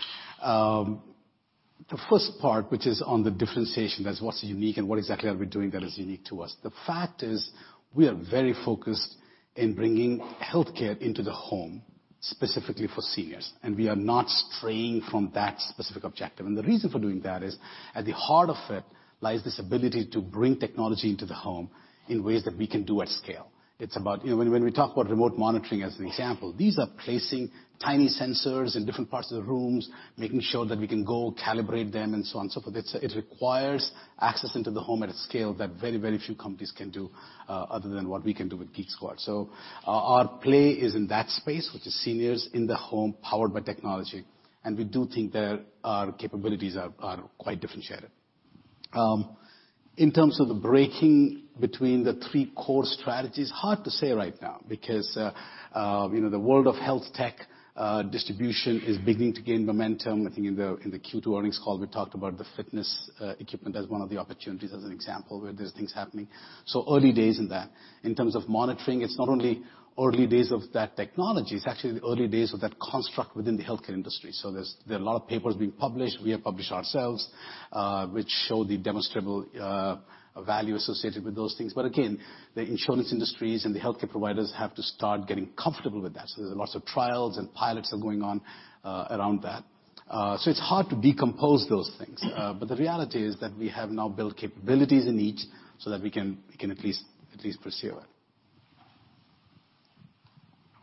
The first part, which is on the differentiation, that's what's unique and what exactly are we doing that is unique to us. The fact is we are very focused in bringing healthcare into the home, specifically for seniors, and we are not straying from that specific objective. The reason for doing that is at the heart of it lies this ability to bring technology into the home in ways that we can do at scale. When we talk about remote monitoring as an example, these are placing tiny sensors in different parts of the rooms, making sure that we can go calibrate them, and so on and so forth. It requires access into the home at a scale that very few companies can do other than what we can do with Geek Squad. Our play is in that space, which is seniors in the home powered by technology, and we do think that our capabilities are quite differentiated. In terms of the breaking between the three core strategies, hard to say right now because the world of health tech distribution is beginning to gain momentum. I think in the Q2 earnings call, we talked about the fitness equipment as one of the opportunities as an example where there's things happening. Early days in that. In terms of monitoring, it's not only early days of that technology, it's actually the early days of that construct within the healthcare industry. There's a lot of papers being published. We have published ourselves, which show the demonstrable value associated with those things. Again, the insurance industries and the healthcare providers have to start getting comfortable with that. There's lots of trials and pilots are going on around that. It's hard to decompose those things. The reality is that we have now built capabilities in each so that we can at least pursue it.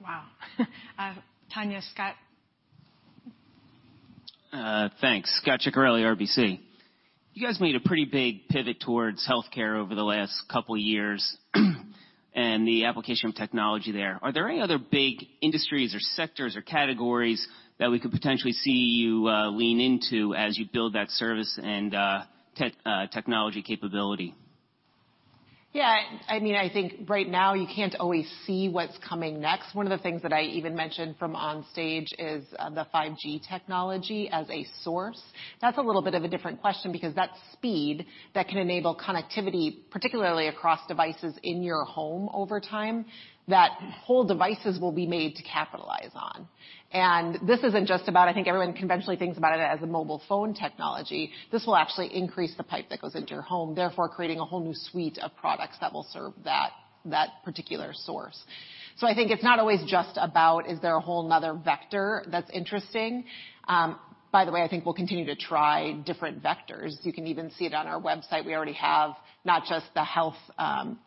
Wow. Tanya, Scott? Thanks. Scot Ciccarelli, RBC. You guys made a pretty big pivot towards healthcare over the last couple of years and the application of technology there. Are there any other big industries or sectors or categories that we could potentially see you lean into as you build that service and technology capability? Yeah. I think right now you can't always see what's coming next. One of the things that I even mentioned from on stage is the 5G technology as a source. That's a little bit of a different question, because that speed that can enable connectivity, particularly across devices in your home over time, that whole devices will be made to capitalize on. This isn't just about, I think everyone conventionally thinks about it as a mobile phone technology. This will actually increase the pipe that goes into your home, therefore creating a whole new suite of products that will serve that particular source. I think it's not always just about, is there a whole other vector that's interesting? By the way, I think we'll continue to try different vectors. You can even see it on our website. We already have not just the health,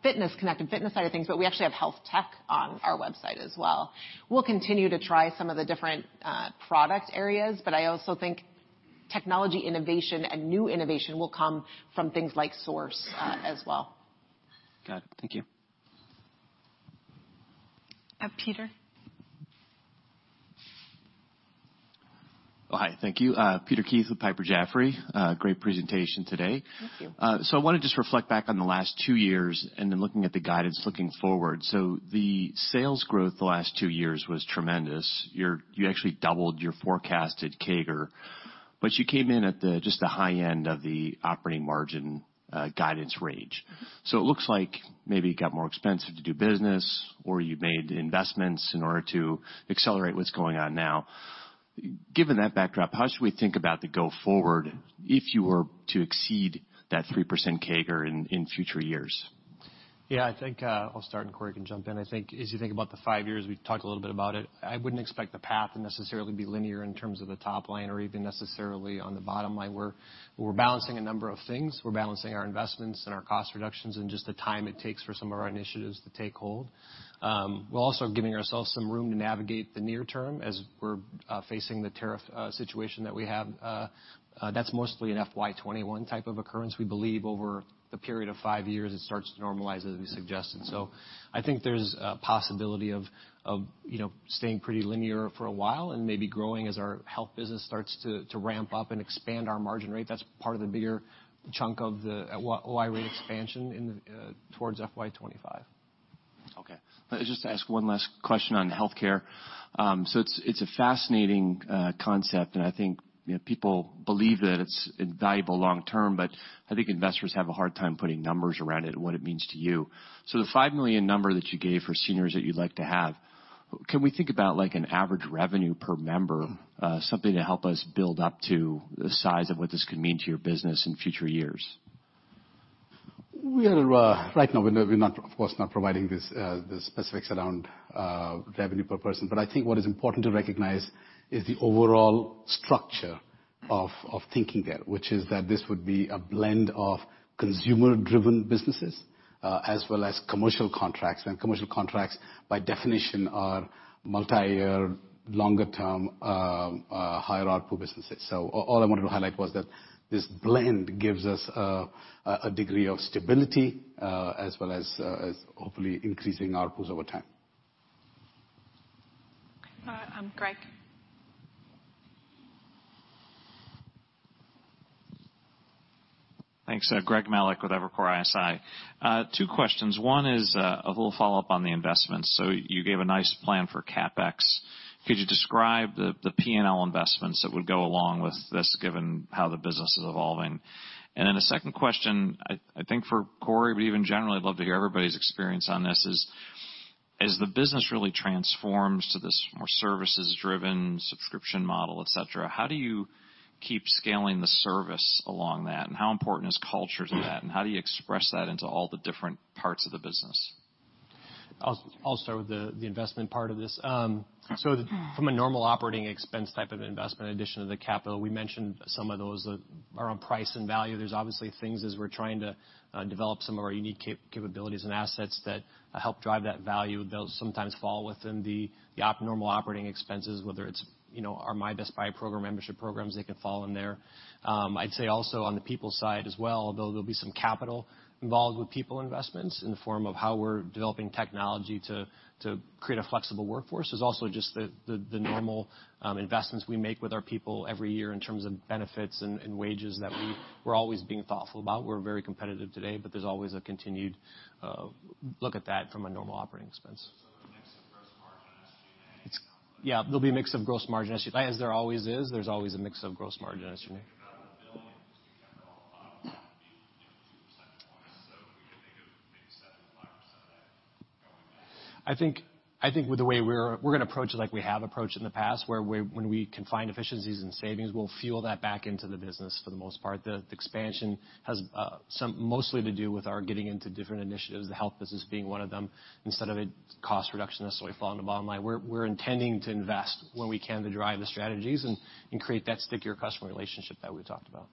fitness, connected fitness side of things, but we actually have health tech on our website as well. We'll continue to try some of the different product areas. I also think technology innovation and new innovation will come from things like source as well. Got it. Thank you. Peter? Oh, hi. Thank you. Peter Keith with Piper Sandler. Great presentation today. Thank you. I want to just reflect back on the last two years, and then looking at the guidance looking forward. The sales growth the last two years was tremendous. You actually doubled your forecasted CAGR, but you came in at just the high end of the operating margin guidance range. It looks like maybe it got more expensive to do business, or you made investments in order to accelerate what's going on now. Given that backdrop, how should we think about the go forward if you were to exceed that 3% CAGR in future years? Yeah, I think I'll start. Corie can jump in. I think as you think about the 5 years, we've talked a little bit about it. I wouldn't expect the path to necessarily be linear in terms of the top line or even necessarily on the bottom line. We're balancing a number of things. We're balancing our investments and our cost reductions and just the time it takes for some of our initiatives to take hold. We're also giving ourselves some room to navigate the near term as we're facing the tariff situation that we have. That's mostly an FY 2021 type of occurrence. We believe over the period of 5 years, it starts to normalize, as we suggested. I think there's a possibility of staying pretty linear for a while and maybe growing as our Health business starts to ramp up and expand our margin rate. That's part of the bigger chunk of the OI rate expansion towards FY 2025. Let me just ask one last question on healthcare. It's a fascinating concept, and I think people believe that it's valuable long term, but I think investors have a hard time putting numbers around it and what it means to you. The 5 million number that you gave for seniors that you'd like to have, can we think about an average revenue per member, something to help us build up to the size of what this could mean to your business in future years? Right now, we're, of course, not providing the specifics around revenue per person. I think what is important to recognize is the overall structure of thinking there, which is that this would be a blend of consumer-driven businesses, as well as commercial contracts. Commercial contracts, by definition, are multiyear, longer-term, higher ARPU businesses. All I wanted to highlight was that this blend gives us a degree of stability, as well as hopefully increasing ARPUs over time. Greg? Thanks. Greg Melich with Evercore ISI. Two questions. One is a little follow-up on the investment. You gave a nice plan for CapEx. Could you describe the P&L investments that would go along with this, given how the business is evolving? Then a second question, I think for Corie, but even generally, I'd love to hear everybody's experience on this is, as the business really transforms to this more services-driven subscription model, et cetera, how do you keep scaling the service along that, and how important is culture to that, and how do you express that into all the different parts of the business? I'll start with the investment part of this. From a normal operating expense type of investment, in addition to the capital, we mentioned some of those are on price and value. There's obviously things as we're trying to develop some of our unique capabilities and assets that help drive that value. They'll sometimes fall within the abnormal operating expenses, whether it's our My Best Buy program membership programs, they can fall in there. I'd say also on the people side as well, there'll be some capital involved with people investments in the form of how we're developing technology to create a flexible workforce. There's also just the normal investments we make with our people every year in terms of benefits and wages that we're always being thoughtful about. We're very competitive today, there's always a continued look at that from a normal operating expense. A mix of gross margin, SG&A. Yeah, there'll be a mix of gross margin, as there always is. There's always a mix of gross margin, SG&A. If you think about the $1 billion, just to kind of follow up, that would be 200 points. We could think of maybe 75% of that going back. I think we're going to approach it like we have approached in the past, where when we can find efficiencies and savings, we'll fuel that back into the business for the most part. The expansion has mostly to do with our getting into different initiatives, the health business being one of them, instead of a cost reduction necessarily falling to the bottom line. We're intending to invest where we can to drive the strategies and create that stickier customer relationship that we talked about.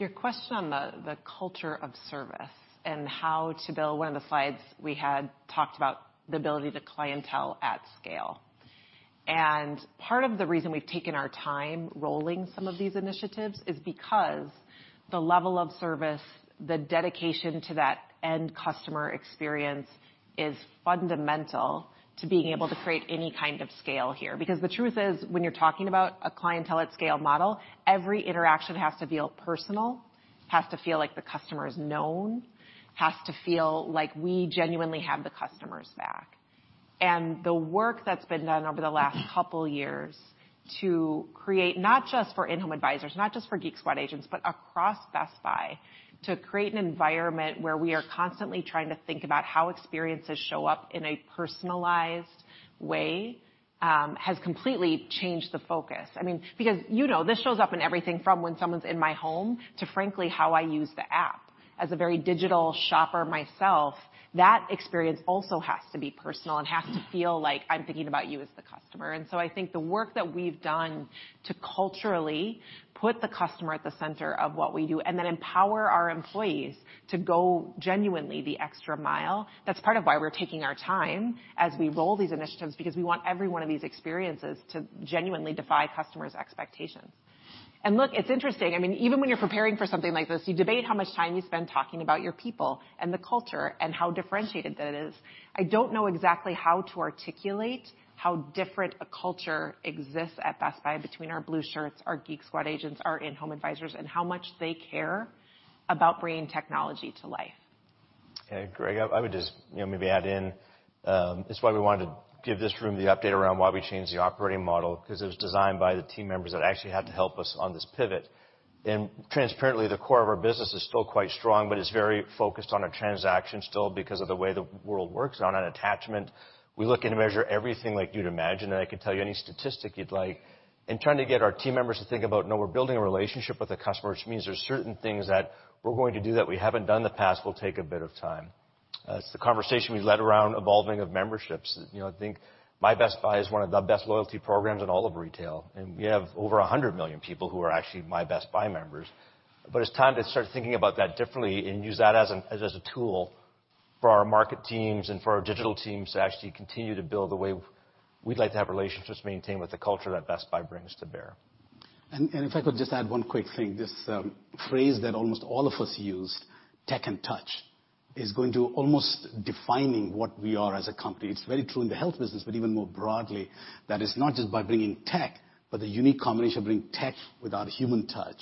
Your question on the culture of service and how to build one of the slides we had talked about the ability to clientele at scale. Part of the reason we've taken our time rolling some of these initiatives is because the level of service, the dedication to that end customer experience, is fundamental to being able to create any kind of scale here. The truth is, when you're talking about a clientele at scale model, every interaction has to feel personal, has to feel like the customer is known, has to feel like we genuinely have the customer's back. The work that's been done over the last couple years to create, not just for In-Home Advisors, not just for Geek Squad agents, but across Best Buy, to create an environment where we are constantly trying to think about how experiences show up in a personalized way, has completely changed the focus. This shows up in everything from when someone's in my home to, frankly, how I use the app. As a very digital shopper myself, that experience also has to be personal and has to feel like I'm thinking about you as the customer. I think the work that we've done to culturally put the customer at the center of what we do, then empower our employees to go genuinely the extra mile, that's part of why we're taking our time as we roll these initiatives, because we want every one of these experiences to genuinely defy customers' expectations. It's interesting. Even when you're preparing for something like this, you debate how much time you spend talking about your people and the culture and how differentiated that is. I don't know exactly how to articulate how different a culture exists at Best Buy between our Blue Shirts, our Geek Squad agents, our In-Home Advisors, and how much they care about bringing technology to life. Okay, Greg, I would just maybe add in, it's why we wanted to give this room the update around why we changed the operating model, because it was designed by the team members that actually had to help us on this pivot. Transparently, the core of our business is still quite strong, but it's very focused on our transaction still because of the way the world works on an attachment. We look and measure everything like you'd imagine, and I can tell you any statistic you'd like. In trying to get our team members to think about, no, we're building a relationship with the customer, which means there's certain things that we're going to do that we haven't done in the past will take a bit of time. It's the conversation we led around evolving of memberships. I think My Best Buy is one of the best loyalty programs in all of retail, and we have over 100 million people who are actually My Best Buy members. It's time to start thinking about that differently and use that as a tool for our market teams and for our digital teams to actually continue to build the way we'd like to have relationships maintained with the culture that Best Buy brings to bear. If I could just add one quick thing. This phrase that almost all of us used, tech and touch, is going to almost defining what we are as a company. It's very true in the health business, but even more broadly, that it's not just by bringing tech, but the unique combination of bringing tech with our human touch.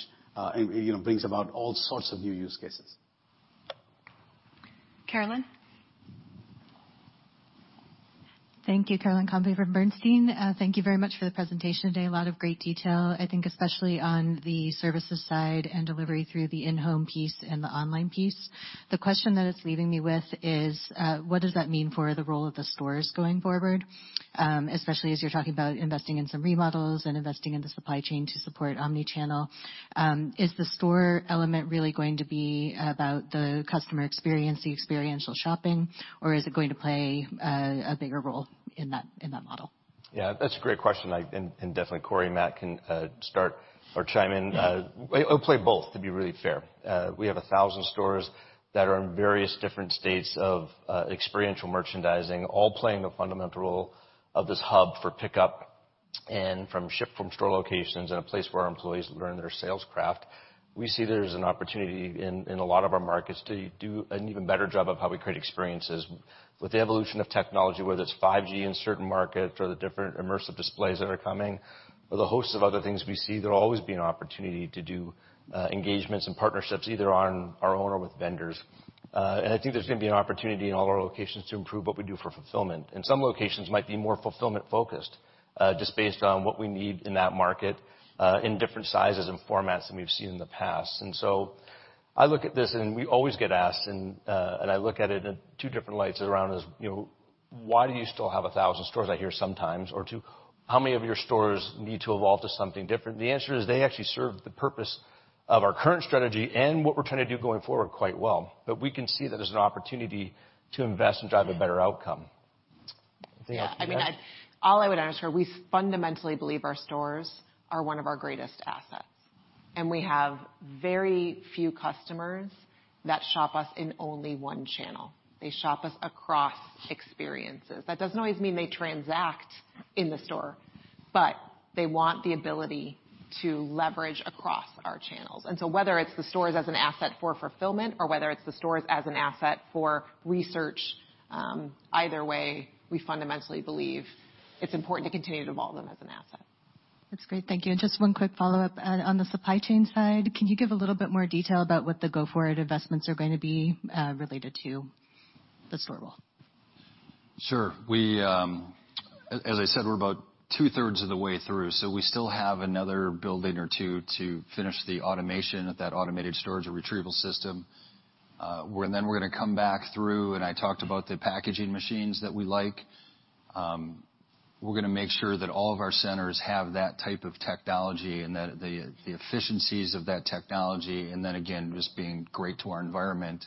It brings about all sorts of new use cases. Carolyn? Thank you. Brandon Conley from Bernstein. Thank you very much for the presentation today. A lot of great detail, I think especially on the services side and delivery through the in-home piece and the online piece. The question that it's leaving me with is, what does that mean for the role of the stores going forward? Especially as you're talking about investing in some remodels and investing in the supply chain to support omnichannel. Is the store element really going to be about the customer experience, the experiential shopping, or is it going to play a bigger role in that model? Yeah, that's a great question, and definitely Corie, Matt can start or chime in. I'll play both to be really fair. We have 1,000 stores that are in various different states of experiential merchandising, all playing a fundamental role of this hub for pickup and from ship from store locations and a place where our employees learn their sales craft. We see there's an opportunity in a lot of our markets to do an even better job of how we create experiences with the evolution of technology, whether it's 5G in certain markets or the different immersive displays that are coming, or the host of other things we see, there will always be an opportunity to do engagements and partnerships either on our own or with vendors. I think there's going to be an opportunity in all our locations to improve what we do for fulfillment, and some locations might be more fulfillment-focused, just based on what we need in that market, in different sizes and formats than we've seen in the past. I look at this and we always get asked, and I look at it in two different lights around as, "Why do you still have 1,000 stores?" I hear sometimes. Two, how many of your stores need to evolve to something different? The answer is they actually serve the purpose of our current strategy and what we're trying to do going forward quite well. We can see that there's an opportunity to invest and drive a better outcome. Anything else you'd add? All I would add is we fundamentally believe our stores are one of our greatest assets, and we have very few customers that shop us in only one channel. They shop us across experiences. That doesn't always mean they transact in the store, but they want the ability to leverage across our channels. Whether it's the stores as an asset for fulfillment or whether it's the stores as an asset for research, either way, we fundamentally believe it's important to continue to evolve them as an asset. That's great. Thank you. Just one quick follow-up on the supply chain side, can you give a little bit more detail about what the go-forward investments are going to be related to the store role? Sure. As I said, we're about two-thirds of the way through, so we still have another building or two to finish the automation at that automated storage and retrieval system. We're going to come back through and I talked about the packaging machines that we like. We're going to make sure that all of our centers have that type of technology and the efficiencies of that technology, and then again, just being great to our environment,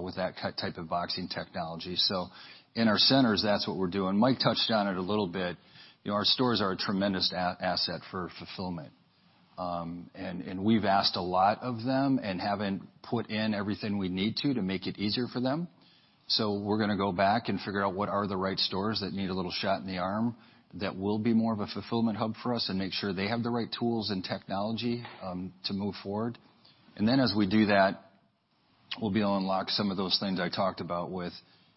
with that type of boxing technology. In our centers, that's what we're doing. Mike touched on it a little bit. Our stores are a tremendous asset for fulfillment. We've asked a lot of them and haven't put in everything we need to make it easier for them. We're going to go back and figure out what are the right stores that need a little shot in the arm that will be more of a fulfillment hub for us and make sure they have the right tools and technology to move forward. As we do that, we'll be able to unlock some of those things I talked about with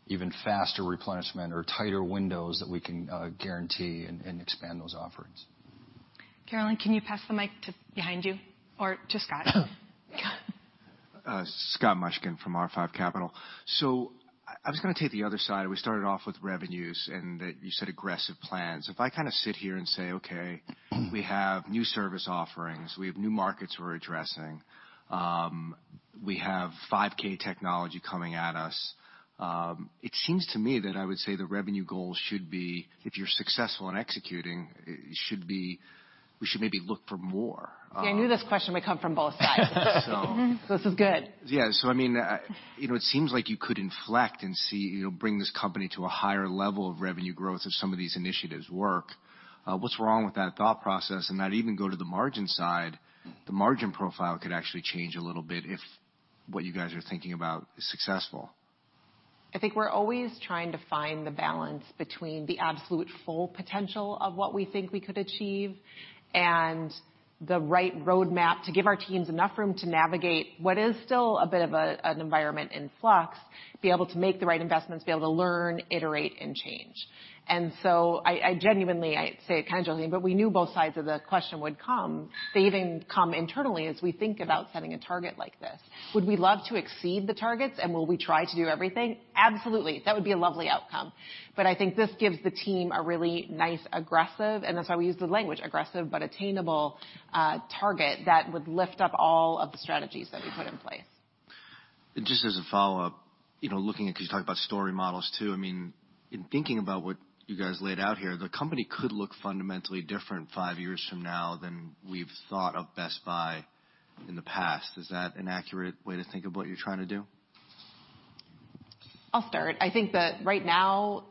even faster replenishment or tighter windows that we can guarantee and expand those offerings. Carolyn, can you pass the mic to behind you or to Scott? Scott Mushkin from R5 Capital. I was going to take the other side. We started off with revenues and that you said aggressive plans. If I sit here and say, "Okay, we have new service offerings. We have new markets we're addressing. We have 5G technology coming at us." It seems to me that I would say the revenue goals should be, if you're successful in executing, we should maybe look for more. I knew this question would come from both sides. So. This is good. Yeah. It seems like you could inflect and bring this company to a higher level of revenue growth if some of these initiatives work. What's wrong with that thought process, and not even go to the margin side? The margin profile could actually change a little bit if what you guys are thinking about is successful. I think we're always trying to find the balance between the absolute full potential of what we think we could achieve and the right roadmap to give our teams enough room to navigate what is still a bit of an environment in flux, be able to make the right investments, be able to learn, iterate, and change. I genuinely, I say it kind of jokingly, but we knew both sides of the question would come. They even come internally as we think about setting a target like this. Would we love to exceed the targets and will we try to do everything? Absolutely. I think this gives the team a really nice, aggressive, and that's why we use the language aggressive but attainable, target that would lift up all of the strategies that we put in place. Just as a follow-up, looking at, because you talk about story models too. In thinking about what you guys laid out here, the company could look fundamentally different five years from now than we've thought of Best Buy in the past. Is that an accurate way to think of what you're trying to do? I'll start. I think that right now,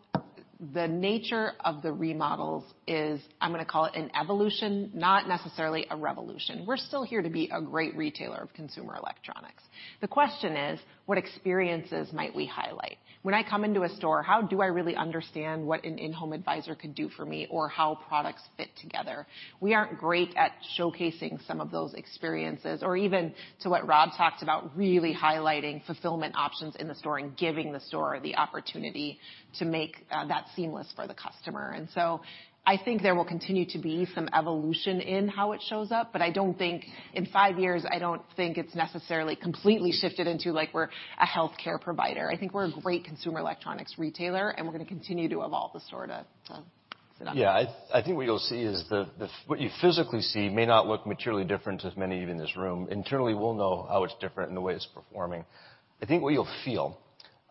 the nature of the remodels is, I'm going to call it an evolution, not necessarily a revolution. We're still here to be a great retailer of consumer electronics. The question is, what experiences might we highlight? When I come into a store, how do I really understand what an In-Home Advisor could do for me or how products fit together? We aren't great at showcasing some of those experiences or even to what Rob talked about, really highlighting fulfillment options in the store and giving the store the opportunity to make that seamless for the customer. I think there will continue to be some evolution in how it shows up, but I don't think in five years, I don't think it's necessarily completely shifted into like we're a healthcare provider. I think we're a great consumer electronics retailer, and we're going to continue to evolve the store to set up. Yeah. I think what you'll see is what you physically see may not look materially different to many of you in this room. Internally, we'll know how it's different in the way it's performing. I think what you'll feel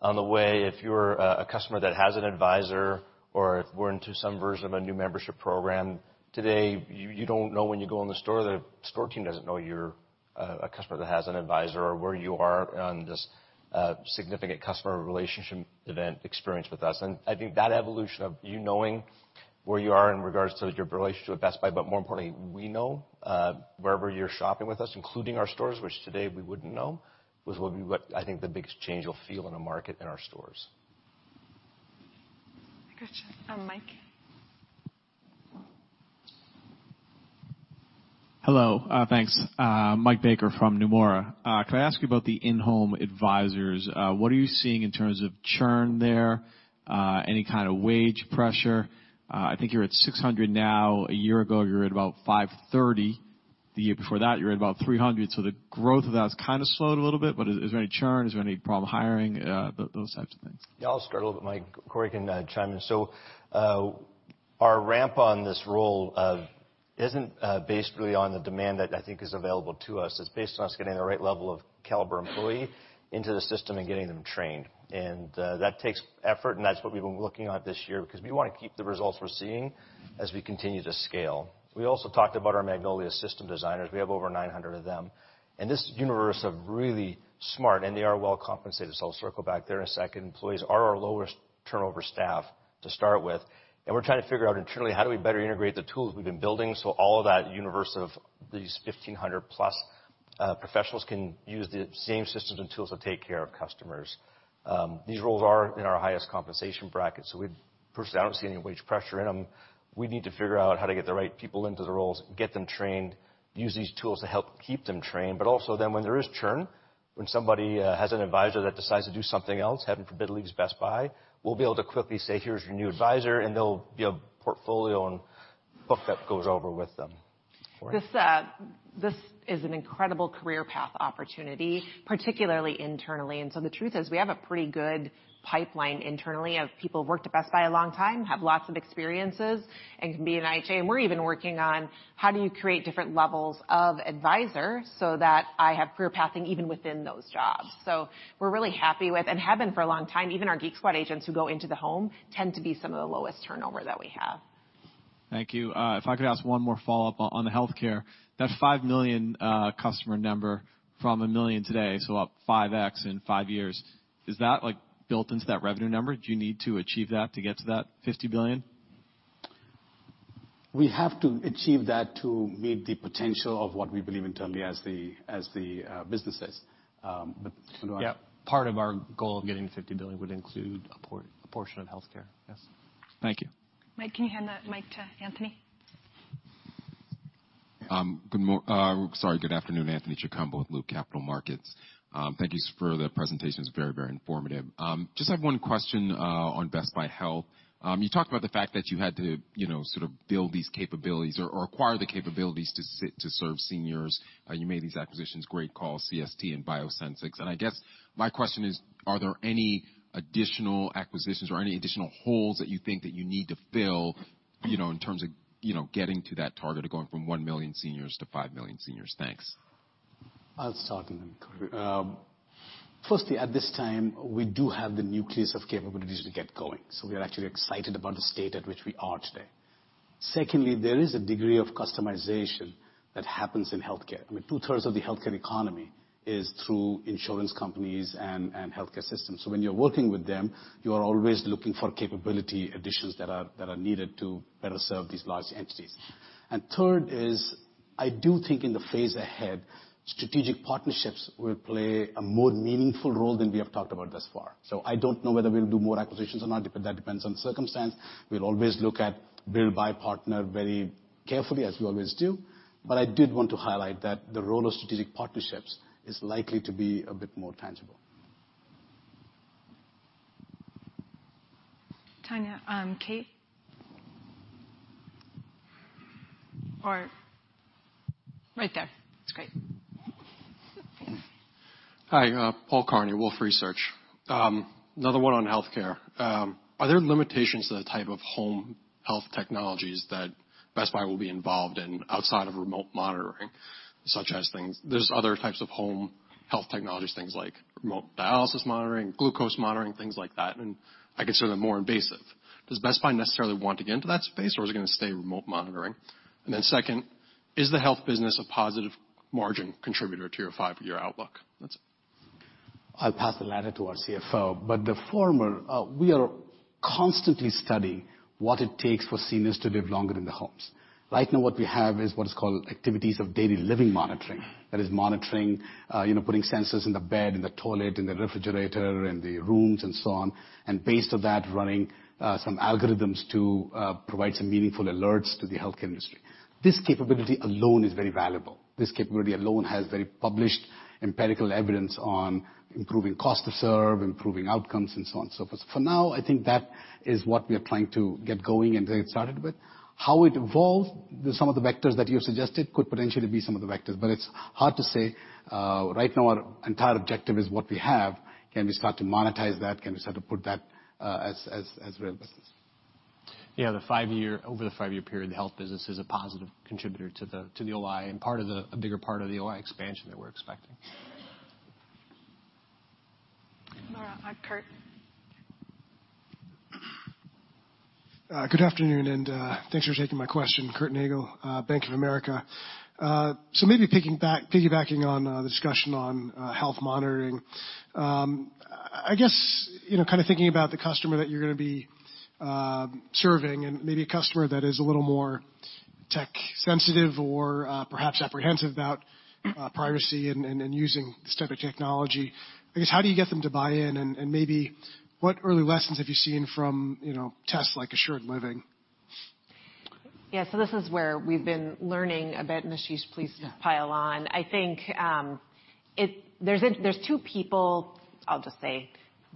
on the way, if you're a customer that has an advisor or if we're into some version of a new membership program, today, you don't know when you go in the store, the store team doesn't know you're a customer that has an advisor or where you are on this significant customer relationship event experience with us. I think that evolution of you knowing where you are in regards to your relationship with Best Buy, but more importantly, we know, wherever you're shopping with us, including our stores, which today we wouldn't know, was what I think the biggest change you'll feel in the market in our stores. Hi, Gretchen. Mike. Hello. Thanks. Michael Baker from Nomura. Can I ask you about the In-Home Advisors? What are you seeing in terms of churn there? Any kind of wage pressure? I think you're at 600 now. A year ago, you were at about 530. The year before that, you were at about 300. The growth of that has kind of slowed a little bit. Is there any churn? Is there any problem hiring? Those types of things. Yeah, I'll start a little bit, Mike. Corie can chime in. Our ramp on this role isn't based really on the demand that I think is available to us. It's based on us getting the right level of caliber employee into the system and getting them trained, and that takes effort, and that's what we've been working on this year because we want to keep the results we're seeing as we continue to scale. We also talked about our Magnolia System Designers. We have over 900 of them, and this universe of really smart, and they are well compensated, so I'll circle back there in a second. Employees are our lowest turnover staff to start with. We're trying to figure out internally, how do we better integrate the tools we've been building so all of that universe of these 1,500-plus professionals can use the same systems and tools to take care of customers. These roles are in our highest compensation bracket, so we personally, I don't see any wage pressure in them. We need to figure out how to get the right people into the roles, get them trained, use these tools to help keep them trained. Also then when there is churn, when somebody has an advisor that decides to do something else, heaven forbid, leaves Best Buy, we'll be able to quickly say, "Here's your new advisor," and they'll be a portfolio and book that goes over with them. Corie. This is an incredible career path opportunity, particularly internally. The truth is, we have a pretty good pipeline internally of people who've worked at Best Buy a long time, have lots of experiences, and can be an IHA. We're even working on how do you create different levels of advisor so that I have career pathing even within those jobs. We're really happy with, and have been for a long time, even our Geek Squad agents who go into the home tend to be some of the lowest turnover that we have. Thank you. If I could ask one more follow-up on the healthcare. That 5 million customer number from 1 million today, up 5x in five years. Is that built into that revenue number? Do you need to achieve that to get to that $50 billion? We have to achieve that to meet the potential of what we believe internally as the business is. Yep. Part of our goal of getting to $50 billion would include a portion of healthcare. Yes. Thank you. Mike, can you hand that mic to Anthony? Good morning. Sorry, good afternoon. Anthony Chukumba with Loop Capital Markets. Thank you for the presentation. It was very informative. I just have one question on Best Buy Health. You talked about the fact that you had to sort of build these capabilities or acquire the capabilities to serve seniors. You made these acquisitions, GreatCall, CST and BioSensics. I guess my question is, are there any additional acquisitions or any additional holes that you think that you need to fill in terms of getting to that target of going from 1 million seniors to 5 million seniors? Thanks. I'll start and then Corie. At this time, we do have the nucleus of capabilities to get going. There is a degree of customization that happens in healthcare. I mean, two-thirds of the healthcare economy is through insurance companies and healthcare systems. When you're working with them, you are always looking for capability additions that are needed to better serve these large entities. Third is, I do think in the phase ahead, strategic partnerships will play a more meaningful role than we have talked about thus far. I don't know whether we'll do more acquisitions or not, that depends on circumstance. We'll always look at build by partner very carefully, as we always do. I did want to highlight that the role of strategic partnerships is likely to be a bit more tangible. Tanya, Kate? Right there. That's great. Hi, Paul Kearney, Wolfe Research. Another one on healthcare. Are there limitations to the type of home health technologies that Best Buy will be involved in outside of remote monitoring, such as things, there's other types of home health technologies, things like remote dialysis monitoring, glucose monitoring, things like that. I consider them more invasive. Does Best Buy necessarily want to get into that space, or is it going to stay remote monitoring? Second, is the health business a positive margin contributor to your five-year outlook? That's it. I'll pass the latter to our CFO, but the former, we are constantly studying what it takes for seniors to live longer in the homes. Right now what we have is what is called activities of daily living monitoring. That is monitoring, putting sensors in the bed, in the toilet, in the refrigerator, in the rooms, and so on. Based on that, running some algorithms to provide some meaningful alerts to the healthcare industry. This capability alone is very valuable. This capability alone has very published empirical evidence on improving cost to serve, improving outcomes, and so on and so forth. For now, I think that is what we are trying to get going and get started with. How it evolves, some of the vectors that you suggested could potentially be some of the vectors, but it's hard to say. Right now, our entire objective is what we have. Can we start to monetize that? Can we start to put that as real business? Yeah, over the five-year period, the health business is a positive contributor to the OI and a bigger part of the OI expansion that we're expecting. Laura, I have Curt. Good afternoon, and thanks for taking my question. Curtis Nagle, Bank of America. Maybe piggybacking on the discussion on health monitoring. I guess, kind of thinking about the customer that you're going to be serving and maybe a customer that is a little more tech-sensitive or perhaps apprehensive about privacy and using this type of technology. I guess, how do you get them to buy in? Maybe what early lessons have you seen from tests like Assured Living? This is where we've been learning a bit, and Ashish, please pile on. I think there's two people, I'll just say,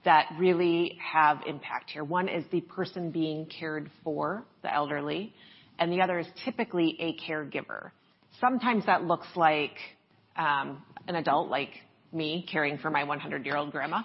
that really have impact here. One is the person being cared for, the elderly, and the other is typically a caregiver. Sometimes that looks like an adult like me caring for my 100-year-old grandma.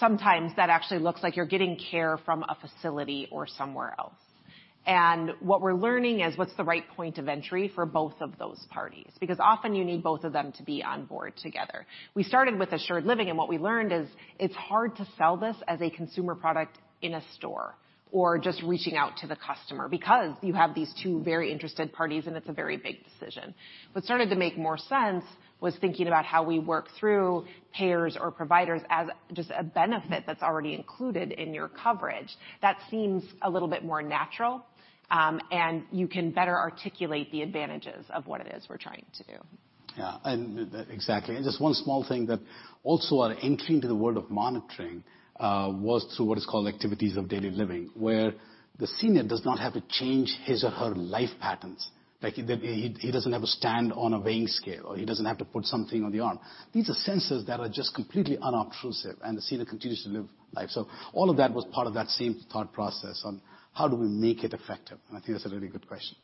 Sometimes that actually looks like you're getting care from a facility or somewhere else. What we're learning is what's the right point of entry for both of those parties. Often you need both of them to be on board together. We started with Assured Living, and what we learned is it's hard to sell this as a consumer product in a store or just reaching out to the customer because you have these two very interested parties, and it's a very big decision. What started to make more sense was thinking about how we work through payers or providers as just a benefit that's already included in your coverage. That seems a little bit more natural, and you can better articulate the advantages of what it is we're trying to do. Exactly. Just one small thing that also our entry into the world of monitoring was through what is called activities of daily living, where the senior does not have to change his or her life patterns. Like he doesn't have to stand on a weighing scale, or he doesn't have to put something on the arm. These are sensors that are just completely unobtrusive, and the senior continues to live life. All of that was part of that same thought process on how do we make it effective, and I think that's a really good question.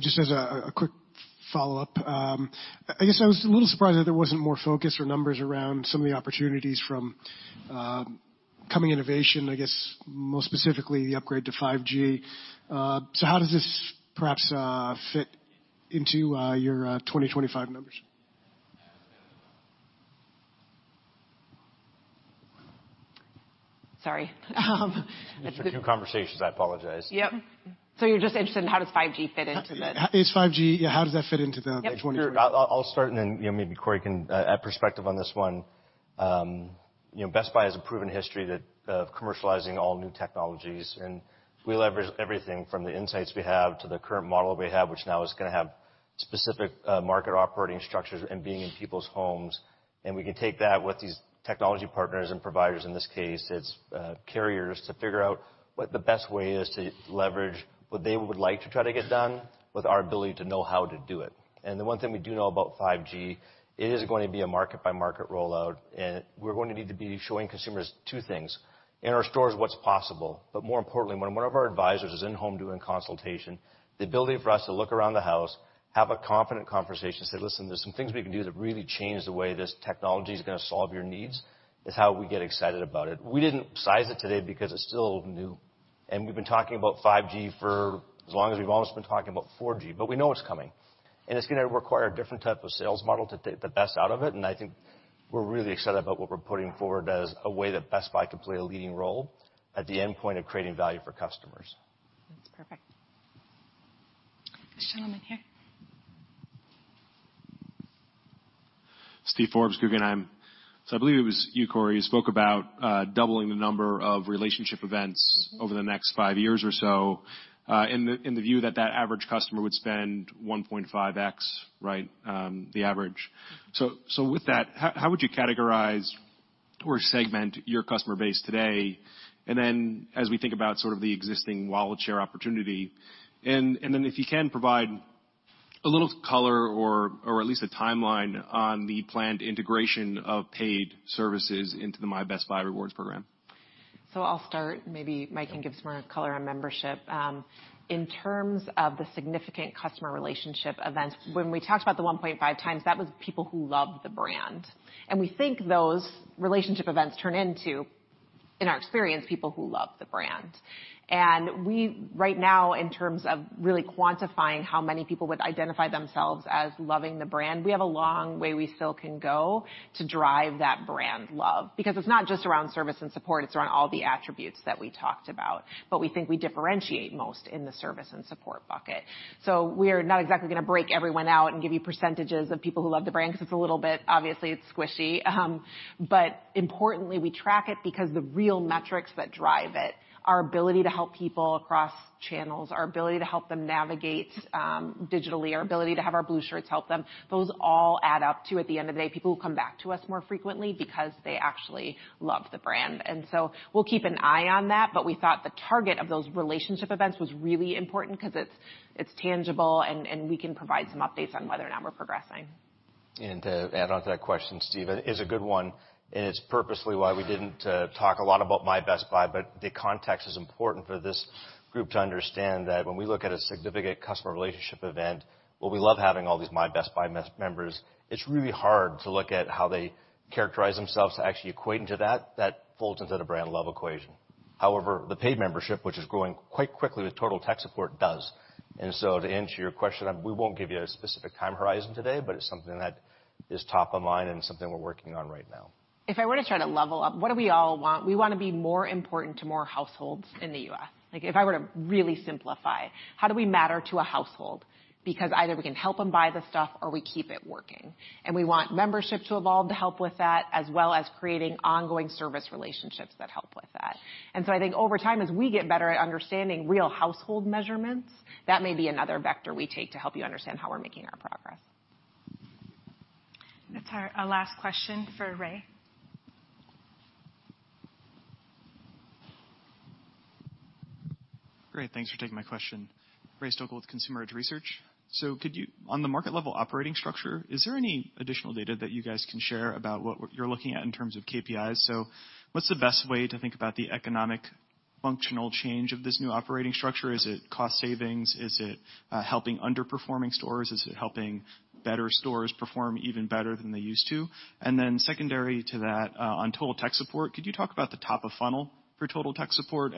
Just as a quick follow-up. I guess I was a little surprised that there wasn't more focus or numbers around some of the opportunities from coming innovation, I guess, more specifically, the upgrade to 5G. How does this perhaps fit into your 2025 numbers? Sorry. These are two conversations. I apologize. Yep. You're just interested in how does 5G fit into? Is 5G, yeah, how does that fit into the 2025- I'll start, and then maybe Corie can add perspective on this one. Best Buy has a proven history of commercializing all new technologies, and we leverage everything from the insights we have to the current model we have, which now is going to have specific market operating structures and being in people's homes. We can take that with these technology partners and providers, in this case, it's carriers, to figure out what the best way is to leverage what they would like to try to get done with our ability to know how to do it. The one thing we do know about 5G, it is going to be a market-by-market rollout. We're going to need to be showing consumers two things: in our stores, what's possible, but more importantly, when one of our advisors is in home doing consultation, the ability for us to look around the house, have a confident conversation, say, "Listen, there's some things we can do that really change the way this technology is going to solve your needs," is how we get excited about it. We didn't size it today because it's still new. We've been talking about 5G for as long as we've almost been talking about 4G. We know it's coming. It's going to require a different type of sales model to take the best out of it, and I think we're really excited about what we're putting forward as a way that Best Buy can play a leading role at the endpoint of creating value for customers. That's perfect. This gentleman here. Steven Forbes, Guggenheim. I believe it was you, Corie, who spoke about doubling the number of relationship events. over the next five years or so, in the view that average customer would spend 1.5X, the average. With that, how would you categorize or segment your customer base today? As we think about sort of the existing wallet share opportunity, if you can, provide a little color or at least a timeline on the planned integration of paid services into the My Best Buy Rewards program. I'll start. Maybe Mike can give some more color on membership. In terms of the significant customer relationship events, when we talked about the 1.5 times, that was people who loved the brand. We think those relationship events turn into, in our experience, people who love the brand. We, right now, in terms of really quantifying how many people would identify themselves as loving the brand, we have a long way we still can go to drive that brand love. Because it's not just around service and support, it's around all the attributes that we talked about. We think we differentiate most in the service and support bucket. We are not exactly going to break everyone out and give you % of people who love the brand, because it's a little bit, obviously, it's squishy. Importantly, we track it because the real metrics that drive it, our ability to help people across channels, our ability to help them navigate digitally, our ability to have our Blue Shirts help them, those all add up to, at the end of the day, people who come back to us more frequently because they actually love the brand. We'll keep an eye on that, but we thought the target of those relationship events was really important because it's tangible and we can provide some updates on whether or not we're progressing. To add onto that question, Steve, it is a good one, and it's purposely why we didn't talk a lot about My Best Buy, but the context is important for this group to understand that when we look at a significant customer relationship event, while we love having all these My Best Buy members, it's really hard to look at how they characterize themselves to actually equating to that. That falls into the brand love equation. However, the paid membership, which is growing quite quickly with Total Tech Support, does. To answer your question, we won't give you a specific time horizon today, but it's something that is top of mind and something we're working on right now. If I were to try to level up, what do we all want? We want to be more important to more households in the U.S. If I were to really simplify, how do we matter to a household? Either we can help them buy the stuff, or we keep it working. We want membership to evolve to help with that, as well as creating ongoing service relationships that help with that. I think over time, as we get better at understanding real household measurements, that may be another vector we take to help you understand how we're making our progress. That's our last question for Ray. Great. Thanks for taking my question. Ray Stochel with Consumer Edge Research. Could you, on the market level operating structure, is there any additional data that you guys can share about what you're looking at in terms of KPIs? What's the best way to think about the economic functional change of this new operating structure? Is it cost savings? Is it helping underperforming stores? Is it helping better stores perform even better than they used to? Secondary to that, on Total Tech Support, could you talk about the top of funnel for Total Tech Support?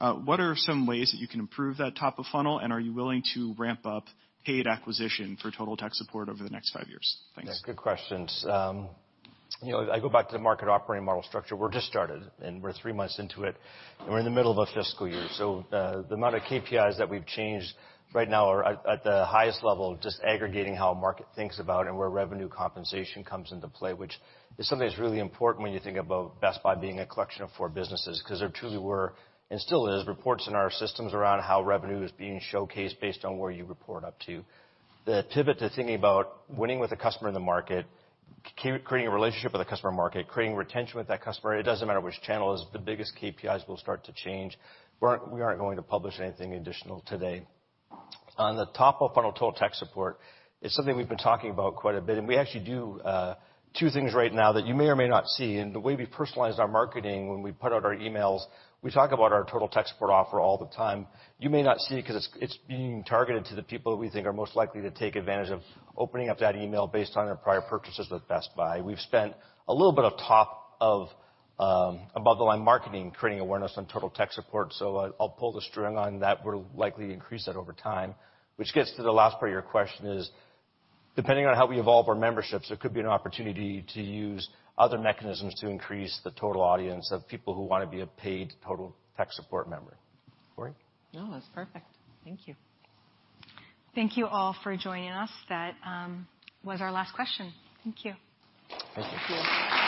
What are some ways that you can improve that top of funnel, and are you willing to ramp up paid acquisition for Total Tech Support over the next five years? Thanks. Yeah, good questions. I go back to the market operating model structure. We're just started, and we're three months into it, and we're in the middle of a fiscal year. The amount of KPIs that we've changed right now are at the highest level of just aggregating how a market thinks about and where revenue compensation comes into play, which is something that's really important when you think about Best Buy being a collection of four businesses because there truly were, and still is, reports in our systems around how revenue is being showcased based on where you report up to. The pivot to thinking about winning with a customer in the market, creating a relationship with a customer market, creating retention with that customer, it doesn't matter which channel, is the biggest KPIs will start to change. We aren't going to publish anything additional today. On the top-of-funnel Total Tech Support, it's something we've been talking about quite a bit. We actually do two things right now that you may or may not see. In the way we've personalized our marketing, when we put out our emails, we talk about our Total Tech Support offer all the time. You may not see it because it's being targeted to the people that we think are most likely to take advantage of opening up that email based on their prior purchases with Best Buy. We've spent a little bit of above-the-line marketing, creating awareness on Total Tech Support. I'll pull the string on that. We'll likely increase that over time. Which gets to the last part of your question is, depending on how we evolve our memberships, there could be an opportunity to use other mechanisms to increase the total audience of people who want to be a paid Total Tech Support member. Corie? No, that's perfect. Thank you. Thank you all for joining us. That was our last question. Thank you. Thank you. Thank you.